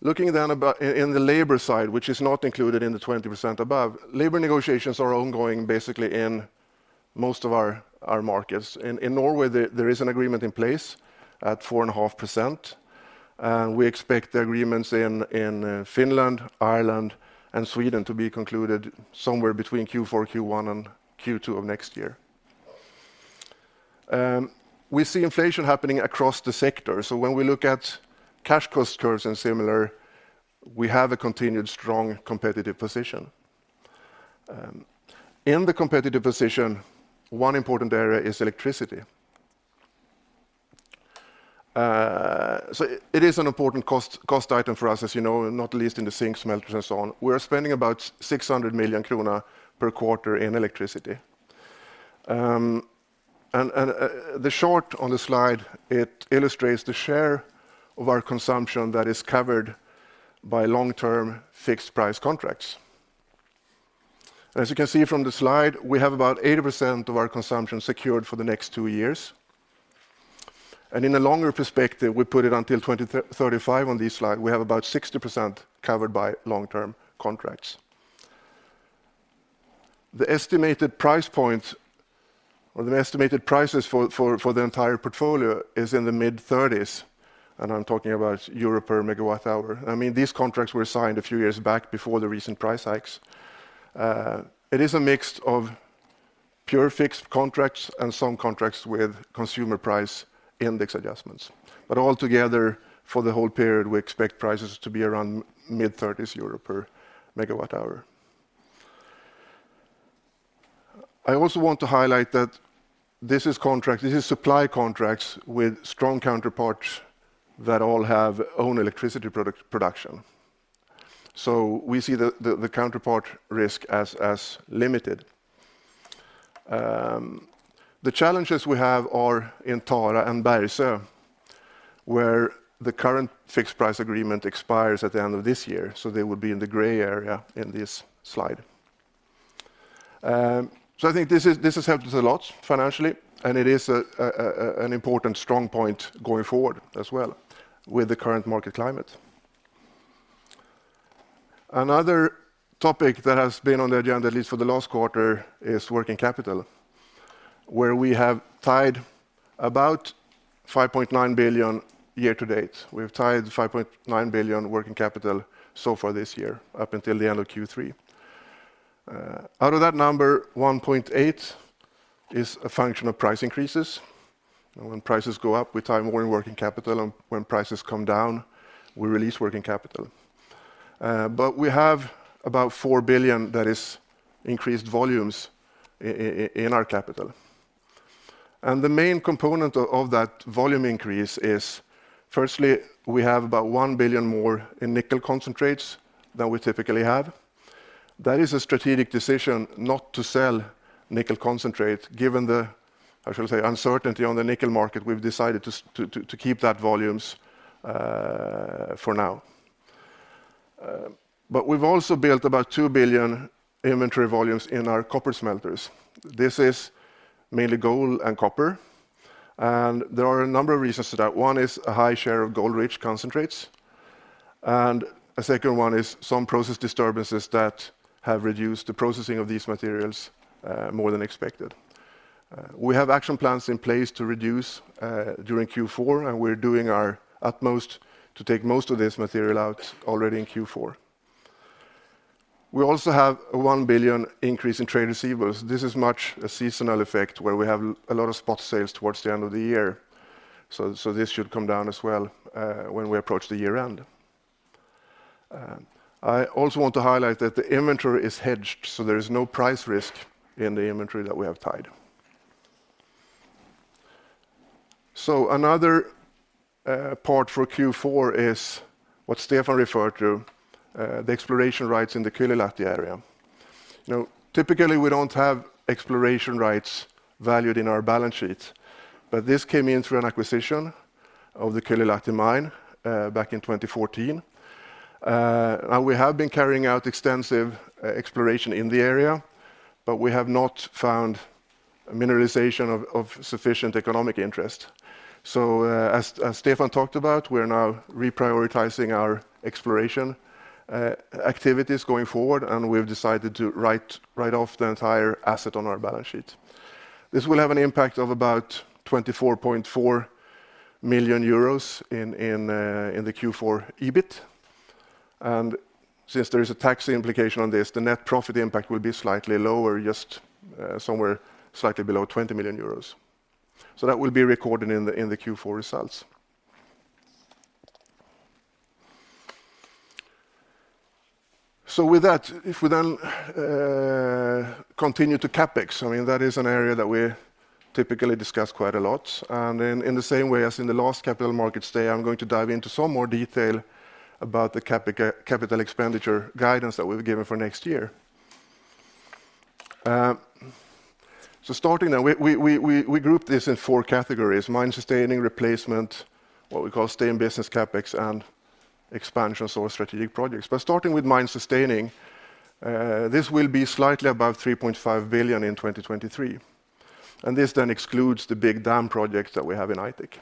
Looking about in the labor side, which is not included in the 20% above, labor negotiations are ongoing basically in most of our markets. In Norway, there is an agreement in place at 4.5%. We expect agreements in Finland, Ireland, and Sweden to be concluded somewhere between Q4, Q1, and Q2 of next year. We see inflation happening across the sector. When we look at cash cost curves and similar, we have a continued strong competitive position. In the competitive position, one important area is electricity. It is an important cost item for us, as you know, not least in the zinc smelters and so on. We're spending about 600 million kronor per quarter in electricity. The chart on the slide, it illustrates the share of our consumption that is covered by long-term fixed-price contracts. As you can see from the slide, we have about 80% of our consumption secured for the next two years. In a longer perspective, we put it until 2035 on this slide, we have about 60% covered by long-term contracts. The estimated price points or the estimated prices for the entire portfolio is in the mid-thirties, and I'm talking about EUR per megawatt hour. I mean, these contracts were signed a few years back before the recent price hikes. It is a mix of pure fixed contracts and some contracts with consumer price index adjustments. All together, for the whole period, we expect prices to be around mid-30s EUR per megawatt hour. I also want to highlight that this is supply contracts with strong counterparts that all have own electricity production. We see the counterpart risk as limited. The challenges we have are in Tara and Bergsöe, where the current fixed price agreement expires at the end of this year. They would be in the gray area in this slide. I think this has helped us a lot financially, and it is an important strong point going forward as well with the current market climate. Another topic that has been on the agenda, at least for the last quarter, is working capital, where we have tied about 5.9 billion year to date. We've tied 5.9 billion working capital so far this year, up until the end of Q3. Out of that number, 1.8 is a function of price increases. When prices go up, we tie more working capital, and when prices come down, we release working capital. But we have about 4 billion that is increased volumes in our capital. The main component of that volume increase is firstly, we have about 1 billion more in nickel concentrates than we typically have. That is a strategic decision not to sell nickel concentrate. Given the, I should say, uncertainty on the nickel market, we've decided to keep that volumes for now. We've also built about 2 billion inventory volumes in our copper smelters. This is mainly gold and copper, and there are a number of reasons for that. One is a high share of gold-rich concentrates, and a second one is some process disturbances that have reduced the processing of these materials more than expected. We have action plans in place to reduce during Q4, and we're doing our utmost to take most of this material out already in Q4. We also have a 1 billion increase in trade receivables. This is very much a seasonal effect where we have a lot of spot sales towards the end of the year. This should come down as well when we approach the year-end. I also want to highlight that the inventory is hedged, so there is no price risk in the inventory that we have tied. Another part for Q4 is what Stefan referred to, the exploration rights in the Kylylahti area. Now, typically, we don't have exploration rights valued in our balance sheets, but this came in through an acquisition of the Kylylahti mine back in 2014. Now we have been carrying out extensive exploration in the area, but we have not found a mineralization of sufficient economic interest. As Stefan talked about, we are now reprioritizing our exploration activities going forward, and we've decided to write off the entire asset on our balance sheet. This will have an impact of about 24.4 million euros in the Q4 EBIT. Since there is a tax implication on this, the net profit impact will be slightly lower, just somewhere slightly below 20 million euros. That will be recorded in the Q4 results. With that, if we then continue to CapEx, I mean, that is an area that we typically discuss quite a lot. In the same way as in the last capital markets day, I'm going to dive into some more detail about the capital expenditure guidance that we've given for next year. Starting now, we grouped this in four categories: mine-sustaining, replacement, what we call stay-in-business CapEx, and expansions or strategic projects. Starting with mine sustaining, this will be slightly above 3.5 billion in 2023. This then excludes the big dam projects that we have in Aitik.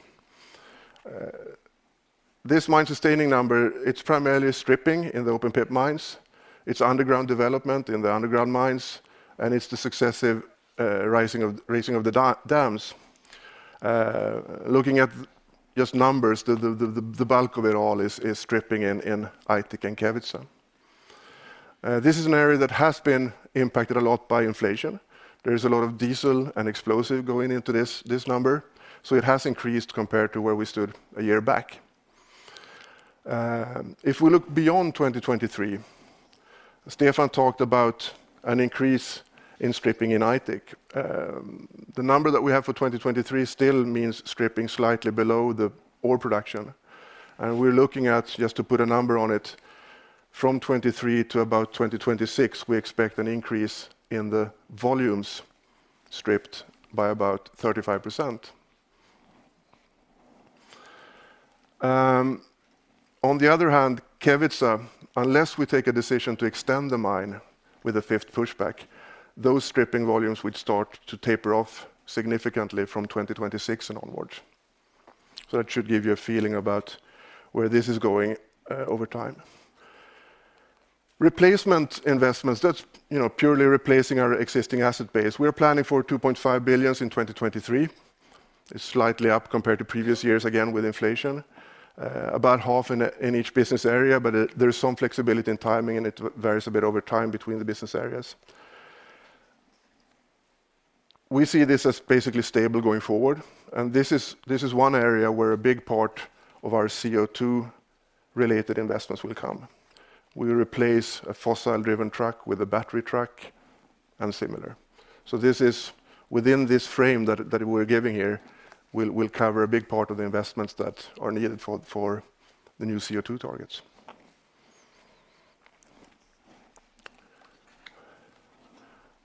This mine-sustaining number, it's primarily stripping in the open pit mines, it's underground development in the underground mines, and it's the successive raising of the dams. Looking at just numbers, the bulk of it all is stripping in Aitik and Kevitsa. This is an area that has been impacted a lot by inflation. There is a lot of diesel and explosives going into this number, so it has increased compared to where we stood a year back. If we look beyond 2023, Stefan talked about an increase in stripping in Aitik. The number that we have for 2023 still means stripping slightly below the ore production. We're looking at, just to put a number on it, from 2023 to about 2026, we expect an increase in the volumes stripped by about 35%. On the other hand, Kevitsa, unless we take a decision to extend the mine with a fifth pushback, those stripping volumes would start to taper off significantly from 2026 and onwards. That should give you a feeling about where this is going over time. Replacement investments, that's, you know, purely replacing our existing asset base. We're planning for 2.5 billion in 2023. It's slightly up compared to previous years, again, with inflation. About half in each business area, but there is some flexibility in timing, and it varies a bit over time between the business areas. We see this as basically stable going forward, and this is one area where a big part of our CO2-related investments will come. We replace a fossil-driven truck with a battery truck and similar. This is within this frame that we're giving here, we'll cover a big part of the investments that are needed for the new CO2 targets.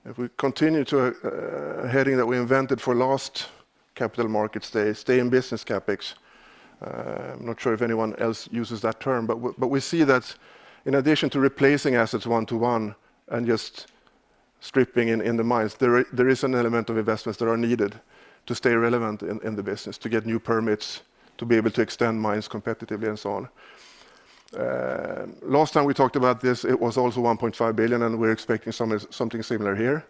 If we continue to a heading that we invented for last capital markets day, stay in business CapEx. I'm not sure if anyone else uses that term, but we see that in addition to replacing assets one-to-one and just stripping in the mines, there is an element of investments that are needed to stay relevant in the business, to get new permits, to be able to extend mines competitively and so on. Last time we talked about this, it was also 1.5 billion, and we're expecting something similar here.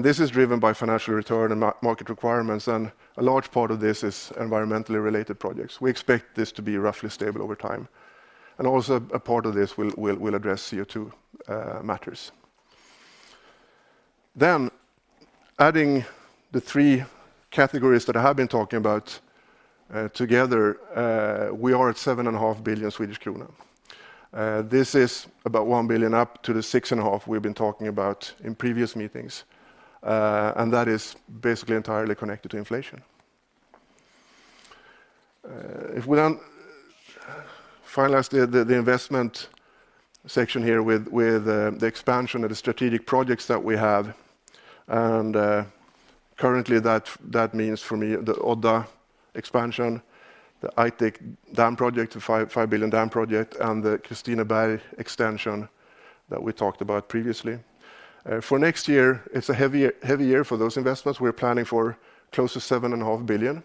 This is driven by financial return and market requirements, and a large part of this is environmentally related projects. We expect this to be roughly stable over time. Also, a part of this will address CO2 matters. Adding the three categories that I have been talking about together, we are at 7.5 billion Swedish kronor. This is about 1 billion up to the 6.5 we've been talking about in previous meetings. That is basically entirely connected to inflation. If we finalize the investment section here with the expansion of the strategic projects that we have, currently that means for me the Odda expansion, the Aitik dam project, the 5 billion dam project, and the Kristineberg extension that we talked about previously. For next year, it's a heavy year for those investments. We're planning for close to 7.5 billion,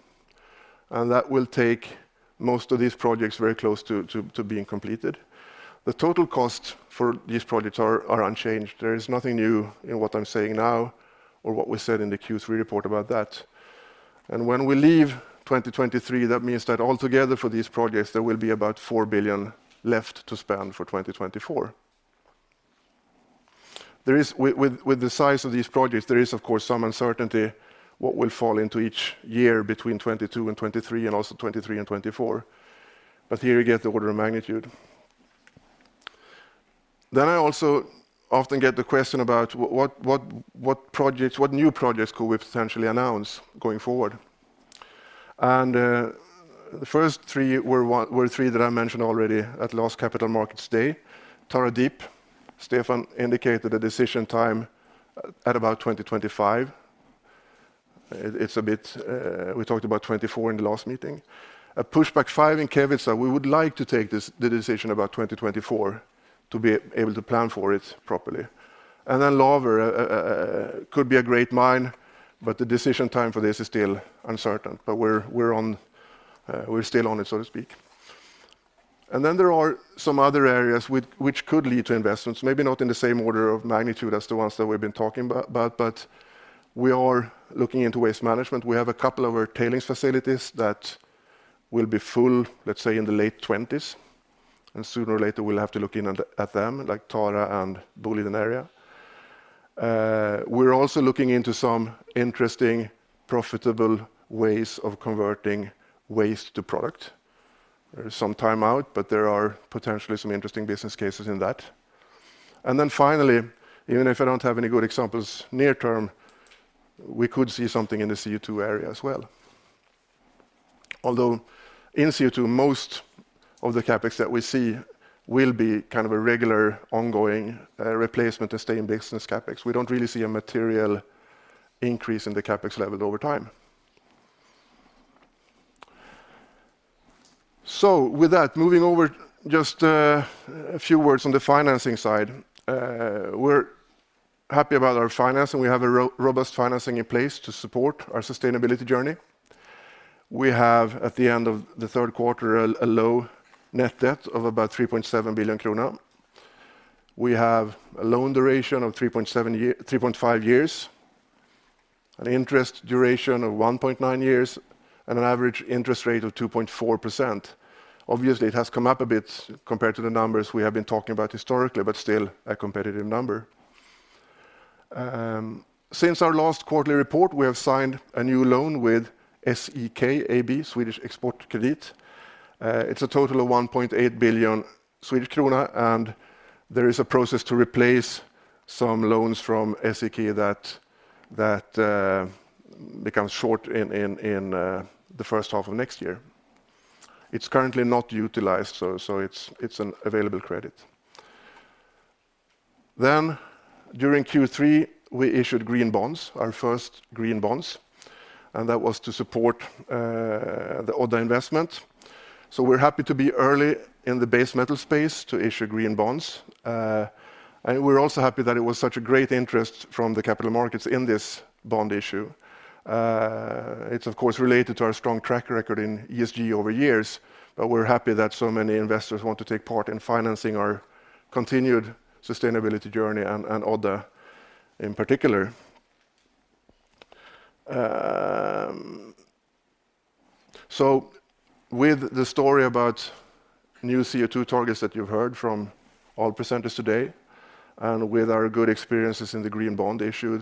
and that will take most of these projects very close to being completed. The total cost for these projects are unchanged. There is nothing new in what I'm saying now or what we said in the Q3 report about that. When we leave 2023, that means that altogether for these projects, there will be about 4 billion left to spend for 2024. There is, with the size of these projects, there is of course some uncertainty what will fall into each year between 2022 and 2023, and also 2023 and 2024. Here you get the order of magnitude. I also often get the question about what projects, what new projects could we potentially announce going forward? The first three were three that I mentioned already at last Capital Markets Day. Tara Deep, Stefan indicated a decision time at about 2025. We talked about 2024 in the last meeting. A pushback five in Kevitsa. We would like to take the decision about 2024 to be able to plan for it properly. Laver could be a great mine, but the decision time for this is still uncertain. We're still on it, so to speak. There are some other areas which could lead to investments, maybe not in the same order of magnitude as the ones that we've been talking about, but we are looking into waste management. We have a couple of our tailings facilities that will be full, let's say, in the late 2020s, and sooner or later, we'll have to look in at them, like Tara and Boliden area. We're also looking into some interesting, profitable ways of converting waste to product. There is some time out, but there are potentially some interesting business cases in that. Finally, even if I don't have any good examples near term, we could see something in the CO2 area as well. Although in CO2, most of the CapEx that we see will be kind of a regular ongoing replacement to stay in business CapEx. We don't really see a material increase in the CapEx level over time. With that, moving over just a few words on the financing side. We're happy about our financing. We have a robust financing in place to support our sustainability journey. We have at the end of the third quarter a low net debt of about 3.7 billion krona. We have a loan duration of 3.5 years. An interest duration of 1.9 years and an average interest rate of 2.4%. Obviously, it has come up a bit compared to the numbers we have been talking about historically, but still a competitive number. Since our last quarterly report, we have signed a new loan with SEK, Swedish Export Credit. It's a total of 1.8 billion Swedish krona, and there is a process to replace some loans from SEK that become short in the first half of next year. It's currently not utilized, so it's an available credit. During Q3, we issued green bonds, our first green bonds, and that was to support the Odda investment. We're happy to be early in the base metal space to issue green bonds. We're also happy that it was such a great interest from the capital markets in this bond issue. It's of course related to our strong track record in ESG over years, but we're happy that so many investors want to take part in financing our continued sustainability journey and Odda in particular. With the story about new CO2 targets that you've heard from all presenters today, and with our good experiences in the green bond issue,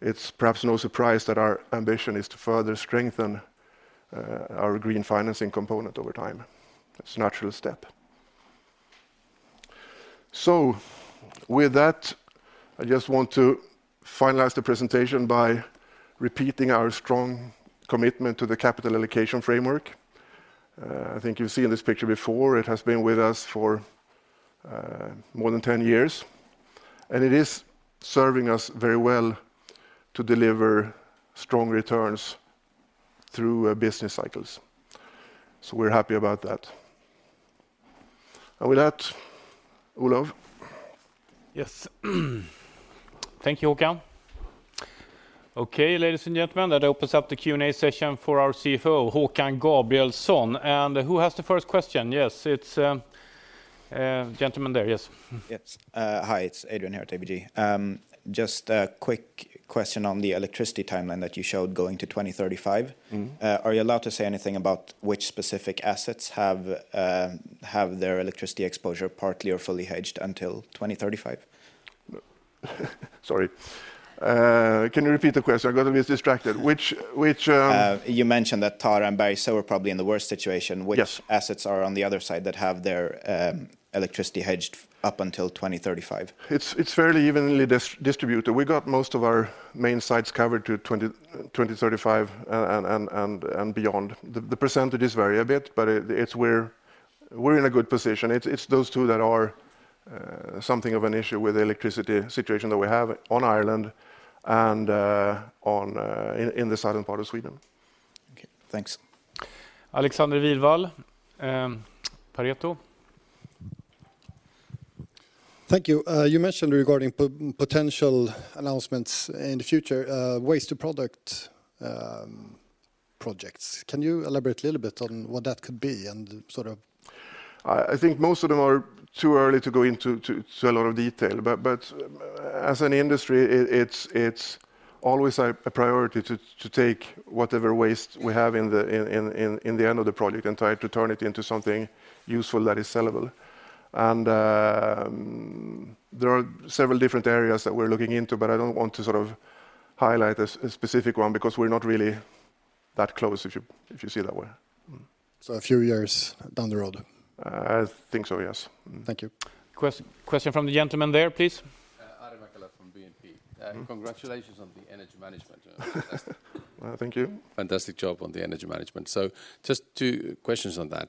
it's perhaps no surprise that our ambition is to further strengthen our green financing component over time. It's a natural step. With that, I just want to finalize the presentation by repeating our strong commitment to the capital allocation framework. I think you've seen this picture before. It has been with us for more than 10 years, and it is serving us very well to deliver strong returns through business cycles. We're happy about that. With that, Olof. Yes. Thank you, Håkan. Okay, ladies and gentlemen, that opens up the Q&A session for our CFO, Håkan Gabrielsson. Who has the first question? Yes, it's gentleman there. Yes. Yes. Hi, it's Adrian here at ABG. Just a quick question on the electricity timeline that you showed going to 2035. Mm-hmm. Are you allowed to say anything about which specific assets have their electricity exposure partly or fully hedged until 2035? Sorry. Can you repeat the question? I got a bit distracted. Which You mentioned that Tara and Bergsöe are probably in the worst situation. Yes. Which assets are on the other side that have their electricity hedged up until 2035? It's fairly evenly distributed. We got most of our main sites covered to 2020-2035 and beyond. The percentages vary a bit, but we're in a good position. It's those two that are something of an issue with the electricity situation that we have in Ireland and in the southern part of Sweden. Okay, thanks. Alexander Vivall, Pareto. Thank you. You mentioned regarding potential announcements in the future, waste-to-product projects. Can you elaborate a little bit on what that could be and sort of- I think most of them are too early to go into a lot of detail. As an industry, it's always a priority to take whatever waste we have in the end of the project and try to turn it into something useful that is sellable. There are several different areas that we're looking into, but I don't want to sort of highlight a specific one because we're not really that close, if you see it that way. A few years down the road? I think so, yes. Mm-hmm. Thank you. Question from the gentleman there, please. Ari Mäkelä from BNP. Mm-hmm. Congratulations on the energy management. Fantastic. Thank you. Fantastic job on the energy management. Just two questions on that.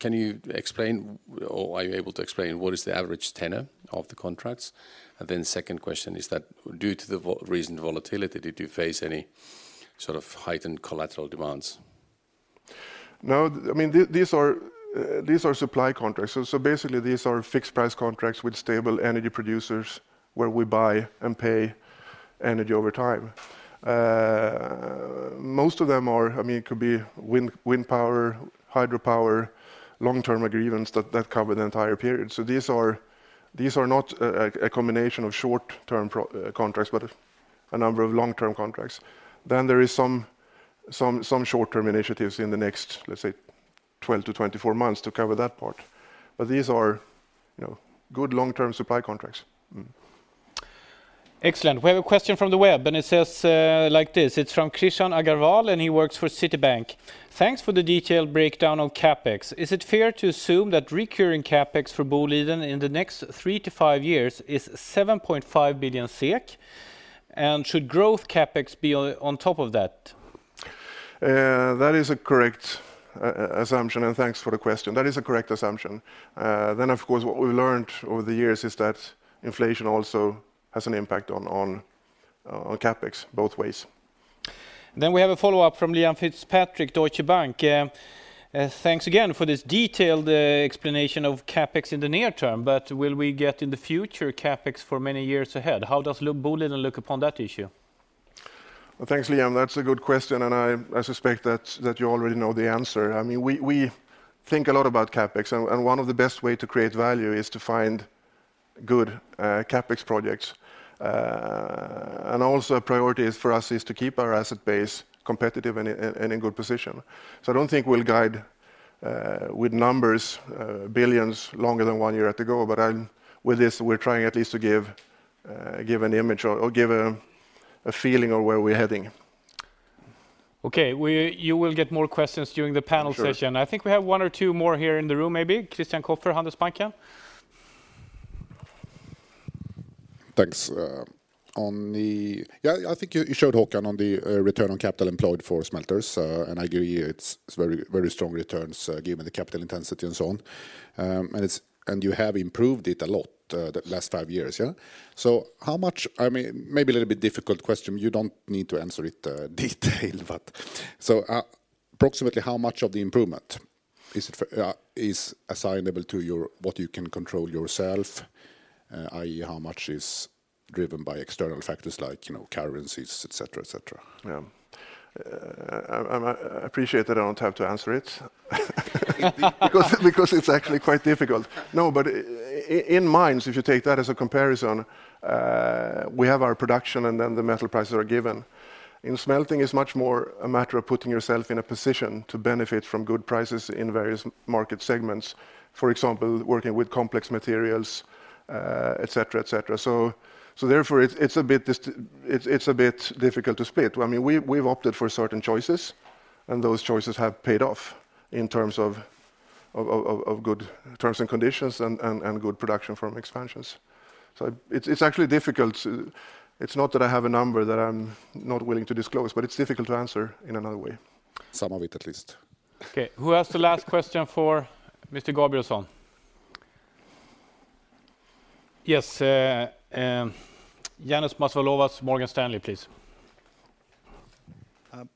Can you explain or are you able to explain what is the average tenor of the contracts? And then second question, is that due to the recent volatility, did you face any sort of heightened collateral demands? No, I mean, these are supply contracts. So, basically these are fixed price contracts with stable energy producers where we buy and pay energy over time. Most of them are, I mean, it could be wind power, hydropower, long-term agreements that cover the entire period. So these are not a combination of short-term contracts, but a number of long-term contracts. Then there is some short-term initiatives in the next, let's say, 12-24 months to cover that part. These are, you know, good long-term supply contracts. Excellent. We have a question from the web, and it says, like this. It's from Krishan Agarwal, and he works for Citibank. Thanks for the detailed breakdown on CapEx. Is it fair to assume that recurring CapEx for Boliden in the next three to five years is 7.5 billion SEK? And should growth CapEx be on top of that? That is a correct assumption, and thanks for the question. That is a correct assumption. Of course, what we've learned over the years is that inflation also has an impact on CapEx both ways. We have a follow-up from Liam Fitzpatrick, Deutsche Bank. Thanks again for this detailed explanation of CapEx in the near term. Will we get in the future CapEx for many years ahead? How does Boliden look upon that issue? Well, thanks, Liam. That's a good question, and I suspect that you already know the answer. I mean, we think a lot about CapEx, and one of the best way to create value is to find good CapEx projects. And also priorities for us is to keep our asset base competitive and in good position. I don't think we'll guide with numbers billions longer than one year at a go. With this, we're trying at least to give an image or give a feeling of where we're heading. Okay. You will get more questions during the panel session. Sure. I think we have one or two more here in the room maybe. Christian Kopfer, Handelsbanken. Thanks. Yeah, I think you showed, Håkan, on the return on capital employed for smelters, and I agree it's very strong returns, given the capital intensity and so on. You have improved it a lot the last five years, yeah? How much—I mean, maybe a little bit difficult question. You don't need to answer it detail, but approximately how much of the improvement is assignable to what you can control yourself, i.e. how much is driven by external factors like, you know, currencies, et cetera, et cetera? Yeah. I appreciate that I don't have to answer it because it's actually quite difficult. No, in mines, if you take that as a comparison, we have our production, and then the metal prices are given. In smelting, it's much more a matter of putting yourself in a position to benefit from good prices in various market segments. For example, working with complex materials, et cetera. Therefore it's a bit difficult to split. I mean, we've opted for certain choices, and those choices have paid off in terms of good terms and conditions and good production from expansions. It's actually difficult. It's not that I have a number that I'm not willing to disclose, but it's difficult to answer in another way. Some of it at least. Okay. Who has the last question for Mr. Gabrielsson? Yes, Ioannis Masvoulas, Morgan Stanley, please.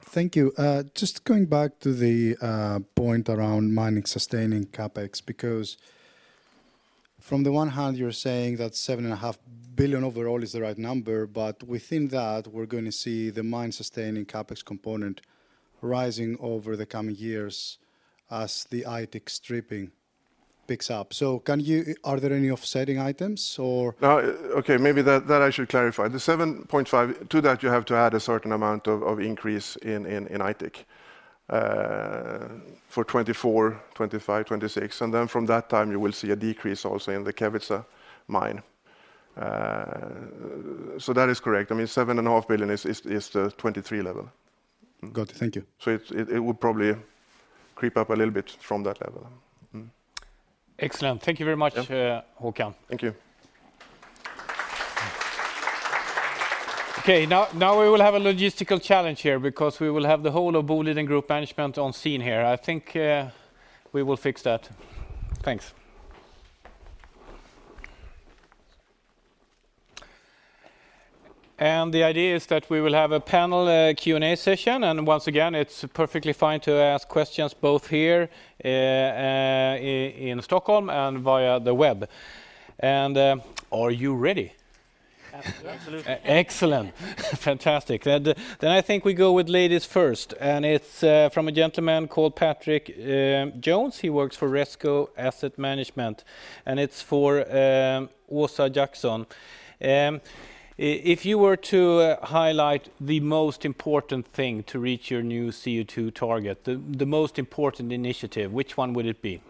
Thank you. Just going back to the point around mining sustaining CapEx, because on the one hand, you're saying that 7.5 billion overall is the right number, but within that, we're gonna see the mine sustaining CapEx component rising over the coming years as the Aitik stripping picks up. Are there any offsetting items or- Okay, maybe that I should clarify. The 7.5, to that you have to add a certain amount of increase in Aitik for 2024, 2025, 2026. From that time you will see a decrease also in the Kevitsa mine. That is correct. I mean, 7.5 billion is the 2023 level. Got it. Thank you. It would probably creep up a little bit from that level. Excellent. Thank you very much Håkan. Thank you. Okay. Now we will have a logistical challenge here because we will have the whole of Boliden group management on scene here. I think we will fix that. Thanks. The idea is that we will have a panel Q&A session. Once again, it's perfectly fine to ask questions both here in Stockholm and via the web. Are you ready? Absolutely. Excellent. Fantastic. I think we go with ladies first, and it's from a gentleman called Patrick Jones. He works for Resco Asset Management, and it's for Åsa Jackson. If you were to highlight the most important thing to reach your new CO2 target, the most important initiative, which one would it be?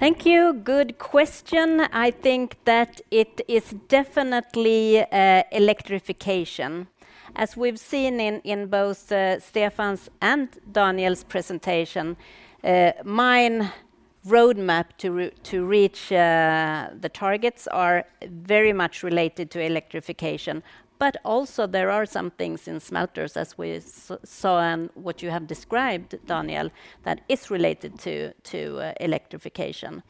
Thank you. Good question. I think that it is definitely electrification. As we've seen in both Stefan's and Daniel's presentation, mine roadmap to reach the targets are very much related to electrification. But also there are some things in smelters, as we saw and what you have described, Daniel, that is related to electrification.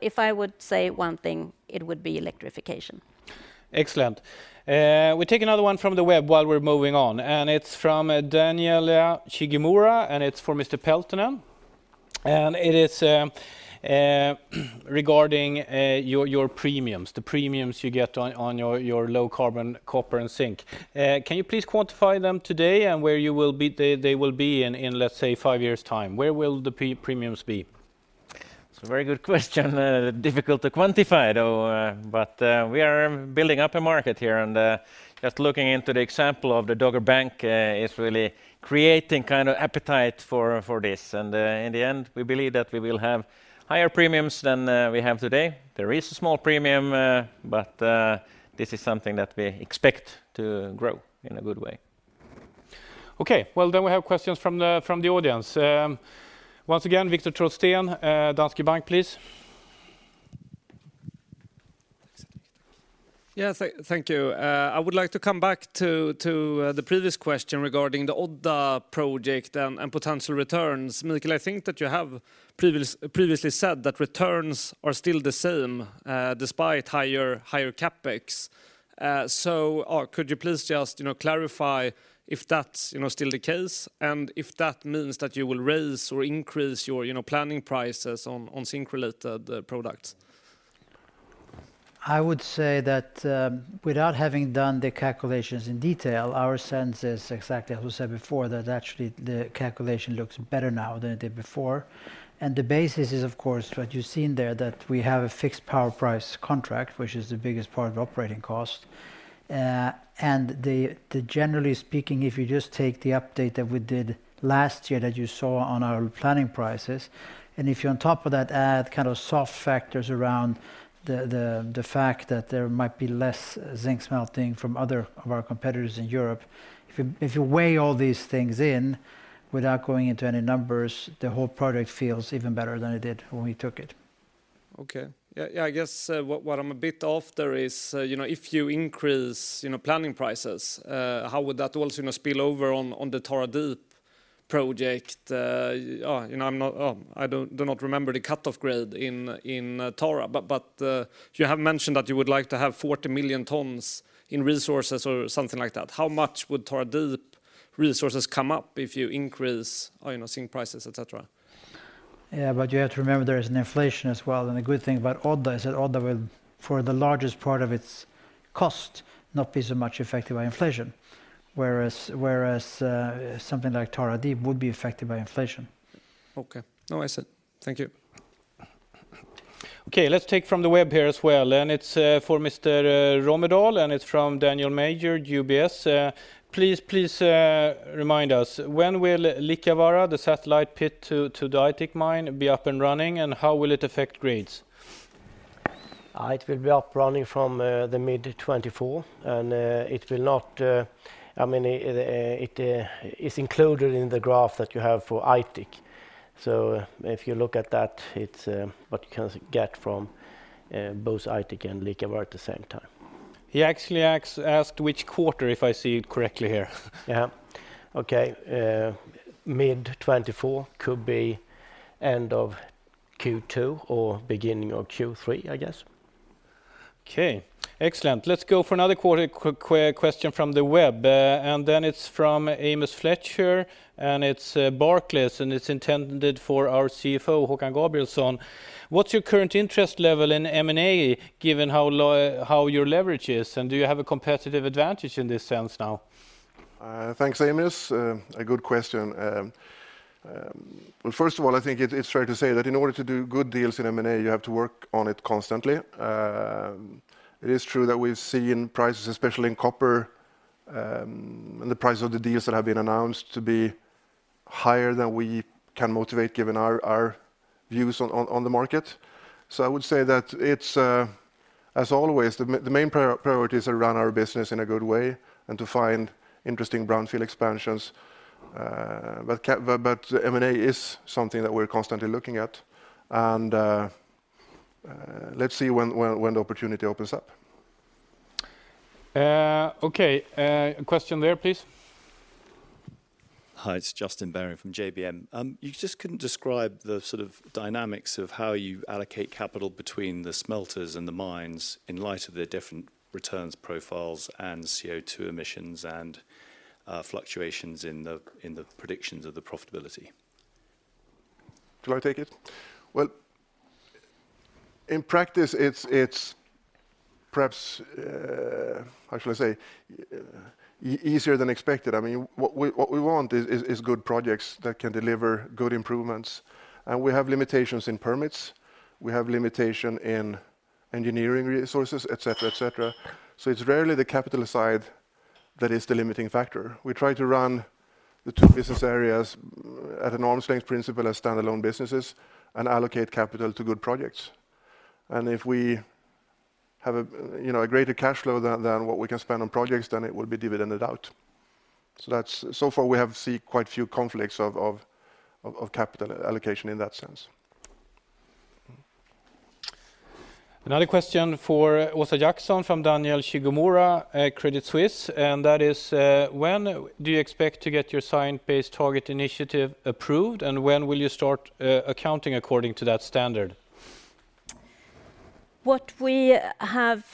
If I would say one thing, it would be electrification. Excellent. We take another one from the web while we're moving on, and it's from Daniel Shigemura, and it's for Mr. Peltonen. It is regarding your premiums, the premiums you get on your Low-Carbon Copper and zinc. Can you please quantify them today and where they will be in, let's say, five years' time? Where will the premiums be? It's a very good question, difficult to quantify though. We are building up a market here, and just looking into the example of the Dogger Bank is really creating kind of appetite for this. In the end, we believe that we will have higher premiums than we have today. There is a small premium, but this is something that we expect to grow in a good way. Okay. Well, we have questions from the audience. Once again, Viktor Trollsten, Danske Bank, please. Thanks. Yes. Thank you. I would like to come back to the previous question regarding the Odda project and potential returns. Mikael, I think that you have previously said that returns are still the same, despite higher CapEx. Could you please just, you know, clarify if that's, you know, still the case and if that means that you will raise or increase your, you know, planning prices on zinc-related products? I would say that, without having done the calculations in detail, our sense is exactly as we said before, that actually the calculation looks better now than it did before. The basis is of course what you've seen there, that we have a fixed power price contract, which is the biggest part of operating cost. Then, generally speaking, if you just take the update that we did last year that you saw on our planning prices, and if you on top of that add kind of soft factors around the fact that there might be less zinc smelting from other of our competitors in Europe. If you weigh all these things in without going into any numbers, the whole project feels even better than it did when we took it. Okay. Yeah, I guess what I'm a bit after is, you know, if you increase planning prices, how would that also spill over on the Tara Deep project? I do not remember the cutoff grade in Tara, but you have mentioned that you would like to have 40,000,000 tons in resources or something like that. How much would Tara Deep resources come up if you increase zinc prices, et cetera? You have to remember there is an inflation as well, and a good thing about Odda is that Odda will, for the largest part of its cost, not be so much affected by inflation. Whereas, something like Tara Deep would be affected by inflation. Okay. No, I see. Thank you. Okay, let's take from the web here as well, and it's for Mr. Romedahl, and it's from Daniel Major, UBS. Please remind us, when will Liikavaara, the satellite pit to the Aitik mine be up and running, and how will it affect grades? It will be up and running from mid-2024, and, I mean, it is included in the graph that you have for Aitik. If you look at that, it's what you can get from both Aitik and Liikavaara at the same time. He actually asked which quarter, if I see it correctly here. Yeah. Okay. Mid 2024 could be end of Q2 or beginning of Q3, I guess. Okay. Excellent. Let's go for another quarter question from the web. It's from Amos Fletcher, and it's Barclays, and it's intended for our CFO, Håkan Gabrielsson. What's your current interest level in M&A given how your leverage is, and do you have a competitive advantage in this sense now? Thanks, Amos. A good question. Well, first of all, I think it's fair to say that in order to do good deals in M&A, you have to work on it constantly. It is true that we've seen prices, especially in copper, and the price of the deals that have been announced to be higher than we can motivate given our views on the market. I would say that it's, as always, the main priorities are to run our business in a good way and to find interesting brownfield expansions. M&A is something that we're constantly looking at, and let's see when the opportunity opens up. A question there, please. Hi, it's Justin Baron from JBM. If you just can describe the sort of dynamics of how you allocate capital between the smelters and the mines in light of the different returns profiles and CO2 emissions and fluctuations in the predictions of the profitability? Do I take it? Well, in practice, it's perhaps how should I say? Easier than expected. I mean, what we want is good projects that can deliver good improvements. We have limitations in permits. We have limitation in engineering resources, et cetera. It's rarely the capital side that is the limiting factor. We try to run the two business areas at an arm's length principle as standalone businesses and allocate capital to good projects. If we have a you know a greater cash flow than what we can spend on projects, then it will be dividended out. That's so far we have seen quite a few conflicts of capital allocation in that sense. Another question for Åsa Jackson from Daniel Shigemura at Credit Suisse, and that is, when do you expect to get your Science Based Targets initiative approved, and when will you start, accounting according to that standard? What we have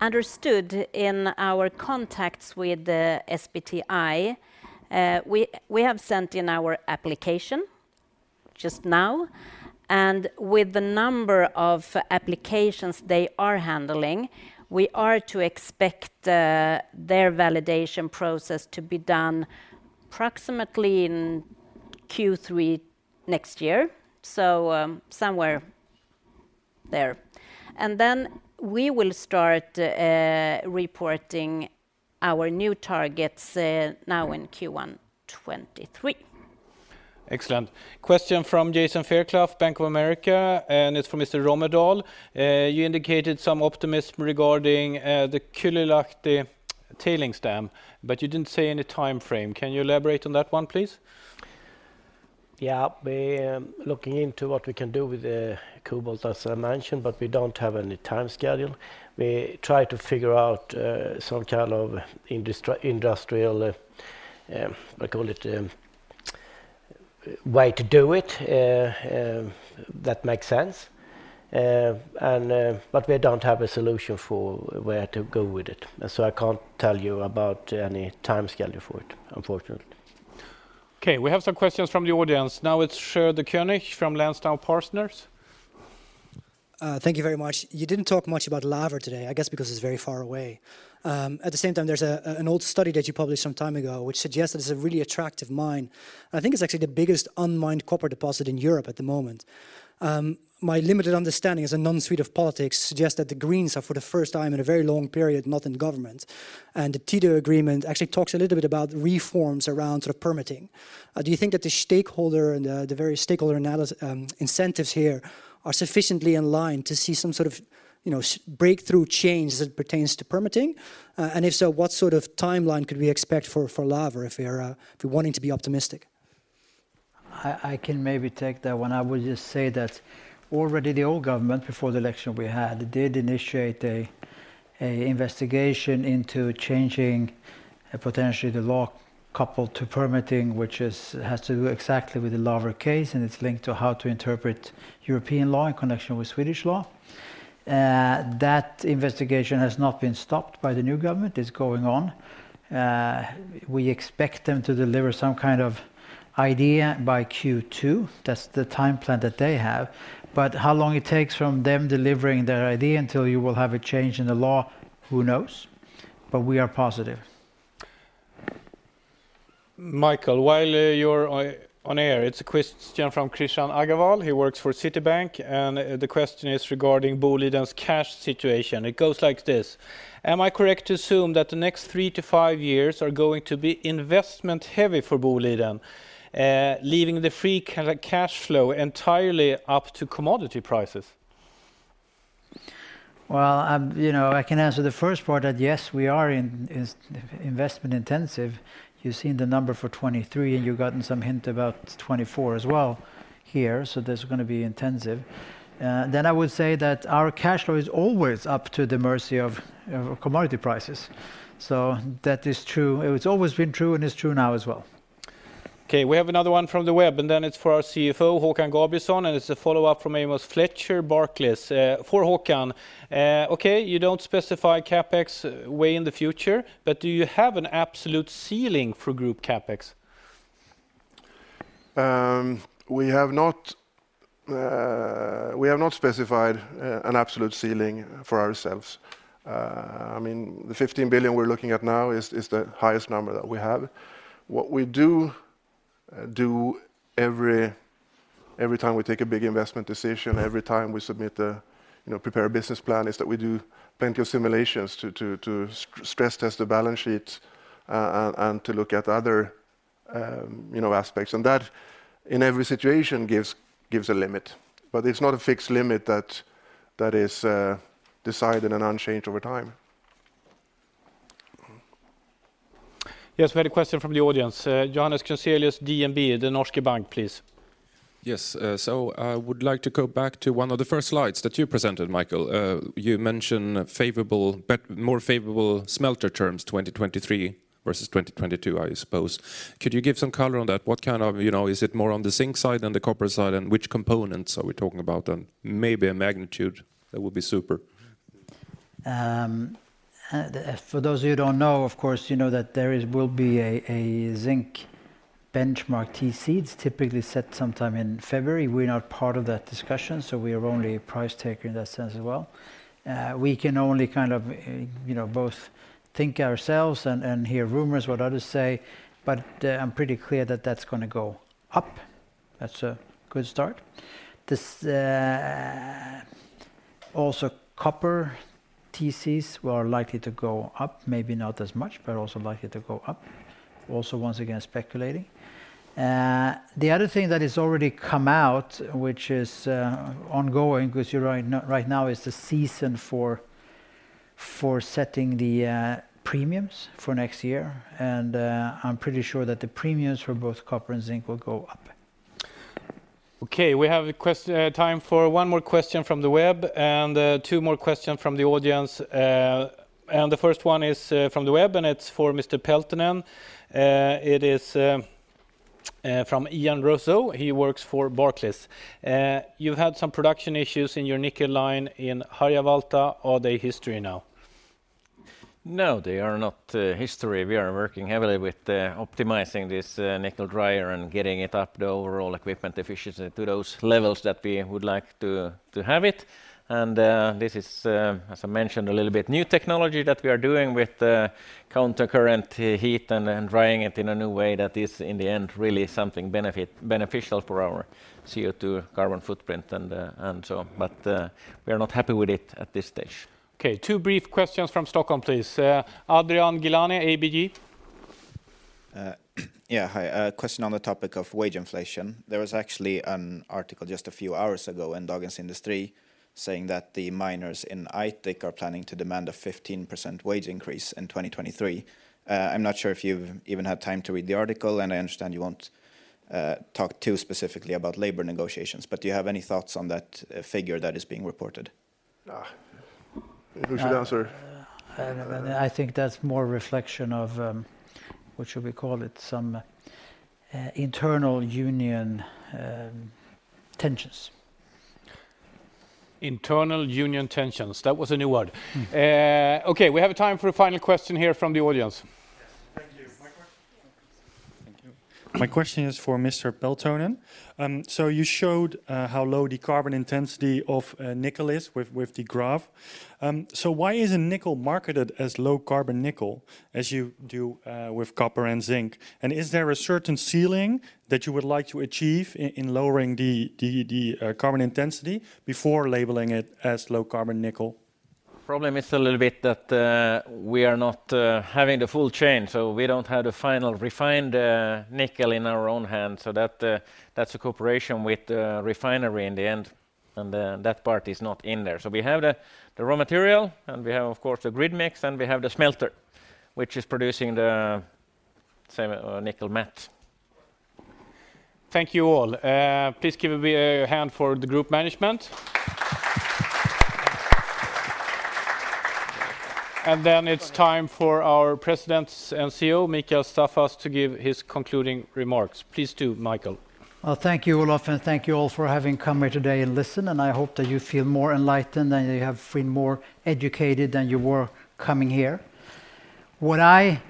understood in our contacts with the SBTi, we have sent in our application just now, and with the number of applications they are handling, we are to expect their validation process to be done approximately in Q3 next year. Somewhere there. We will start reporting our new targets now in Q1 2023. Excellent. Question from Jason Fairclough, Bank of America, and it's for Mr. Romedahl. You indicated some optimism regarding the Kylylahti tailings dam, but you didn't say any timeframe. Can you elaborate on that one, please? Yeah. We're looking into what we can do with the cobalt, as I mentioned, but we don't have any time schedule. We try to figure out some kind of industrial, what do you call it, way to do it that makes sense. We don't have a solution for where to go with it. I can't tell you about any time schedule for it, unfortunately. Okay, we have some questions from the audience. Now it's Sjoerd de Koning from Lansdowne Partners. Thank you very much. You didn't talk much about Laver today, I guess because it's very far away. At the same time, there's an old study that you published some time ago which suggests that it's a really attractive mine. I think it's actually the biggest unmined copper deposit in Europe at the moment. My limited understanding of Swedish politics suggests that the Greens are, for the first time in a very long period, not in government, and the treaty agreement actually talks a little bit about reforms around sort of permitting. Do you think that the stakeholder and the various stakeholder incentives here are sufficiently in line to see some sort of, you know, breakthrough change that pertains to permitting? If so, what sort of timeline could we expect for Laver if we're wanting to be optimistic? I can maybe take that one. I would just say that already the old government before the election we had did initiate a investigation into changing potentially the law coupled to permitting, which is. It has to do exactly with the Laver case, and it's linked to how to interpret European law in connection with Swedish law. That investigation has not been stopped by the new government. It's going on. We expect them to deliver some kind of idea by Q2. That's the time plan that they have, but how long it takes from them delivering their idea until you will have a change in the law, who knows? We are positive. Mikael, while you're on air, it's a question from Krishan Agarwal. He works for Citibank, and the question is regarding Boliden's cash situation. It goes like this: Am I correct to assume that the next three to five years are going to be investment heavy for Boliden, leaving the free cash flow entirely up to commodity prices? Well, you know, I can answer the first part that, yes, we are in investment intensive. You've seen the number for 2023, and you've gotten some hint about 2024 as well here, so that's gonna be intensive. Then I would say that our cash flow is always up to the mercy of commodity prices, so that is true. It's always been true, and it's true now as well. Okay, we have another one from the web, and then it's for our CFO, Håkan Gabrielsson, and it's a follow-up from Amos Fletcher, Barclays. For Håkan, you don't specify CapEx way in the future, but do you have an absolute ceiling for group CapEx? We have not specified an absolute ceiling for ourselves. I mean, the 15 billion we're looking at now is the highest number that we have. What we do every time we take a big investment decision, every time we prepare a business plan, is that we do plenty of simulations to stress test the balance sheet, and to look at other, you know, aspects. That, in every situation, gives a limit, but it's not a fixed limit that is decided and unchanged over time. Yes, we have a question from the audience. Johannes Grunselius, DNB, Den Norske Bank, please. Yes, I would like to go back to one of the first slides that you presented, Mikael. You mentioned favorable but more favorable smelter terms 2023 versus 2022, I suppose. Could you give some color on that? You know, is it more on the zinc side than the copper side, and which components are we talking about, and maybe a magnitude? That would be super. For those of you who don't know, of course you know that there will be a zinc benchmark TC. It's typically set sometime in February. We're not part of that discussion, so we are only a price taker in that sense as well. We can only kind of, you know, both think ourselves and hear rumors what others say, but I'm pretty clear that that's gonna go up. That's a good start. This also copper TCs are likely to go up, maybe not as much, but also likely to go up. Also once again speculating. The other thing that has already come out, which is ongoing 'cause right now is the season for setting the premiums for next year, and I'm pretty sure that the premiums for both copper and zinc will go up. Okay, we have time for one more question from the web and two more questions from the audience. The first one is from the web, and it's for Mr. Peltonen. It is from Ian Rousseau. He works for Barclays. You had some production issues in your nickel line in Harjavalta. Are they history now? No, they are not history. We are working heavily with optimizing this nickel dryer and getting it up to overall equipment efficiency to those levels that we would like to have it. This is, as I mentioned a little bit, new technology that we are doing with the countercurrent heat and drying it in a new way that is in the end really something beneficial for our CO2 carbon footprint and so on. We are not happy with it at this stage. Okay, two brief questions from Stockholm, please. Adrian Gilani, ABG. A question on the topic of wage inflation. There was actually an article just a few hours ago in Dagens Industri saying that the miners in Aitik are planning to demand a 15% wage increase in 2023. I'm not sure if you've even had time to read the article, and I understand you won't talk too specifically about labor negotiations, but do you have any thoughts on that figure that is being reported? Who should answer? I think that's more a reflection of what should we call it? Some internal union tensions. Internal union tensions. That was a new word. Okay, we have a time for a final question here from the audience. Yes. Thank you. Microphone? Thank you. My question is for Mr. Peltonen. You showed how low the carbon intensity of nickel is with the graph. Why isn't nickel marketed as low carbon nickel as you do with copper and zinc? Is there a certain ceiling that you would like to achieve in lowering the carbon intensity before labeling it as low carbon nickel? Problem is a little bit that we are not having the full chain, so we don't have the final refined nickel in our own hands, so that's a cooperation with the refinery in the end, and that part is not in there. We have the raw material, and we have, of course, the grid mix, and we have the smelter, which is producing the same nickel matte. Thank you, all. Please give a big hand for the group management. Then it's time for our presidents and CEO, Mikael Staffas, to give his concluding remarks. Please do, Mikael. Well, thank you, Olof, and thank you all for having come here today and listen, and I hope that you feel more enlightened and you have feel more educated than you were coming here. What I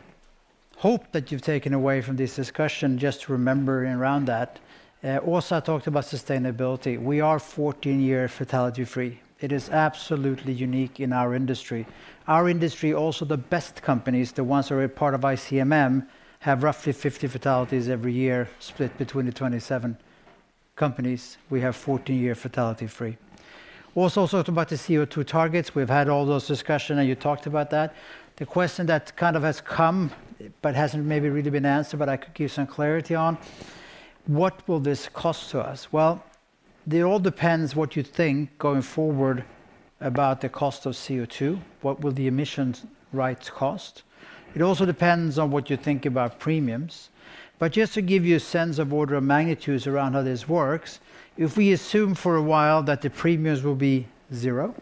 hope that you've taken away from this discussion, just to remember around that, also I talked about sustainability. We are 14-year fatality free. It is absolutely unique in our industry. Our industry, also the best companies, the ones that are a part of ICMM, have roughly 50 fatalities every year split between the 27 companies. We have 14-year fatality free. Also talked about the CO2 targets. We've had all those discussion, and you talked about that. The question that kind of has come but hasn't maybe really been answered, but I could give some clarity on, what will this cost to us? Well, that all depends what you think going forward about the cost of CO2, what will the emissions rights cost. It also depends on what you think about premiums. Just to give you a sense of order of magnitude around how this works, if we assume for a while that the premiums will be zero,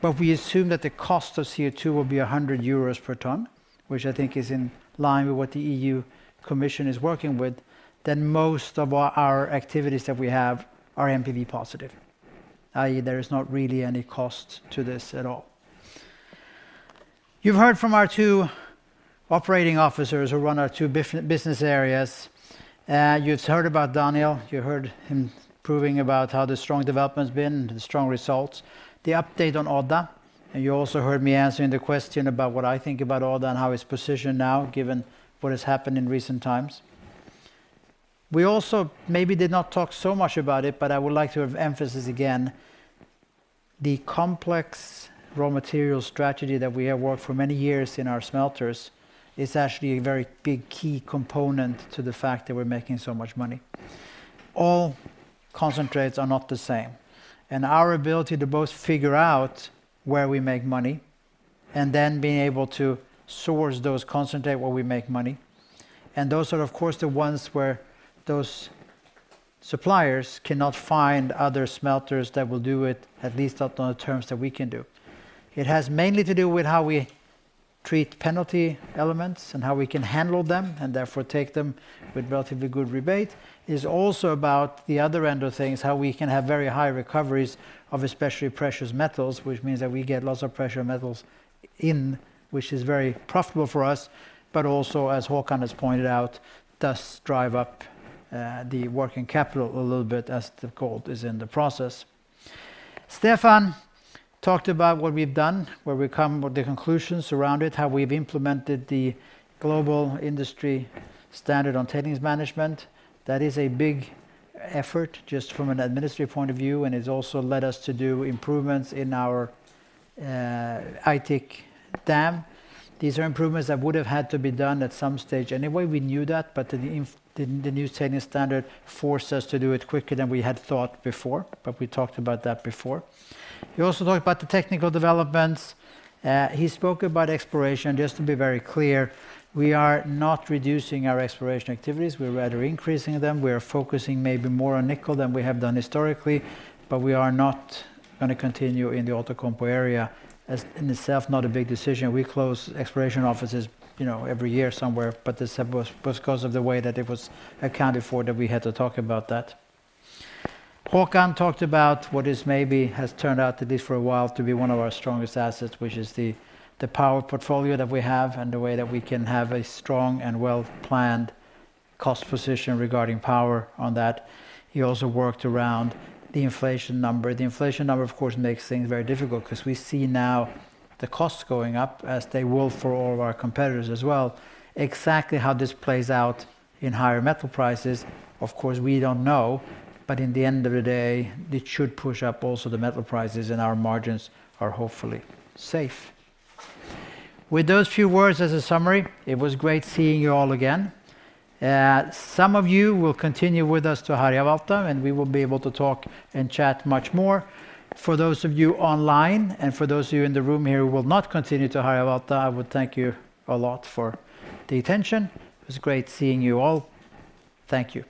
but we assume that the cost of CO2 will be 100 euros per ton, which I think is in line with what the EU Commission is working with, then most of our activities that we have are NPV positive. I.e., there is not really any cost to this at all. You've heard from our two operating officers who run our two business areas. You've heard about Daniel. You heard him going on about how the strong development's been, the strong results, the update on Odda, and you also heard me answering the question about what I think about Odda and how it's positioned now given what has happened in recent times. We also maybe did not talk so much about it, but I would like to emphasize again, the complex raw material strategy that we have worked for many years in our smelters is actually a very big key component to the fact that we're making so much money. All concentrates are not the same, and our ability to both figure out where we make money and then being able to source those concentrates where we make money, and those are, of course, the ones where those suppliers cannot find other smelters that will do it, at least not on the terms that we can do. It has mainly to do with how we treat penalty elements and how we can handle them, and therefore take them with relatively good rebate. It's also about the other end of things, how we can have very high recoveries of especially precious metals, which means that we get lots of precious metals in, which is very profitable for us, but also, as Håkan has pointed out, does drive up the working capital a little bit as the gold is in the process. Stefan talked about what we've done, where we've come, what the conclusions around it, how we've implemented the global industry standard on tailings management. That is a big effort just from an administrative point of view, and it's also led us to do improvements in our Aitik dam. These are improvements that would have had to be done at some stage anyway. We knew that, but the new tailings standard forced us to do it quicker than we had thought before, but we talked about that before. He also talked about the technical developments. He spoke about exploration. Just to be very clear, we are not reducing our exploration activities. We're rather increasing them. We're focusing maybe more on nickel than we have done historically, but we are not gonna continue in the Outokumpu area. In itself, not a big decision. We close exploration offices, you know, every year somewhere, but this was because of the way that it was accounted for that we had to talk about that. Håkan talked about what maybe has turned out at least for a while to be one of our strongest assets, which is the power portfolio that we have and the way that we can have a strong and well-planned cost position regarding power on that. He also worked around the inflation number. The inflation number, of course, makes things very difficult 'cause we see now the costs going up as they will for all of our competitors as well. Exactly how this plays out in higher metal prices, of course, we don't know. In the end of the day, it should push up also the metal prices, and our margins are hopefully safe. With those few words as a summary, it was great seeing you all again. Some of you will continue with us to Harjavalta, and we will be able to talk and chat much more. For those of you online and for those of you in the room here who will not continue to Harjavalta, I would thank you a lot for the attention. It was great seeing you all. Thank you.